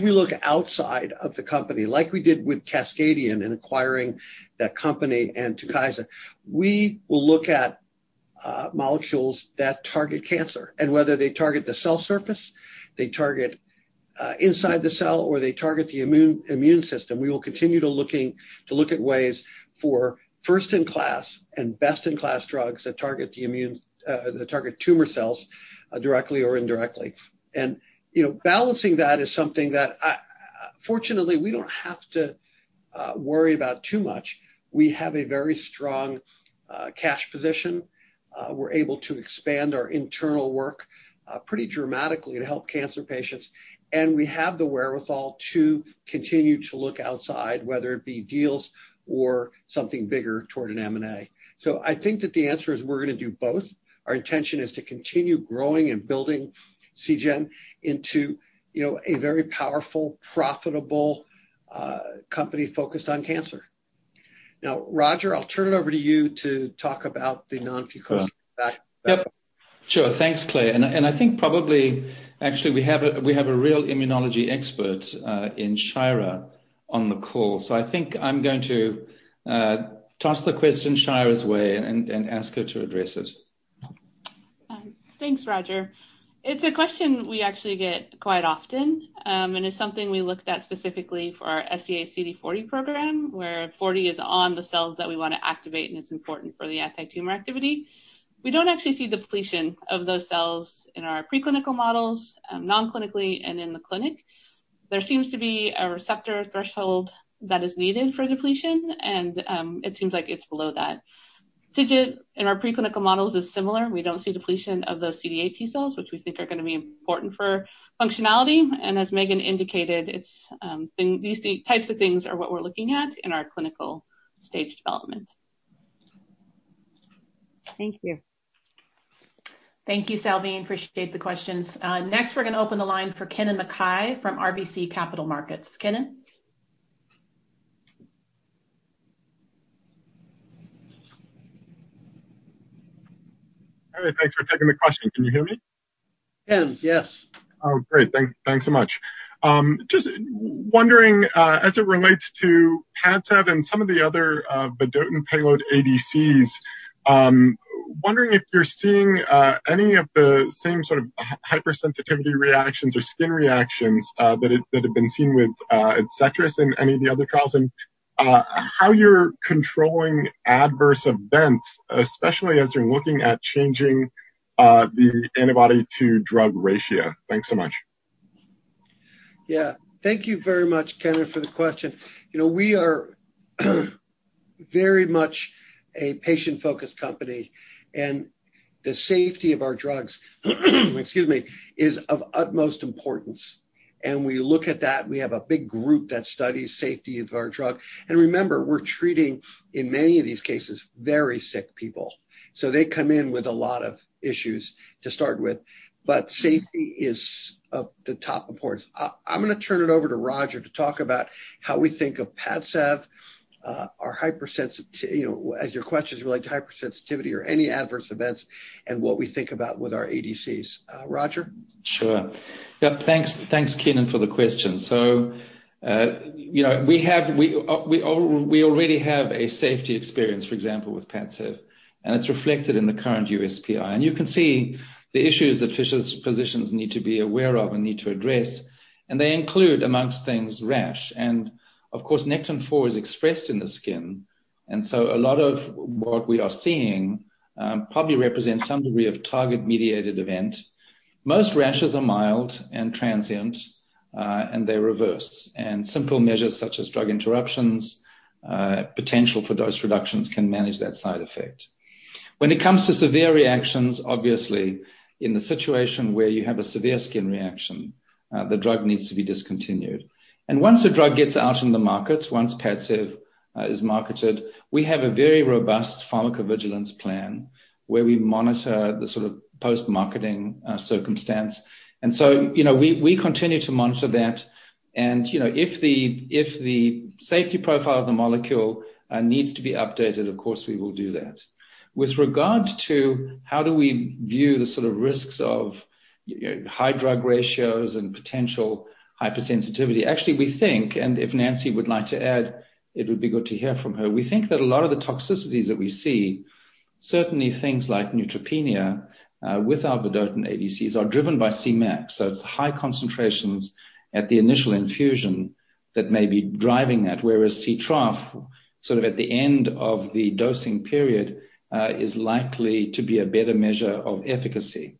We look outside of the company, like we did with Cascadian in acquiring that company and TUKYSA, we will look at molecules that target cancer. Whether they target the cell surface, they target inside the cell, or they target the immune system, we will continue to look at ways for first-in-class and best-in-class drugs that target tumor cells directly or indirectly. Balancing that is something that, fortunately, we don't have to worry about too much. We have a very strong cash position. We're able to expand our internal work pretty dramatically to help cancer patients, and we have the wherewithal to continue to look outside, whether it be deals or something bigger toward an M&A. I think that the answer is we're going to do both. Our intention is to continue growing and building Seagen into a very powerful, profitable company focused on cancer. Now, Roger, I'll turn it over to you to talk about the non-fucosylated backbone. Sure. Thanks, Clay. I think probably, actually, we have a real immunology expert in Shyra on the call. I think I'm going to toss the question Shyra's way and ask her to address it. Thanks, Roger. It's a question we actually get quite often, and it's something we looked at specifically for our SEA-CD40 program, where 40 is on the cells that we want to activate, and it's important for the anti-tumor activity. We don't actually see depletion of those cells in our preclinical models, non-clinically and in the clinic. There seems to be a receptor threshold that is needed for depletion, and it seems like it's below that. In our preclinical models, it's similar. We don't see depletion of those CD8 T cells, which we think are going to be important for functionality. As Megan indicated, these types of things are what we're looking at in our clinical stage development. Thank you. Thank you, Salveen. Appreciate the questions. Next, we're going to open the line for Kennen MacKay from RBC Capital Markets. Kennen? All right. Thanks for taking the question. Can you hear me? Kennen, yes. Oh, great. Thanks so much. Just wondering, as it relates to PADCEV and some of the other vedotin and payload ADCs, wondering if you're seeing any of the same sort of hypersensitivity reactions or skin reactions that have been seen with ADCETRIS in any of the other trials, and how you're controlling adverse events, especially as you're looking at changing the antibody-to-drug ratio. Thanks so much. Yeah. Thank you very much, Kennen, for the question. We are very much a patient-focused company, and the safety of our drugs, excuse me, is of utmost importance. We look at that. We have a big group that studies safety of our drug. Remember, we're treating, in many of these cases, very sick people. They come in with a lot of issues to start with, but safety is of the top importance. I'm going to turn it over to Roger to talk about how we think of PADCEV, as your questions relate to hypersensitivity or any adverse events, and what we think about with our ADCs. Roger? Thanks, Kennen, for the question. We already have a safety experience, for example, with PADCEV, and it's reflected in the current USPI. You can see the issues that physicians need to be aware of and need to address, they include, amongst things, rash. Of course, nectin-4 is expressed in the skin, a lot of what we are seeing probably represents some degree of target-mediated event. Most rashes are mild and transient, they reverse. Simple measures such as drug interruptions, potential for dose reductions can manage that side effect. When it comes to severe reactions, obviously, in the situation where you have a severe skin reaction, the drug needs to be discontinued. Once a drug gets out in the market, once PADCEV is marketed, we have a very robust pharmacovigilance plan where we monitor the sort of post-marketing circumstance. We continue to monitor that and if the safety profile of the molecule needs to be updated, of course, we will do that. With regard to how do we view the sort of risks of high drug ratios and potential hypersensitivity, actually, we think, and if Nancy would like to add, it would be good to hear from her. We think that a lot of the toxicities that we see, certainly things like neutropenia with our vedotin ADCs, are driven by CMAX. It's high concentrations at the initial infusion that may be driving that, whereas Ctrough, sort of at the end of the dosing period, is likely to be a better measure of efficacy.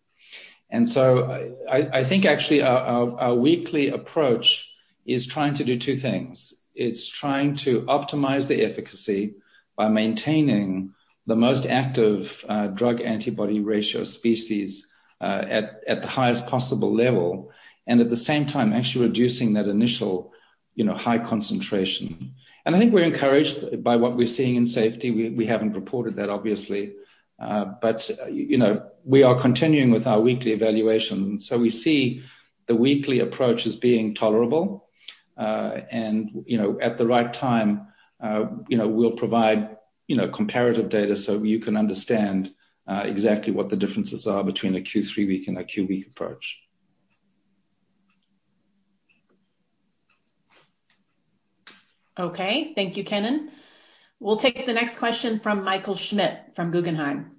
I think actually our weekly approach is trying to do two things. It's trying to optimize the efficacy by maintaining the most active drug-antibody ratio species at the highest possible level, and at the same time actually reducing that initial high concentration. I think we're encouraged by what we're seeing in safety. We haven't reported that obviously, but we are continuing with our weekly evaluation. We see the weekly approach as being tolerable, and at the right time we'll provide comparative data so you can understand exactly what the differences are between a Q3-week and a Q-week approach. Okay. Thank you, Kennen. We'll take the next question from Michael Schmidt from Guggenheim.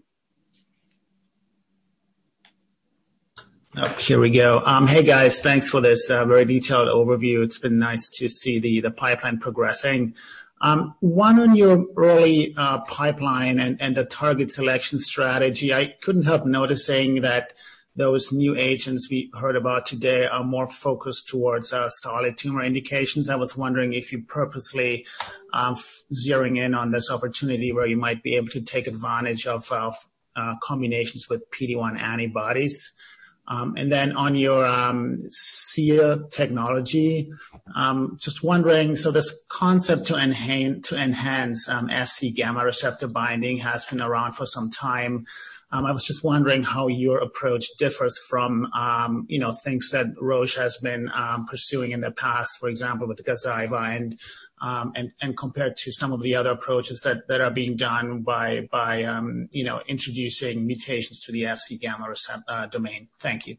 Hey, guys. Thanks for this very detailed overview. It's been nice to see the pipeline progressing. One on your early pipeline and the target selection strategy. I couldn't help noticing that those new agents we heard about today are more focused towards solid tumor indications. I was wondering if you're purposely zeroing in on this opportunity where you might be able to take advantage of combinations with PD-1 antibodies. On your SEA technology, just wondering, so this concept to enhance Fc-gamma receptor binding has been around for some time. I was just wondering how your approach differs from things that Roche has been pursuing in the past, for example, with GAZYVA, and compared to some of the other approaches that are being done by introducing mutations to the Fc-gamma domain. Thank you.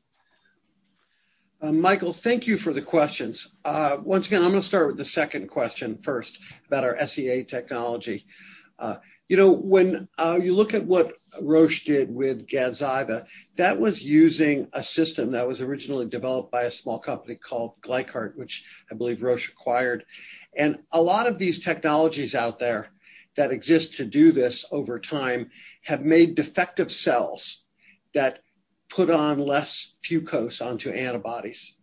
Michael, thank you for the questions. Once again, I'm going to start with the second question first about our SEA technology. When you look at what Roche did with GAZYVA, that was using a system that was originally developed by a small company called GlycArt, which I believe Roche acquired. A lot of these technologies out there that exist to do this over time have made defective cells that put on less fucose onto antibodies.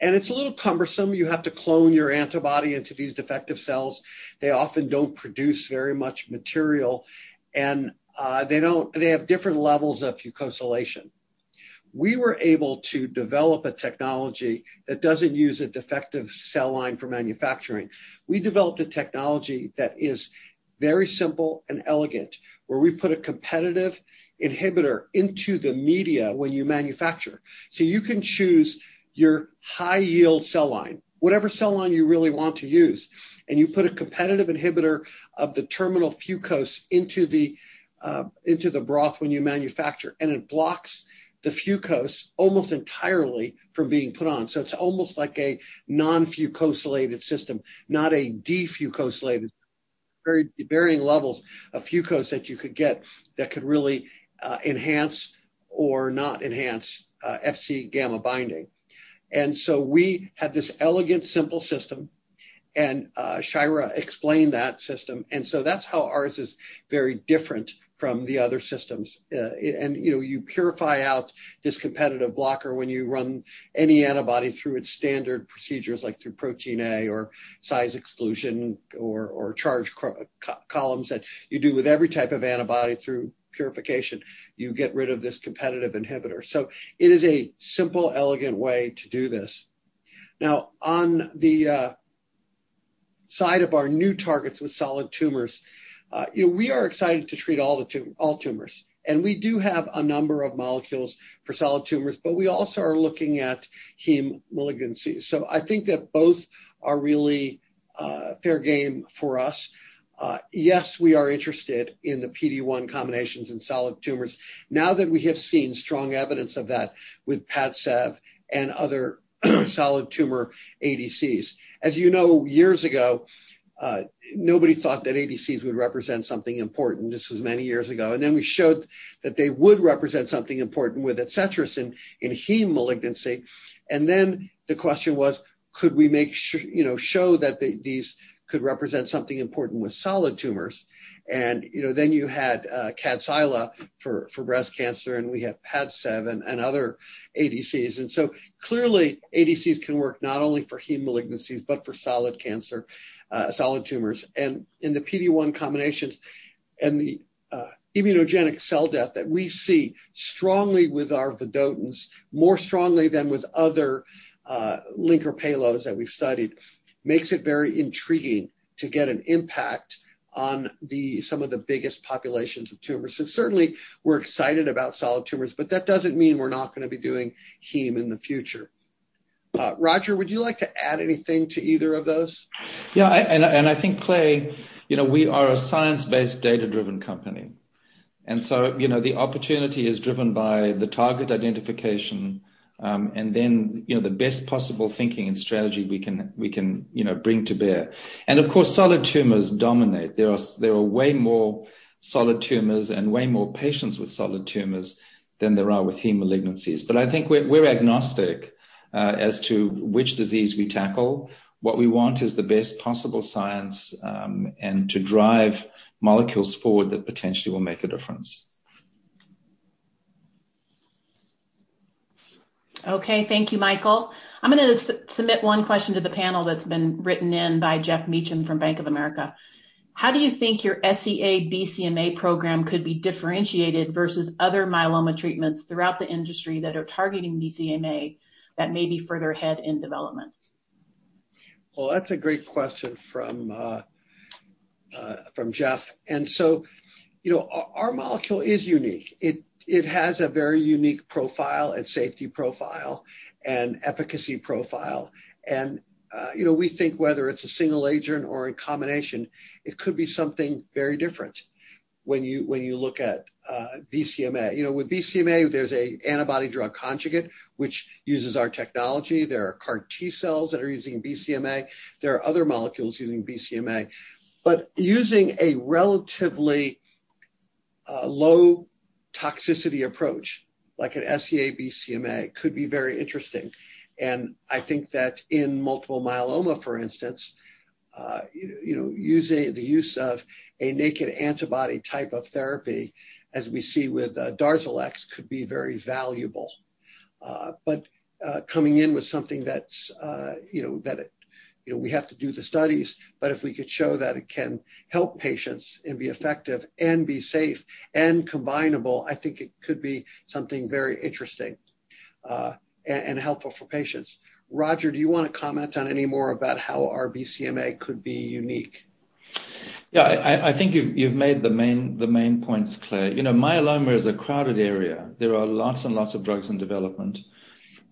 It's a little cumbersome. You have to clone your antibody into these defective cells. They often don't produce very much material, and they have different levels of fucosylation. We were able to develop a technology that doesn't use a defective cell line for manufacturing. We developed a technology that is very simple and elegant, where we put a competitive inhibitor into the media when you manufacture. You can choose your high-yield cell line, whatever cell line you really want to use, and you put a competitive inhibitor of the terminal fucose into the broth when you manufacture, and it blocks the fucose almost entirely from being put on. It's almost like a non-fucosylated system, not a defucosylated. Varying levels of fucose that you could get that could really enhance or not enhance Fc gamma binding. We have this elegant, simple system, and Shyra explained that system. That's how ours is very different from the other systems. You purify out this competitive blocker when you run any antibody through its standard procedures, like through protein A or size exclusion or charge columns that you do with every type of antibody through purification. You get rid of this competitive inhibitor. It is a simple, elegant way to do this. Now, on the side of our new targets with solid tumors, we are excited to treat all tumors. We do have a number of molecules for solid tumors, but we also are looking at heme malignancies. I think that both are really fair game for us. Yes, we are interested in the PD-1 combinations in solid tumors. Now that we have seen strong evidence of that with PADCEV and other solid tumor ADCs. As you know, years ago, nobody thought that ADCs would represent something important. This was many years ago. We showed that they would represent something important with ADCETRIS in heme malignancy. The question was, could we show that these could represent something important with solid tumors? You had KADCYLA for breast cancer, and we have PADCEV and other ADCs. Clearly ADCs can work not only for heme malignancies but for solid cancer, solid tumors. In the PD-1 combinations and the immunogenic cell death that we see strongly with our vedotins, more strongly than with other linker payloads that we've studied, makes it very intriguing to get an impact on some of the biggest populations of tumors. Certainly, we're excited about solid tumors, but that doesn't mean we're not going to be doing heme in the future. Roger, would you like to add anything to either of those? Yeah, I think, Clay, we are a science-based, data-driven company. The opportunity is driven by the target identification, and then the best possible thinking and strategy we can bring to bear. Of course, solid tumors dominate. There are way more solid tumors and way more patients with solid tumors than there are with heme malignancies. I think we're agnostic as to which disease we tackle. What we want is the best possible science, and to drive molecules forward that potentially will make a difference. Okay. Thank you, Michael. I'm going to submit one question to the panel that's been written in by Geoff Meacham from Bank of America. How do you think your SEA-BCMA program could be differentiated versus other myeloma treatments throughout the industry that are targeting BCMA that may be further ahead in development? That's a great question from Geoff. Our molecule is unique. It has a very unique profile and safety profile and efficacy profile. We think whether it's a single agent or in combination, it could be something very different when you look at BCMA. With BCMA, there's an antibody-drug conjugate which uses our technology. There are CAR T cells that are using BCMA. There are other molecules using BCMA. Using a relatively low toxicity approach, like an SEA-BCMA, could be very interesting. I think that in multiple myeloma, for instance, the use of a naked antibody type of therapy, as we see with DARZALEX, could be very valuable. Coming in with something we have to do the studies, but if we could show that it can help patients and be effective and be safe and combinable, I think it could be something very interesting and helpful for patients. Roger, do you want to comment on any more about how our BCMA could be unique? Yeah. I think you've made the main points clear. Myeloma is a crowded area. There are lots and lots of drugs in development,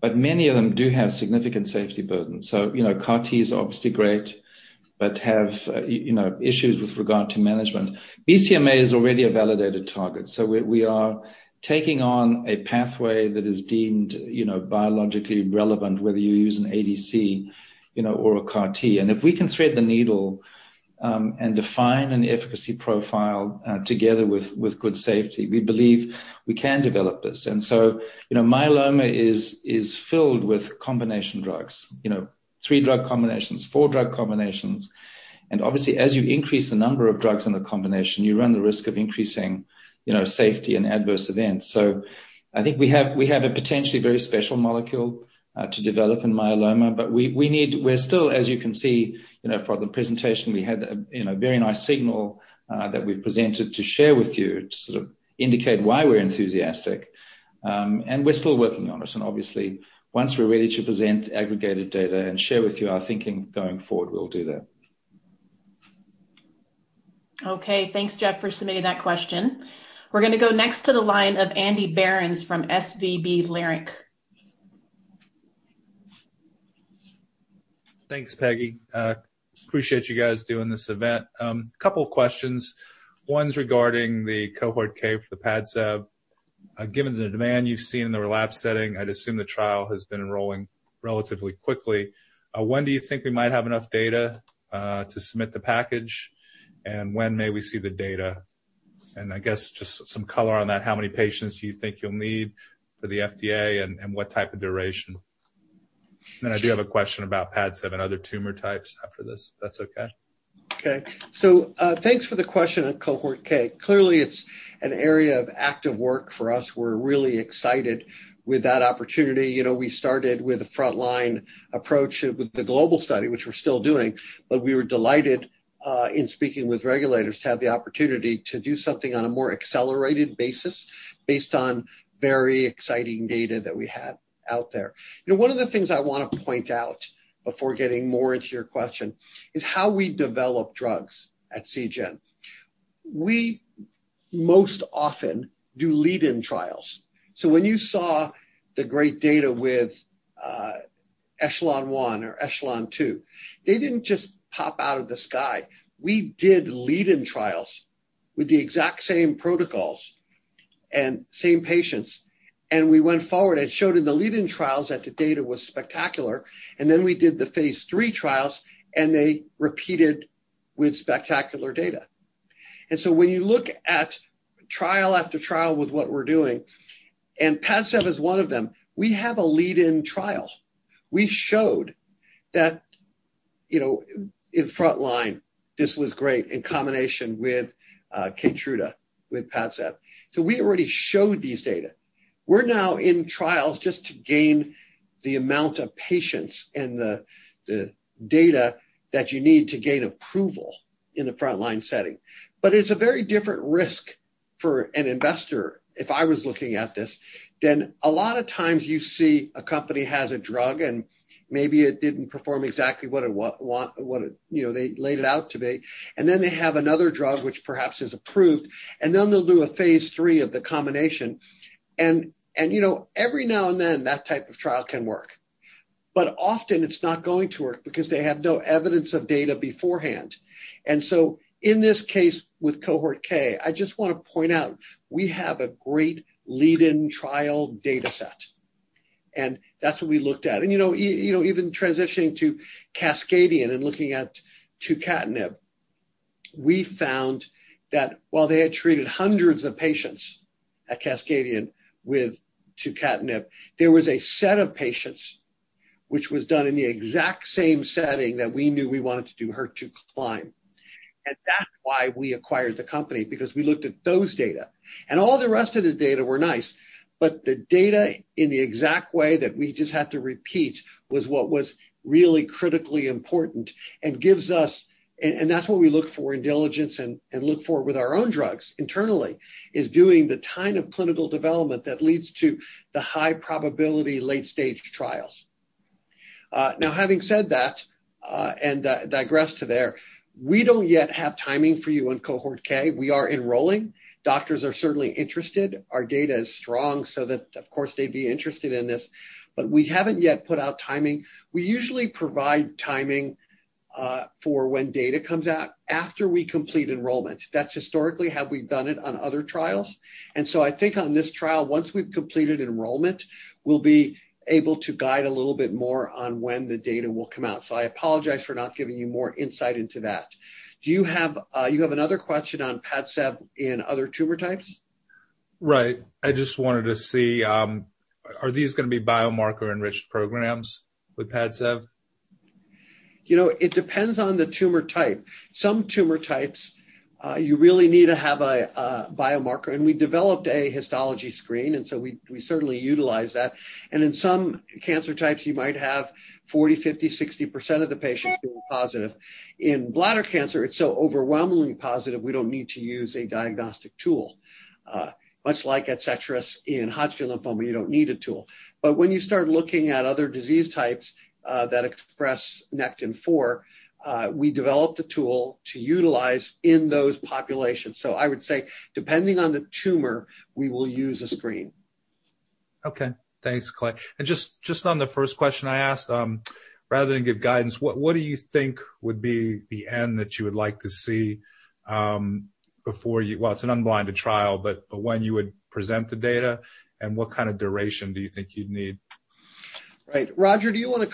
but many of them do have significant safety burdens. CAR T is obviously great, but have issues with regard to management. BCMA is already a validated target, we are taking on a pathway that is deemed biologically relevant, whether you use an ADC or a CAR T. If we can thread the needle and define an efficacy profile together with good safety, we believe we can develop this. Myeloma is filled with combination drugs. Three drug combinations, four drug combinations, obviously as you increase the number of drugs in the combination, you run the risk of increasing safety and adverse events. I think we have a potentially very special molecule to develop in myeloma, but we're still, as you can see from the presentation, we had a very nice signal that we've presented to share with you to sort of indicate why we're enthusiastic. We're still working on it, and obviously once we're ready to present aggregated data and share with you our thinking going forward, we'll do that. Okay. Thanks, Jeff, for submitting that question. We're going to go next to the line of Andy Berens from SVB Leerink. Thanks, Peggy. Appreciate you guys doing this event. Couple questions. One's regarding the Cohort K for the PADCEV. Given the demand you've seen in the relapse setting, I'd assume the trial has been enrolling relatively quickly. When do you think we might have enough data to submit the package, and when may we see the data? I guess just some color on that, how many patients do you think you'll need for the FDA, and what type of duration? I do have a question about PADCEV and other tumor types after this, if that's okay. Okay. Thanks for the question on Cohort K. Clearly, it's an area of active work for us. We're really excited with that opportunity. We started with a frontline approach with the global study, which we're still doing, but we were delighted in speaking with regulators to have the opportunity to do something on a more accelerated basis based on very exciting data that we have out there. One of the things I want to point out before getting more into your question is how we develop drugs at Seagen. We most often do lead-in trials. When you saw the great data with ECHELON-1 or ECHELON-2, they didn't just pop out of the sky. We did lead-in trials with the exact same protocols and same patients, and we went forward and showed in the lead-in trials that the data was spectacular. We did the phase III trials. They repeated with spectacular data. When you look at trial after trial with what we're doing, PADCEV is one of them. We have a lead-in trial. We showed that in frontline, this was great in combination with KEYTRUDA, with PADCEV. We already showed these data. We're now in trials just to gain the amount of patients and the data that you need to gain approval in the frontline setting. It's a very different risk for an investor if I was looking at this, than a lot of times you see a company has a drug, and maybe it didn't perform exactly what they laid it out to be, and then they have another drug which perhaps is approved, and then they'll do a phase III of the combination. Every now and then, that type of trial can work. Often it's not going to work because they have no evidence of data beforehand. In this case with Cohort K, I just want to point out we have a great lead-in trial data set, and that's what we looked at. Even transitioning to Cascadian and looking at tucatinib, we found that while they had treated hundreds of patients at Cascadian with tucatinib, there was a set of patients which was done in the exact same setting that we knew we wanted to do HER2CLIMB. That's why we acquired the company, because we looked at those data. All the rest of the data were nice, but the data in the exact way that we just had to repeat was what was really critically important. That's what we look for in diligence and look for with our own drugs internally, is doing the kind of clinical development that leads to the high probability late-stage trials. Having said that, and digress to there, we don't yet have timing for you on Cohort K. We are enrolling. Doctors are certainly interested. Our data is strong, so that of course they'd be interested in this. We haven't yet put out timing. We usually provide timing for when data comes out after we complete enrollment. That's historically how we've done it on other trials. I think on this trial, once we've completed enrollment, we'll be able to guide a little bit more on when the data will come out. I apologize for not giving you more insight into that. Do you have another question on PADCEV in other tumor types? Right. I just wanted to see, are these going to be biomarker enriched programs with PADCEV? It depends on the tumor type. Some tumor types, you really need to have a biomarker. We developed a histology screen, and so we certainly utilize that. In some cancer types, you might have 40%, 50%, 60% of the patients being positive. In bladder cancer, it's so overwhelmingly positive, we don't need to use a diagnostic tool. Much like ADCETRIS in Hodgkin lymphoma, you don't need a tool. When you start looking at other disease types that express nectin-4, we developed a tool to utilize in those populations. I would say depending on the tumor, we will use a screen. Okay. Thanks, Clay. Just on the first question I asked, rather than give guidance, what do you think would be the end that you would like to see? Well, it's an unblinded trial, but when you would present the data, and what kind of duration do you think you'd need? Right. Roger, do you want to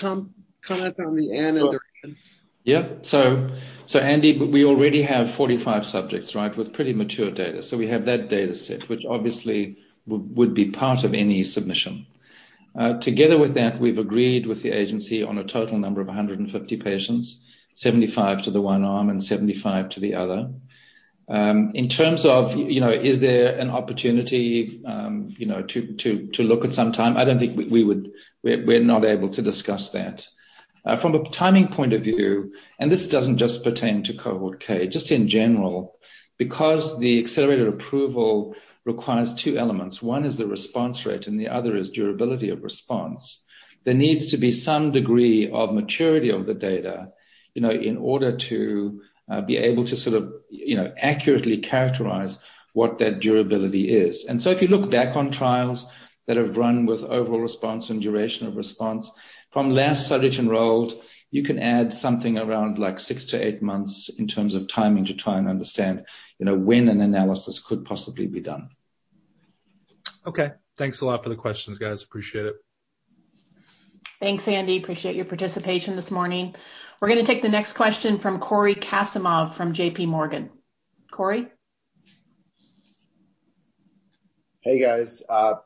comment on the end and duration? Yeah. Andy, we already have 45 subjects, right, with pretty mature data. We have that data set, which obviously would be part of any submission. Together with that, we've agreed with the agency on a total number of 150 patients, 75 to the one arm and 75 to the other. In terms of is there an opportunity to look at some time? I don't think we would. We're not able to discuss that. From a timing point of view, this doesn't just pertain to Cohort K, just in general, because the accelerated approval requires two elements. One is the response rate, and the other is durability of response. There needs to be some degree of maturity of the data in order to be able to sort of accurately characterize what that durability is. If you look back on trials that have run with overall response and duration of response from last subject enrolled, you can add something around six to eight months in terms of timing to try and understand when an analysis could possibly be done. Okay. Thanks a lot for the questions, guys. Appreciate it. Thanks, Andy. Appreciate your participation this morning. We're going to take the next question from Cory Kasimov from JPMorgan. Cory? Hey, guys.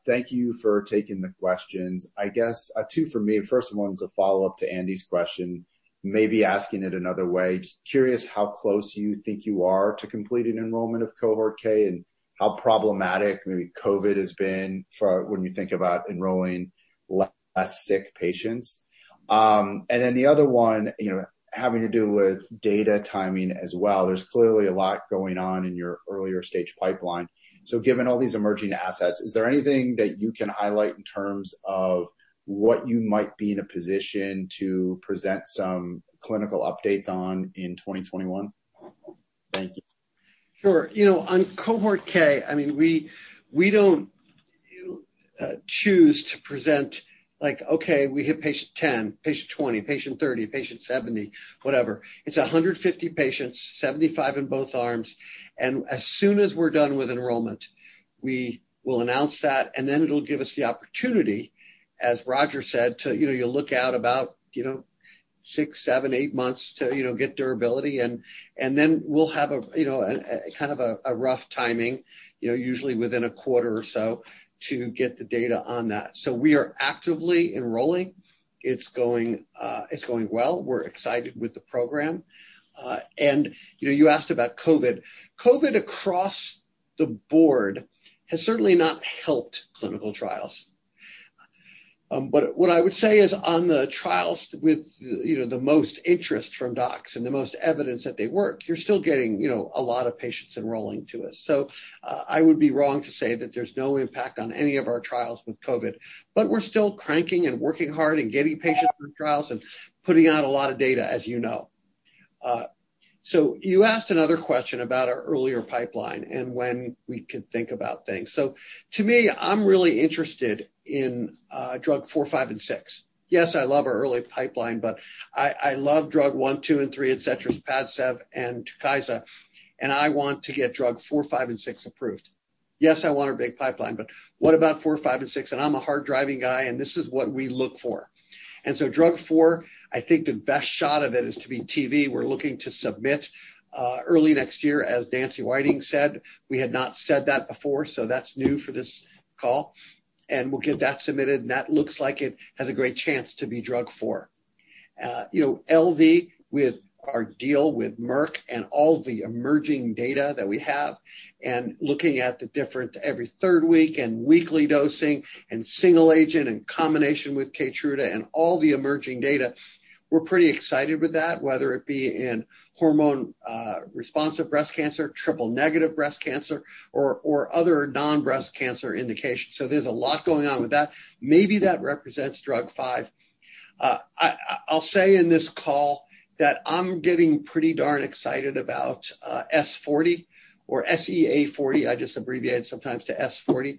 Thank you for taking the questions. I guess two from me. First one's a follow-up to Andy's question, maybe asking it another way. Just curious how close you think you are to completing enrollment of Cohort K and how problematic maybe COVID has been for when you think about enrolling less sick patients? The other one, having to do with data timing as well. There's clearly a lot going on in your earlier stage pipeline. Given all these emerging assets, is there anything that you can highlight in terms of what you might be in a position to present some clinical updates on in 2021? Thank you. Sure. On Cohort K, we don't choose to present like, okay, we hit patient 10, patient 20, patient 30, patient 70, whatever. It's 150 patients, 75 in both arms, and as soon as we're done with enrollment, we will announce that, and then it'll give us the opportunity, as Roger said, to look out about six, seven, eight months to get durability. Then we'll have a kind of a rough timing, usually within a quarter or so, to get the data on that. We are actively enrolling. It's going well. We're excited with the program. You asked about COVID. COVID across the board has certainly not helped clinical trials. What I would say is on the trials with the most interest from docs and the most evidence that they work, you're still getting a lot of patients enrolling to us. I would be wrong to say that there's no impact on any of our trials with COVID, but we're still cranking and working hard and getting patients through trials and putting out a lot of data, as you know. You asked another question about our earlier pipeline and when we could think about things. To me, I'm really interested in drug four, five, and six. Yes, I love our early pipeline, but I love drug one, two, and three, ADCETRIS, PADCEV, and TUKYSA, and I want to get drug four, five, and six approved. Yes, I want a big pipeline, but what about four, five, and six? I'm a hard-driving guy, and this is what we look for. Drug four, I think the best shot of it is to be TV. We're looking to submit early next year, as Nancy Whiting said. We had not said that before, so that's new for this call. We'll get that submitted, and that looks like it has a great chance to be drug four. LV, with our deal with Merck and all the emerging data that we have, and looking at the different every third week and weekly dosing and single agent in combination with KEYTRUDA and all the emerging data, we're pretty excited with that, whether it be in hormone-responsive breast cancer, triple-negative breast cancer, or other non-breast cancer indications. There's a lot going on with that. Maybe that represents drug five. I'll say in this call that I'm getting pretty darn excited about SEA-CD40, or SEA-40. I just abbreviate it sometimes to SEA-CD40.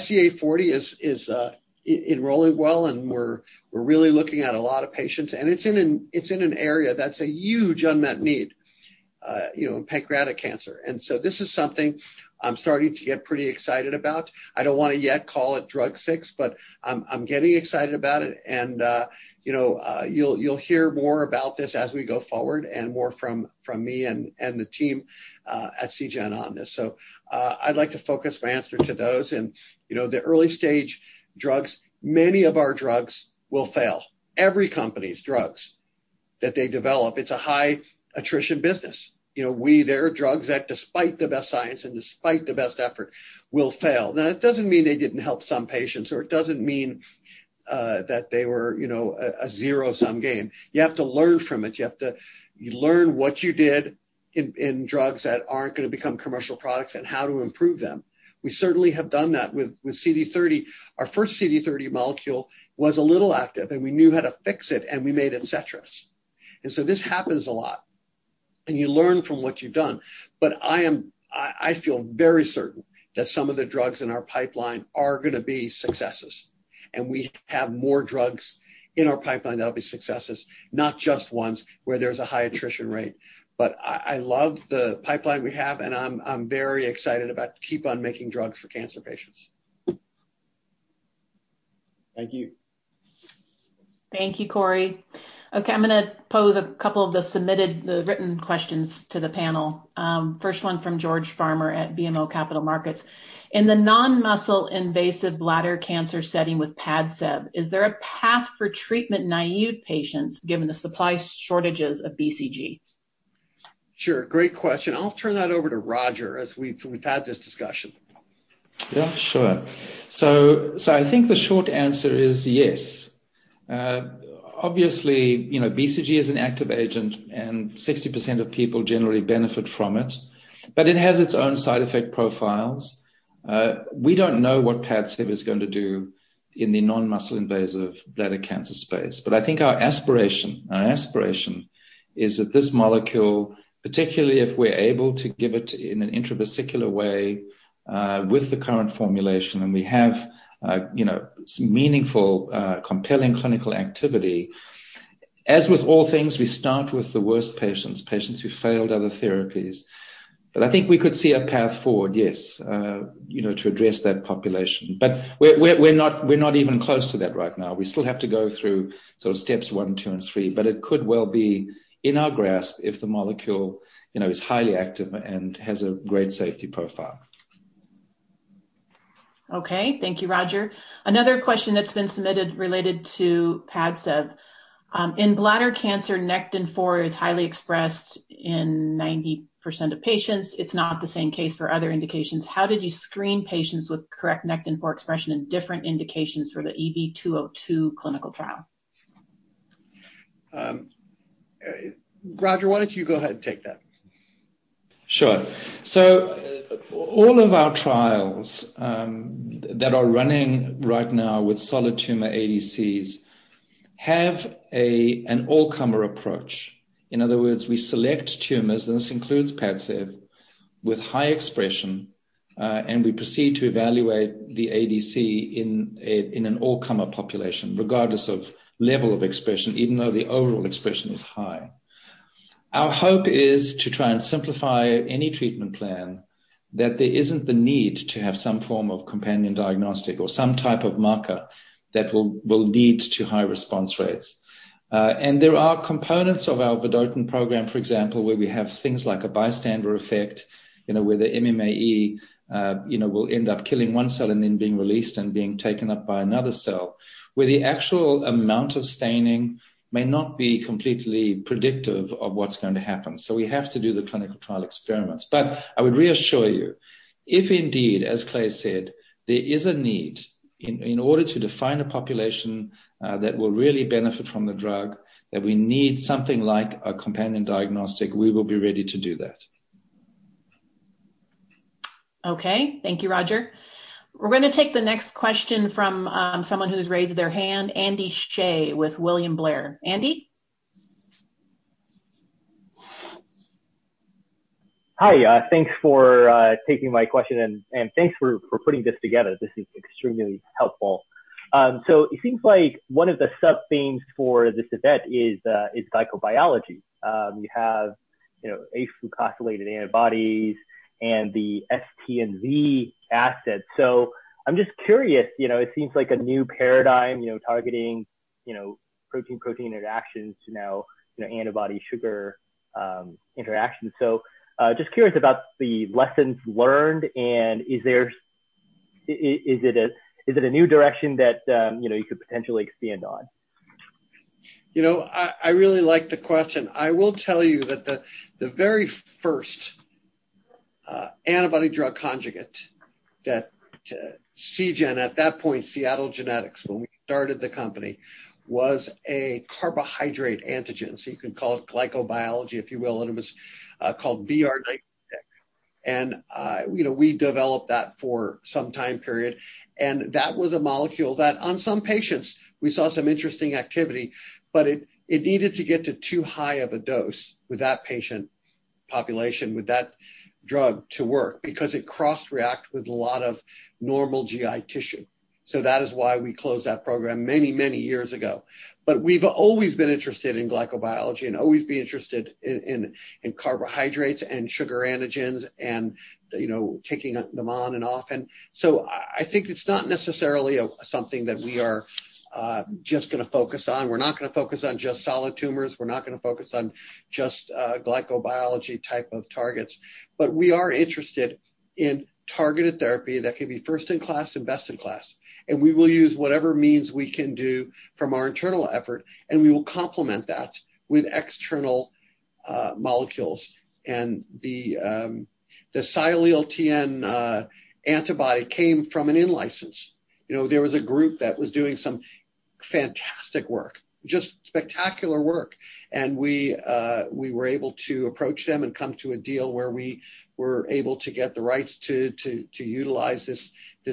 SEA-40 is enrolling well, and we're really looking at a lot of patients, and it's in an area that's a huge unmet need, pancreatic cancer. This is something I'm starting to get pretty excited about. I don't want to yet call it drug six, but I'm getting excited about it, and you'll hear more about this as we go forward and more from me and the team at Seagen on this. I'd like to focus my answer to those. The early-stage drugs, many of our drugs will fail. Every company's drugs that they develop, it's a high-attrition business. There are drugs that despite the best science and despite the best effort, will fail. That doesn't mean they didn't help some patients, or it doesn't mean that they were a zero-sum game. You have to learn from it. You learn what you did in drugs that aren't going to become commercial products and how to improve them. We certainly have done that with CD30. Our first CD30 molecule was a little active, and we knew how to fix it, and we made ADCETRIS. This happens a lot, and you learn from what you've done. I feel very certain that some of the drugs in our pipeline are going to be successes, and we have more drugs in our pipeline that'll be successes, not just ones where there's a high attrition rate. I love the pipeline we have, and I'm very excited about keep on making drugs for cancer patients. Thank you. Thank you, Cory. Okay, I'm going to pose a couple of the submitted, the written questions to the panel. First one from George Farmer at BMO Capital Markets. In the non-muscle invasive bladder cancer setting with PADCEV, is there a path for treatment-naïve patients given the supply shortages of BCG? Sure, great question. I'll turn that over to Roger, as we've had this discussion. Yeah, sure. I think the short answer is yes. Obviously, BCG is an active agent, and 60% of people generally benefit from it, but it has its own side effect profiles. We don't know what PADCEV is going to do in the non-muscle invasive bladder cancer space. I think our aspiration is that this molecule, particularly if we're able to give it in an intravesical way with the current formulation, and we have some meaningful, compelling clinical activity. As with all things, we start with the worst patients who failed other therapies. I think we could see a path forward, yes, to address that population. We're not even close to that right now. We still have to go through steps one, two, and three, but it could well be in our grasp if the molecule is highly active and has a great safety profile. Okay. Thank you, Roger. Another question that's been submitted related to PADCEV. in bladder cancer, nectin-4 is highly expressed in 90% of patients. It's not the same case for other indications. How did you screen patients with correct nectin-4 expression in different indications for the EV-202 clinical trial? Roger, why don't you go ahead and take that? Sure. All of our trials that are running right now with solid tumor ADCs have an all-comer approach. In other words, we select tumors, and this includes PADCEV, with high expression, and we proceed to evaluate the ADC in an all-comer population, regardless of level of expression, even though the overall expression is high. Our hope is to try and simplify any treatment plan, that there isn't the need to have some form of companion diagnostic or some type of marker that will lead to high response rates. There are components of our vedotin program, for example, where we have things like a bystander effect, where the MMAE will end up killing one cell and then being released and being taken up by another cell, where the actual amount of staining may not be completely predictive of what's going to happen. We have to do the clinical trial experiments. I would reassure you, if indeed, as Clay said, there is a need in order to define a population that will really benefit from the drug, that we need something like a companion diagnostic, we will be ready to do that. Okay. Thank you, Roger. We're going to take the next question from someone who's raised their hand, Andy Hsieh with William Blair. Andy? Hi. Thanks for taking my question, thanks for putting this together. This is extremely helpful. It seems like one of the sub-themes for this event is glycobiology. You have afucosylated antibodies and the SGN-STNV asset. I'm just curious, it seems like a new paradigm, targeting protein-protein interactions to now antibody sugar interactions. Just curious about the lessons learned, is it a new direction that you could potentially expand on? I really like the question. I will tell you that the very first antibody-drug conjugate that Seagen, at that point, Seattle Genetics, when we started the company, was a carbohydrate antigen. You could call it glycobiology, if you will, and it was called BR96. We developed that for some time period, and that was a molecule that on some patients we saw some interesting activity, but it needed to get to too high of a dose with that patient population, with that drug to work, because it cross-reacts with a lot of normal GI tissue. That is why we closed that program many years ago. We've always been interested in glycobiology, and always been interested in carbohydrates and sugar antigens and taking them on and off. I think it's not necessarily something that we are just going to focus on. We're not going to focus on just solid tumors. We're not going to focus on just glycobiology type of targets. We are interested in targeted therapy that can be first in class and best in class. We will use whatever means we can do from our internal effort, and we will complement that with external molecules. The Sialyl Tn antibody came from an in-license. There was a group that was doing some fantastic work, just spectacular work. We were able to approach them and come to a deal where we were able to get the rights to utilize this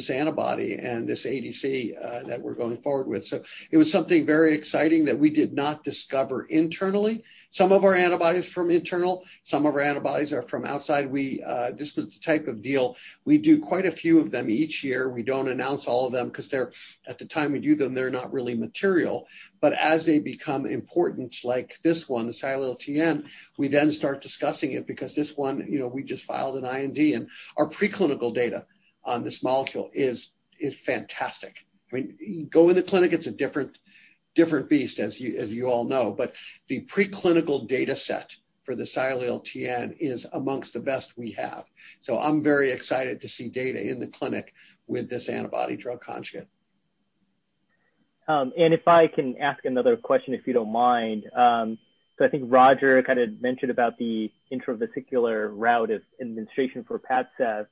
antibody and this ADC that we're going forward with. It was something very exciting that we did not discover internally. Some of our antibodies from internal, some of our antibodies are from outside. This was the type of deal we do quite a few of them each year. We don't announce all of them because at the time we do them, they're not really material. As they become important, like this one, the sialyl-Tn, we then start discussing it because this one we just filed an IND, and our preclinical data on this molecule is fantastic. You go in the clinic, it's a different beast, as you all know. The preclinical data set for the sialyl-Tn is amongst the best we have. I'm very excited to see data in the clinic with this antibody-drug conjugate. If I can ask another question, if you don't mind. I think Roger kind of mentioned about the intravesical route of administration for PADCEV.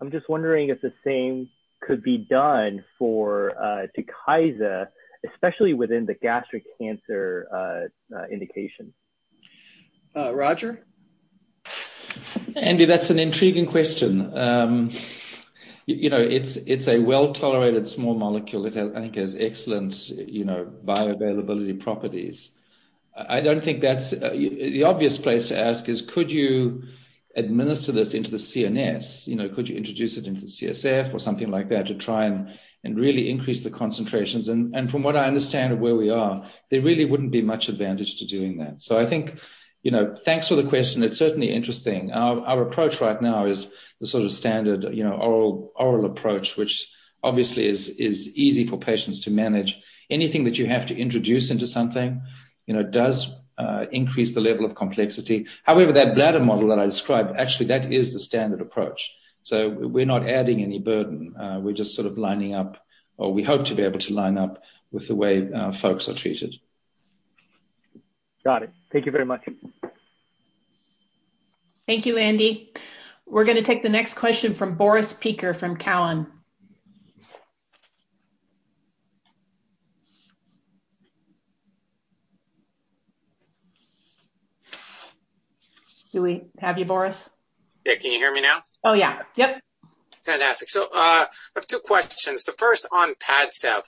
I'm just wondering if the same could be done for TUKYSA, especially within the gastric cancer indication. Roger? Andy, that's an intriguing question. It's a well-tolerated small molecule. It has, I think, has excellent bioavailability properties. The obvious place to ask is could you administer this into the CNS? Could you introduce it into the CSF or something like that to try and really increase the concentrations? From what I understand of where we are, there really wouldn't be much advantage to doing that. I think, thanks for the question. It's certainly interesting. Our approach right now is the sort of standard oral approach, which obviously is easy for patients to manage. Anything that you have to introduce into something does increase the level of complexity. However, that bladder model that I described, actually, that is the standard approach. We're not adding any burden. We're just sort of lining up, or we hope to be able to line up with the way folks are treated. Got it. Thank you very much. Thank you, Andy. We're going to take the next question from Boris Peaker from Cowen. Do we have you, Boris? Yeah. Can you hear me now? Oh, yeah. Yep. Fantastic. I have two questions. The first on PADCEV.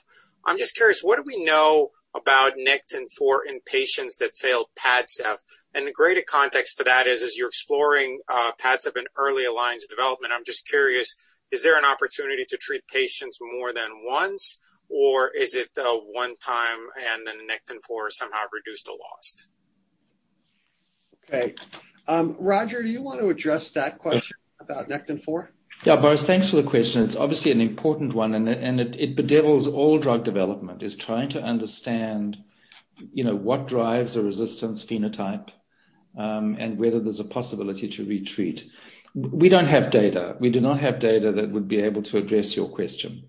I'm just curious, what do we know about nectin-4 in patients that failed PADCEV? The greater context to that is, as you're exploring PADCEV in early alliance development, I'm just curious, is there an opportunity to treat patients more than once, or is it a one time and then nectin-4 is somehow reduced or lost? Okay. Roger, do you want to address that question about nectin-4? Yeah. Boris, thanks for the question. It's obviously an important one, and it bedevils all drug development, is trying to understand what drives a resistance phenotype, and whether there's a possibility to re-treat. We don't have data. We do not have data that would be able to address your question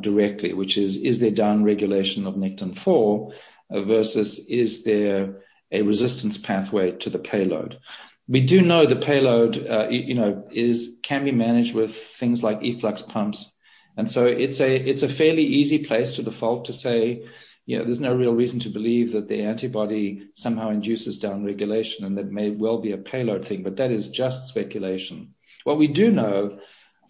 directly, which is: Is there downregulation of nectin-4 versus is there a resistance pathway to the payload? We do know the payload can be managed with things like efflux pumps. It's a fairly easy place to default to say, there's no real reason to believe that the antibody somehow induces downregulation, and that may well be a payload thing. That is just speculation. What we do know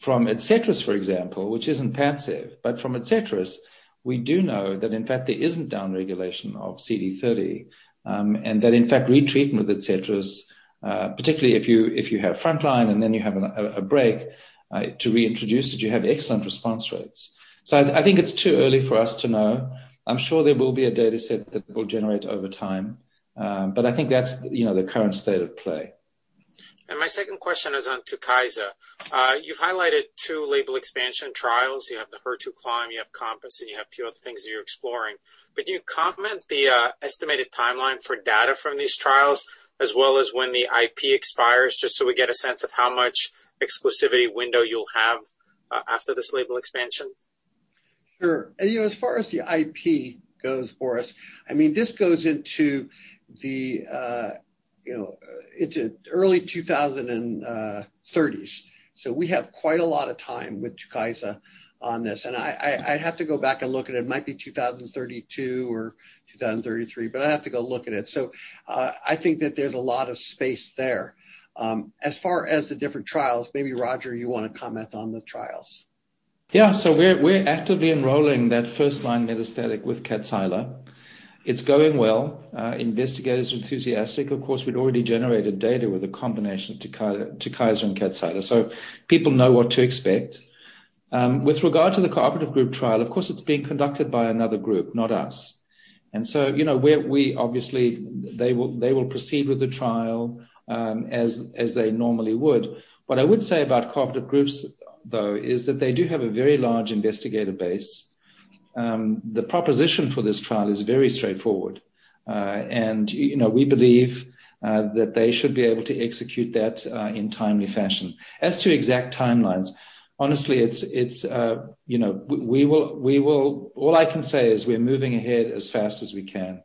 from ADCETRIS, for example, which isn't PADCEV, but from ADCETRIS, we do know that in fact there isn't downregulation of CD30, and that in fact re-treatment with ADCETRIS, particularly if you have frontline and then you have a break, to reintroduce it, you have excellent response rates. I think it's too early for us to know. I'm sure there will be a data set that we'll generate over time. I think that's the current state of play. My second question is on TUKYSA. You've highlighted two label expansion trials. You have the HER2CLIMB, you have COMPASS, and you have a few other things that you're exploring. Can you comment the estimated timeline for data from these trials, as well as when the IP expires, just so we get a sense of how much exclusivity window you'll have after this label expansion? Sure. As far as the IP goes, Boris, this goes into the early 2030s. We have quite a lot of time with TUKYSA on this, and I'd have to go back and look at it. It might be 2032 or 2033, but I'd have to go look at it. I think that there's a lot of space there. As far as the different trials, maybe Roger, you want to comment on the trials? Yeah. We're actively enrolling that first-line metastatic with KADCYLA. It's going well. Investigators are enthusiastic. Of course, we'd already generated data with a combination of TUKYSA and KADCYLA, so people know what to expect. With regard to the cooperative group trial, of course, it's being conducted by another group, not us. Obviously they will proceed with the trial, as they normally would. What I would say about cooperative groups, though, is that they do have a very large investigator base. The proposition for this trial is very straightforward. We believe that they should be able to execute that in timely fashion. As to exact timelines, honestly, all I can say is we're moving ahead as fast as we can.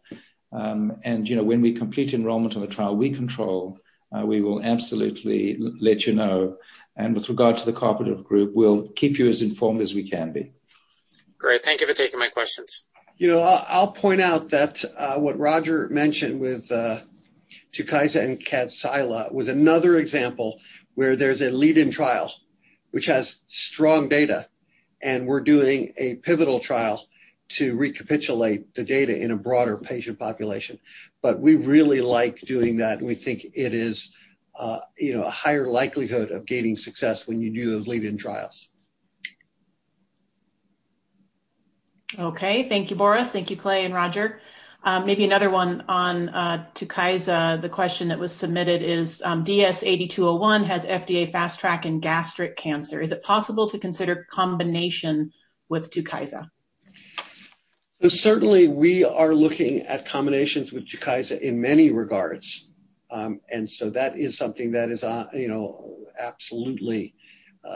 When we complete enrollment on the trial we control, we will absolutely let you know. With regard to the cooperative group, we'll keep you as informed as we can be. Great. Thank you for taking my questions. I'll point out that what Roger mentioned with TUKYSA and KADCYLA was another example where there's a lead-in trial which has strong data, and we're doing a pivotal trial to recapitulate the data in a broader patient population. We really like doing that, and we think it is a higher likelihood of gaining success when you do those lead-in trials. Okay. Thank you, Boris. Thank you, Clay and Roger. Maybe another one on TUKYSA. The question that was submitted is DS-8201 has FDA fast track in gastric cancer. Is it possible to consider combination with TUKYSA? Certainly we are looking at combinations with TUKYSA in many regards. That is something that is absolutely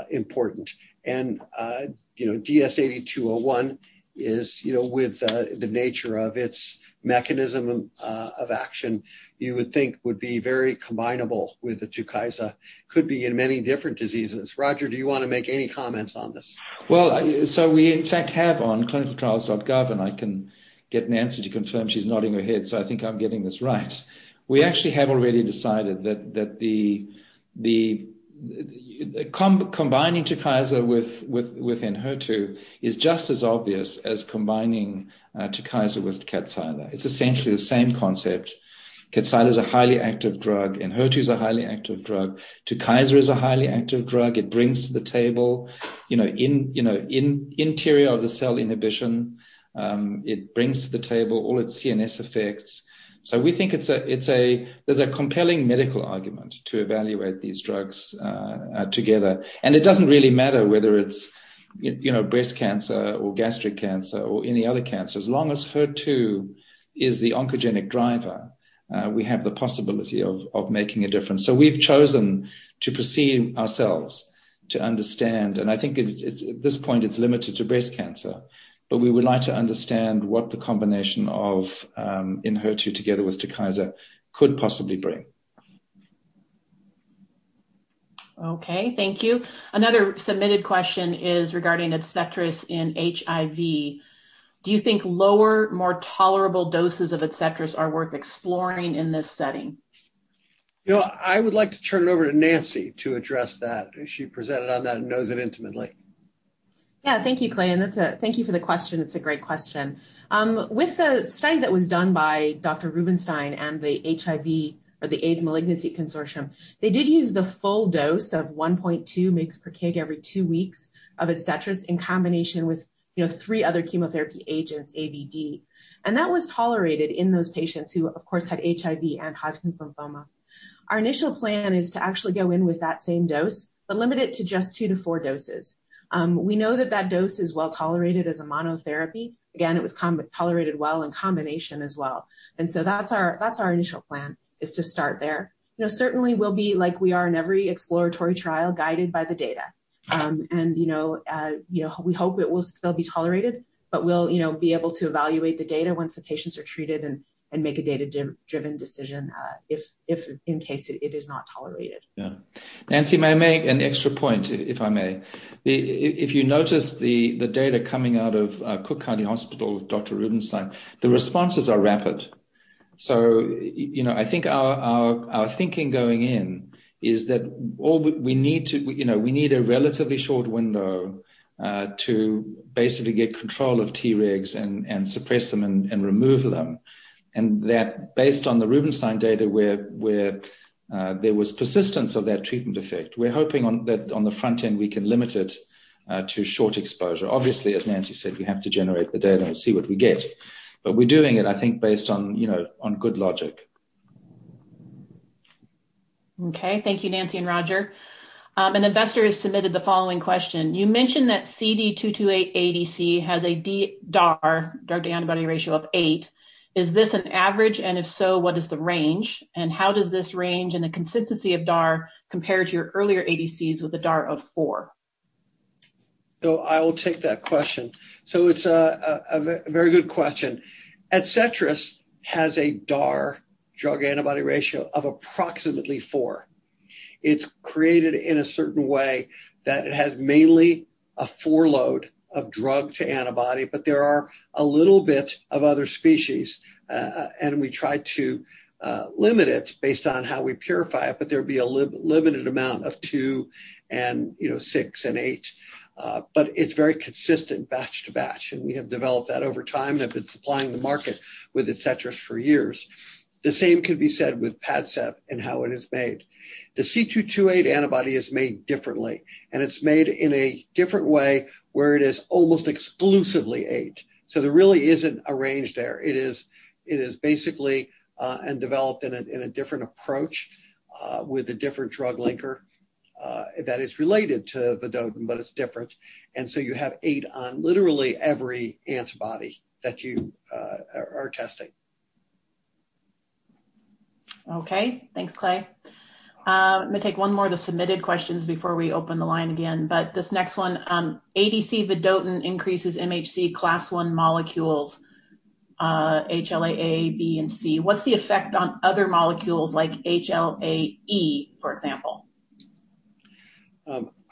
important. DS-8201 is, with the nature of its mechanism of action, you would think would be very combinable with the TUKYSA, could be in many different diseases. Roger, do you want to make any comments on this? We in fact have on clinicaltrials.gov, and I can get Nancy to confirm. She's nodding her head, I think I'm getting this right. We actually have already decided that combining TUKYSA with ENHERTU is just as obvious as combining TUKYSA with KADCYLA. It's essentially the same concept. KADCYLA is a highly active drug. ENHERTU is a highly active drug. TUKYSA is a highly active drug. It brings to the table interior of the cell inhibition. It brings to the table all its CNS effects. We think there's a compelling medical argument to evaluate these drugs together. It doesn't really matter whether it's breast cancer or gastric cancer or any other cancer. As long as HER2 is the oncogenic driver, we have the possibility of making a difference. We've chosen to proceed ourselves to understand, and I think at this point, it's limited to breast cancer. We would like to understand what the combination of ENHERTU together with TUKYSA could possibly bring. Okay, thank you. Another submitted question is regarding ADCETRIS and HIV. Do you think lower, more tolerable doses of ADCETRIS are worth exploring in this setting? I would like to turn it over to Nancy to address that, as she presented on that and knows it intimately. Yeah. Thank you, Clay, and thank you for the question. It's a great question. With the study that was done by Dr. Rubinstein and the HIV or the AIDS Malignancy Consortium, they did use the full dose of 1.2 mg/kg every two weeks of ADCETRIS in combination with three other chemotherapy agents, AVD. That was tolerated in those patients who, of course, had HIV and Hodgkin lymphoma. Our initial plan is to actually go in with that same dose, but limit it to just two to four doses. We know that that dose is well-tolerated as a monotherapy. Again, it was tolerated well in combination as well. That's our initial plan, is to start there. Certainly, we'll be, like we are in every exploratory trial, guided by the data. We hope it will still be tolerated, but we'll be able to evaluate the data once the patients are treated and make a data-driven decision if in case it is not tolerated. Yeah. Nancy, may I make an extra point, if I may? If you notice the data coming out of Cook County Hospital with Dr. Rubinstein, the responses are rapid. I think our thinking going in is that we need a relatively short window to basically get control of Tregs and suppress them and remove them. That based on the Rubinstein data, where there was persistence of that treatment effect, we're hoping that on the front end, we can limit it to short exposure. Obviously, as Nancy said, we have to generate the data and see what we get. We're doing it, I think, based on good logic. Okay. Thank you, Nancy and Roger. An investor has submitted the following question. You mentioned that CD228 ADC has a DAR, drug-to-antibody ratio, of eight. Is this an average, if so, what is the range? How does this range and the consistency of DAR compare to your earlier ADCs with a DAR of four? I will take that question. It's a very good question. ADCETRIS has a DAR, drug-antibody ratio, of approximately four. It's created in a certain way that it has mainly a four load of drug to antibody, but there are a little bit of other species, and we try to limit it based on how we purify it, but there'd be a limited amount of two and six and eight. It's very consistent batch to batch, and we have developed that over time and have been supplying the market with ADCETRIS for years. The same could be said with PADCEV and how it is made. The CD228 antibody is made differently, and it's made in a different way where it is almost exclusively eight. There really isn't a range there. It is basically developed in a different approach with a different drug linker that is related to the vedotin, but it's different. You have eight on literally every antibody that you are testing. Okay. Thanks, Clay. I'm going to take one more of the submitted questions before we open the line again. This next one, ADC vedotin increases MHC class I molecules, HLA-A, HLA-B, and HLA-C. What's the effect on other molecules like HLA-E, for example?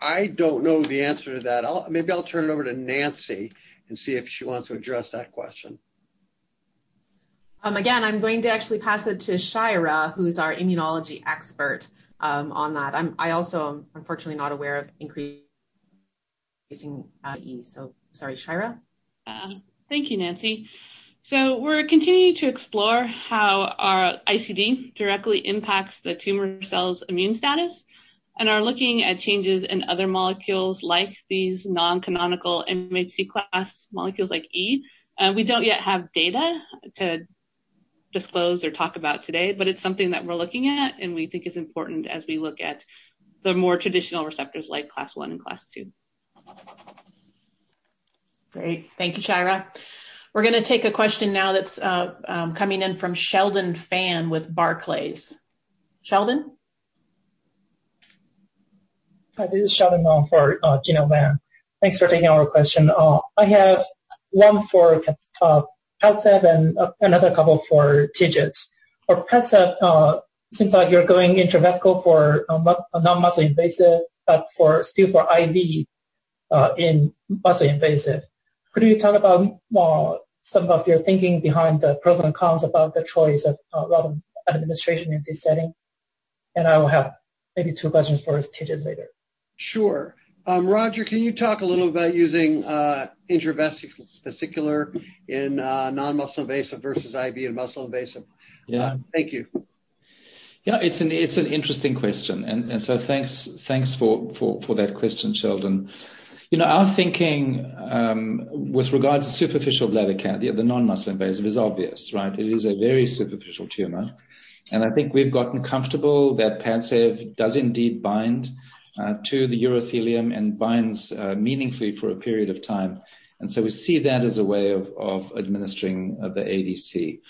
I don't know the answer to that. Maybe I'll turn it over to Nancy and see if she wants to address that question. I'm going to actually pass it to Shyra, who's our immunology expert on that. I also am unfortunately not aware of increasing E. Sorry. Shyra? Thank you, Nancy. We're continuing to explore how our ICD directly impacts the tumor cells' immune status and are looking at changes in other molecules like these non-canonical MHC class molecules like E. We don't yet have data to disclose or talk about today, but it's something that we're looking at and we think is important as we look at the more traditional receptors like class one and class two. Great. Thank you, Shyra. We're going to take a question now that's coming in from Sheldon Fan with Barclays. Sheldon? Hi. This is Sheldon Fan for Gena Wang. Thanks for taking our question. I have one for PADCEV and another couple for TIGIT. For PADCEV, it seems like you're going intravesical for non-muscle invasive, but still for IV in muscle invasive. Could you talk about some of your thinking behind the pros and cons about the choice of route of administration in this setting? I will have maybe two questions for us TIGIT later. Sure. Roger, can you talk a little about using intravesical, particular in non-muscle invasive versus IV and muscle invasive? Yeah. Thank you. Yeah. It's an interesting question. Thanks for that question, Sheldon. Our thinking with regards to superficial bladder cancer, the non-muscle invasive, is obvious, right? It is a very superficial tumor, and I think we've gotten comfortable that PADCEV does indeed bind to the urothelium and binds meaningfully for a period of time. We see that as a way of administering the ADC.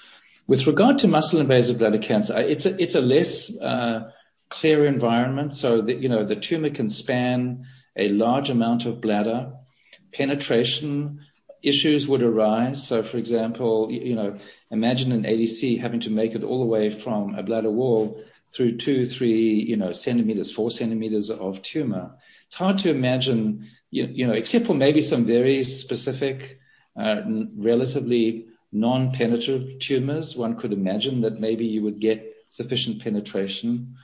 With regard to muscle-invasive bladder cancer, it's a less clear environment so that the tumor can span a large amount of bladder. Penetration issues would arise. For example, imagine an ADC having to make it all the way from a bladder wall through two, three, centimeters, four centimeters of tumor. It's hard to imagine, except for maybe some very specific, relatively non-penetrative tumors, one could imagine that maybe you would get sufficient penetration.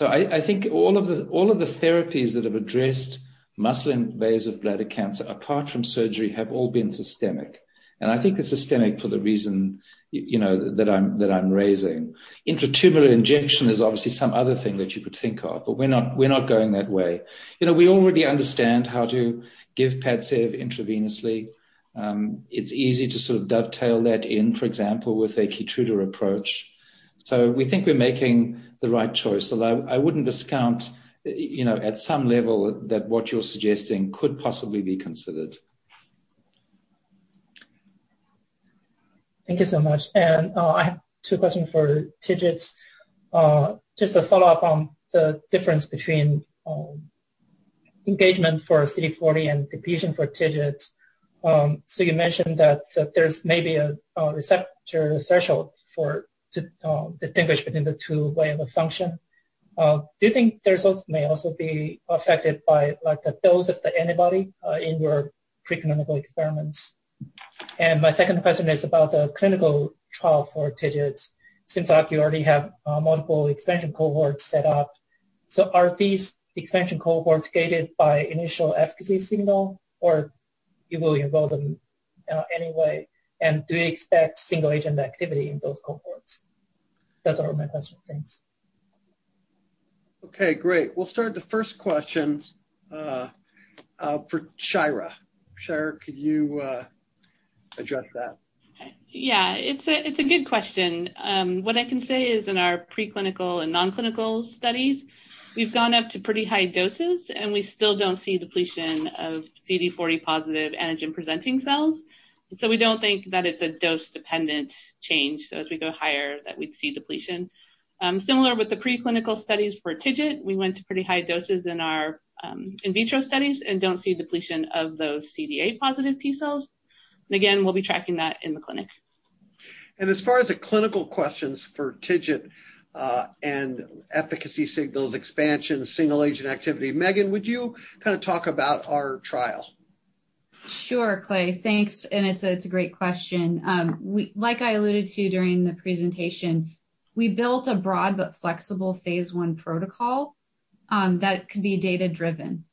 I think all of the therapies that have addressed muscle invasive bladder cancer, apart from surgery, have all been systemic. I think they're systemic for the reason that I'm raising. Intratumoral injection is obviously some other thing that you could think of, but we're not going that way. We already understand how to give PADCEV intravenously. It's easy to sort of dovetail that in, for example, with a KEYTRUDA approach. We think we're making the right choice, although I wouldn't discount, at some level, that what you're suggesting could possibly be considered. Thank you so much. I have two questions for TIGIT. Just a follow-up on the difference between engagement for CD40 and depletion for TIGIT. You mentioned that there's maybe a receptor threshold to distinguish between the two way of a function. Do you think this may also be affected by the dose of the antibody in your preclinical experiments? My second question is about the clinical trial for TIGIT. Since you already have multiple expansion Cohorts set up. Are these expansion Cohorts gated by initial efficacy signal, or you will enroll them anyway? Do you expect single-agent activity in those Cohorts? Those are my questions. Thanks. Okay, great. We'll start the first question for Shyra. Shyra, could you address that? Yeah. It's a good question. What I can say is in our preclinical and non-clinical studies, we've gone up to pretty high doses, and we still don't see depletion of CD40 positive Antigen-presenting cells. We don't think that it's a dose-dependent change, so as we go higher, that we'd see depletion. Similar with the preclinical studies for TIGIT, we went to pretty high doses in our in vitro studies and don't see depletion of those CD8 positive T cells. Again, we'll be tracking that in the clinic. As far as the clinical questions for TIGIT, and efficacy signals, expansion, single-agent activity, Megan, would you talk about our trial? Sure, Clay, thanks. It's a great question. Like I alluded to during the presentation, we built a broad but flexible phase I protocol that could be data-driven.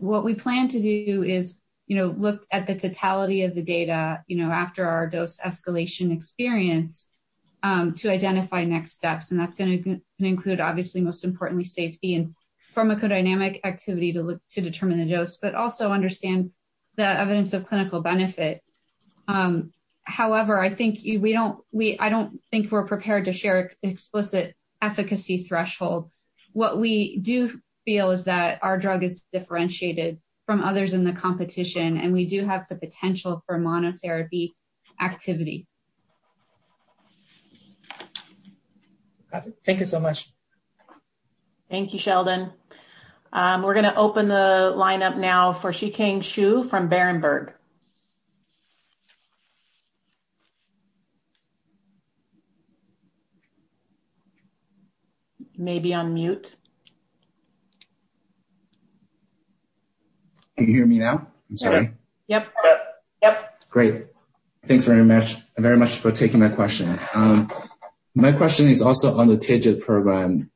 What we plan to do is look at the totality of the data after our dose escalation experience to identify next steps, and that's going to include, obviously, most importantly, safety and pharmacodynamic activity to determine the dose, but also understand the evidence of clinical benefit. However, I don't think we're prepared to share explicit efficacy threshold. What we do feel is that our drug is differentiated from others in the competition, and we do have the potential for monotherapy activity. Got it. Thank you so much. Thank you, Sheldon. We're going to open the lineup now for Zhiqiang Shu from Berenberg. Maybe on mute. Can you hear me now? I'm sorry. Yep. Yep. Yep. Great. Thanks very much for taking my questions. My question is also on the TIGIT program.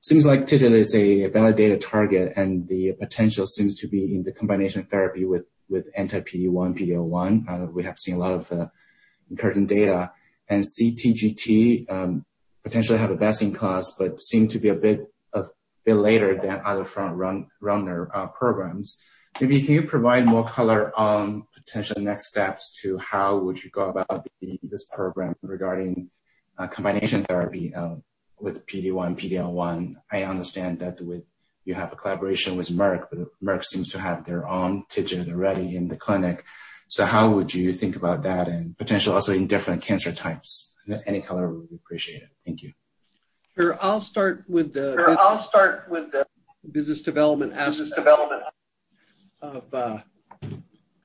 Seems like TIGIT is a validated target, and the potential seems to be in the combination therapy with anti-PD-1, PD-L1. We have seen a lot of encouraging data, and SEA-TGT potentially have a best in class but seem to be a bit later than other front runner programs. Maybe can you provide more color on potential next steps to how would you go about this program regarding combination therapy with PD-1, PD-L1? I understand that you have a collaboration with Merck, but Merck seems to have their own TIGIT already in the clinic. How would you think about that and potential also in different cancer types? Any color would be appreciated. Thank you. Sure. I'll start with. Business development aspect. Of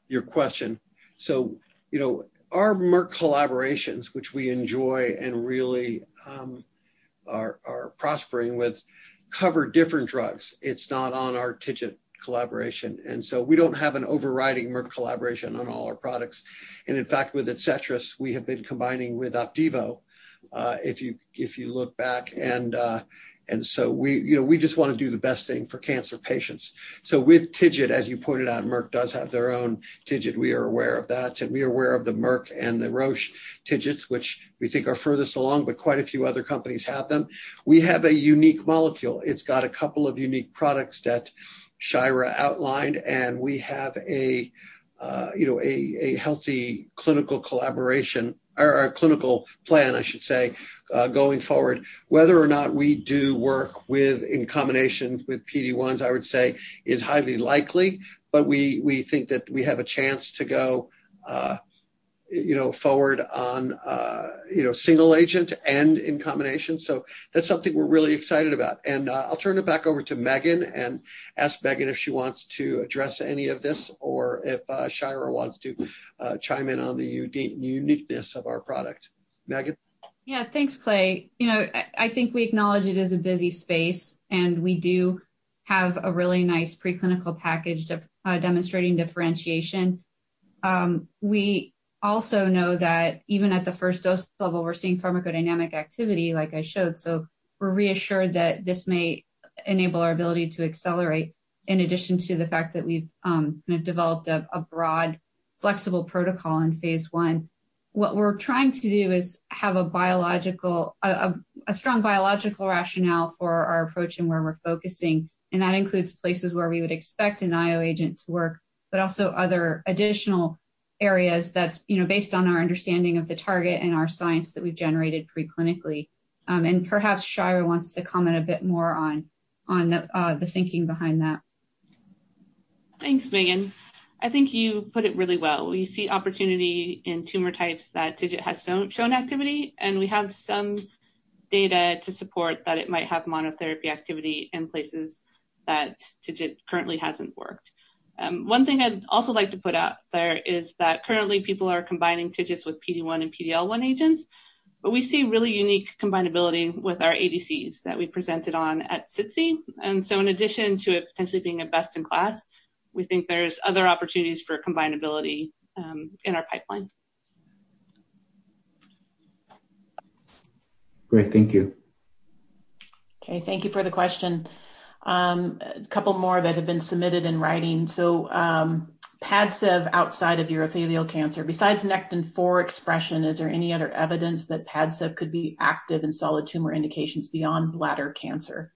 your question. Our Merck collaborations, which we enjoy and really are prospering with, cover different drugs. It's not on our TIGIT collaboration. We don't have an overriding Merck collaboration on all our products. In fact, with ADCETRIS, we have been combining with OPDIVO if you look back. We just want to do the best thing for cancer patients. With TIGIT, as you pointed out, Merck does have their own TIGIT. We are aware of that, and we are aware of the Merck and the Roche TIGITs, which we think are furthest along, but quite a few other companies have them. We have a unique molecule. It's got a couple of unique products that Shyra outlined, and we have a healthy clinical collaboration, or a clinical plan, I should say, going forward. Whether or not we do work in combination with PD-1s, I would say is highly likely, but we think that we have a chance to go you know, forward on single agent and in combination. That's something we're really excited about. I'll turn it back over to Megan and ask Megan if she wants to address any of this, or if Shyra wants to chime in on the uniqueness of our product. Megan? Yeah. Thanks, Clay. I think we acknowledge it is a busy space, and we do have a really nice preclinical package demonstrating differentiation. We also know that even at the first dose level, we're seeing pharmacodynamic activity, like I showed. We're reassured that this may enable our ability to accelerate, in addition to the fact that we've developed a broad, flexible protocol in phase I. What we're trying to do is have a strong biological rationale for our approach and where we're focusing, and that includes places where we would expect an IO agent to work, but also other additional areas that's based on our understanding of the target and our science that we've generated pre-clinically. Perhaps Shyra wants to comment a bit more on the thinking behind that. Thanks, Megan. I think you put it really well. We see opportunity in tumor types that TIGIT has shown activity, we have some data to support that it might have monotherapy activity in places that TIGIT currently hasn't worked. One thing I'd also like to put out there is that currently people are combining TIGITs with PD-1 and PD-L1 agents, we see really unique combinability with our ADCs that we presented on at SITC. In addition to it potentially being a best-in-class, we think there's other opportunities for combinability in our pipeline. Great. Thank you. Okay. Thank you for the question. A couple more that have been submitted in writing. PADCEV outside of urothelial cancer, besides nectin-4 expression, is there any other evidence that PADCEV could be active in solid tumor indications beyond bladder cancer?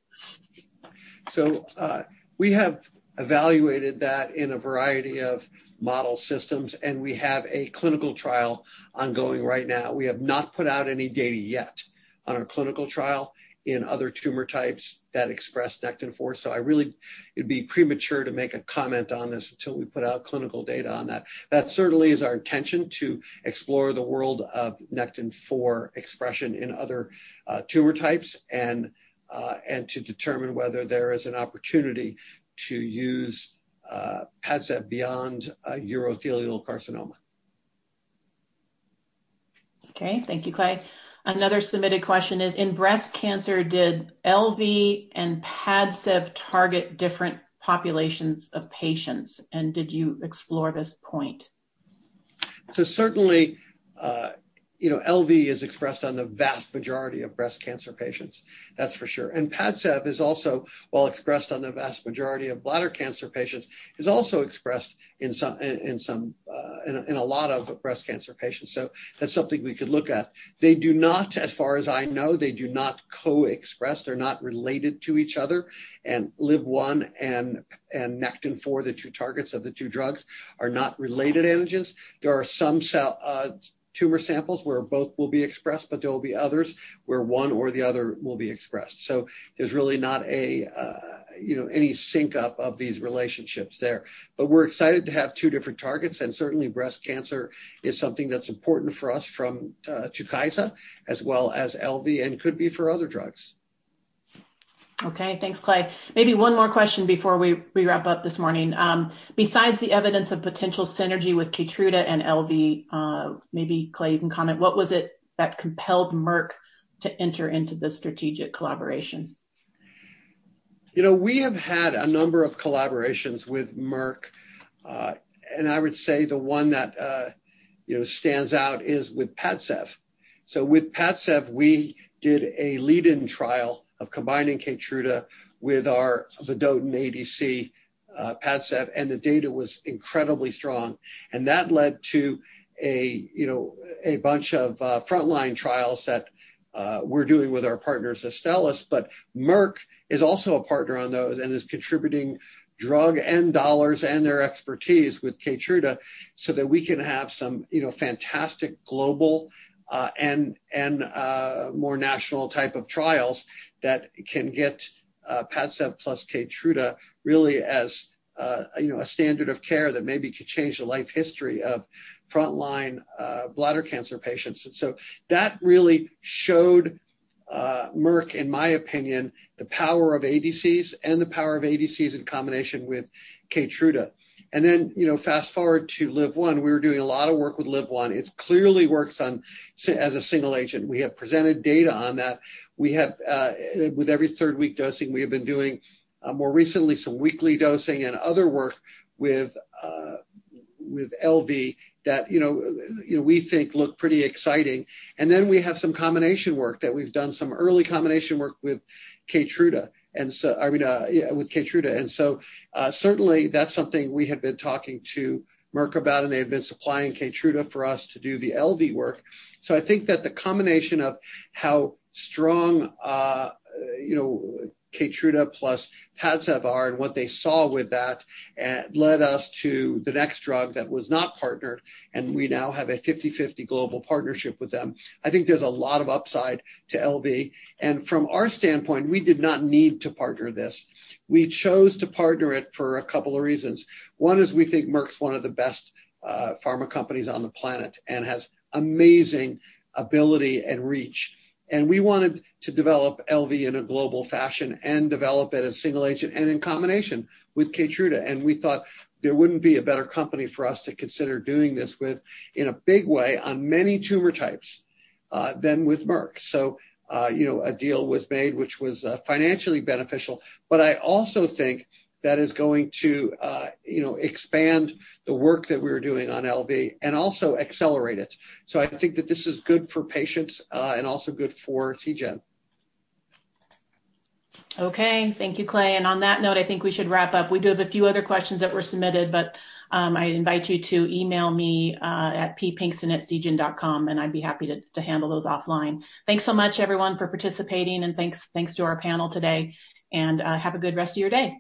We have evaluated that in a variety of model systems, and we have a clinical trial ongoing right now. We have not put out any data yet on our clinical trial in other tumor types that express nectin-4, so I really it'd be premature to make a comment on this until we put out clinical data on that. Certainly is our intention to explore the world of nectin-4 expression in other tumor types and to determine whether there is an opportunity to use PADCEV beyond urothelial carcinoma. Okay. Thank you, Clay. Another submitted question is: in breast cancer, did LV and PADCEV target different populations of patients, and did you explore this point? Certainly, LV is expressed on the vast majority of breast cancer patients, that's for sure. PADCEV is also well expressed on the vast majority of bladder cancer patients, is also expressed in a lot of breast cancer patients. That's something we could look at. They do not, as far as I know, they do not co-express. They're not related to each other. LIV-1 and nectin-4, the two targets of the two drugs, are not related antigens. There are some tumor samples where both will be expressed, but there will be others where one or the other will be expressed. There's really not any sync up of these relationships there. We're excited to have two different targets, and certainly breast cancer is something that's important for us from TUKYSA as well as LV and could be for other drugs. Okay. Thanks, Clay. Maybe one more question before we wrap up this morning. Besides the evidence of potential synergy with KEYTRUDA and LV, maybe Clay, you can comment, what was it that compelled Merck to enter into this strategic collaboration? We have had a number of collaborations with Merck. I would say the one that stands out is with PADCEV. With PADCEV, we did a lead-in trial of combining KEYTRUDA with our vedotin ADC, PADCEV, and the data was incredibly strong. That led to a bunch of frontline trials that we're doing with our partners, Astellas. Merck is also a partner on those and is contributing drug and dollars and their expertise with KEYTRUDA so that we can have some fantastic global and more national type of trials that can get PADCEV plus KEYTRUDA really as a standard of care that maybe could change the life history of frontline bladder cancer patients. That really showed Merck, in my opinion, the power of ADCs and the power of ADCs in combination with KEYTRUDA. Fast-forward to LIV-1. We were doing a lot of work with LIV-1. It clearly works as a single agent. We have presented data on that. With every third-week dosing, we have been doing more recently some weekly dosing and other work with LV that we think look pretty exciting. We have some combination work that we've done, some early combination work with KEYTRUDA. Certainly, that's something we had been talking to Merck about, and they had been supplying KEYTRUDA for us to do the LV work. I think that the combination of how strong KEYTRUDA plus PADCEV are and what they saw with that led us to the next drug that was not partnered, and we now have a 50/50 global partnership with them. I think there's a lot of upside to LV. From our standpoint, we did not need to partner this. We chose to partner it for a couple of reasons. One is we think Merck's one of the best pharma companies on the planet and has amazing ability and reach. We wanted to develop LV in a global fashion and develop it as single agent and in combination with KEYTRUDA. We thought there wouldn't be a better company for us to consider doing this with in a big way on many tumor types than with Merck. A deal was made, which was financially beneficial. I also think that is going to expand the work that we were doing on LV and also accelerate it. I think that this is good for patients and also good for Seagen. Okay. Thank you, Clay. On that note, I think we should wrap up. We do have a few other questions that were submitted, but I invite you to email me at ppinkston@seagen.com, and I'd be happy to handle those offline. Thanks so much, everyone, for participating, thanks to our panel today. Have a good rest of your day.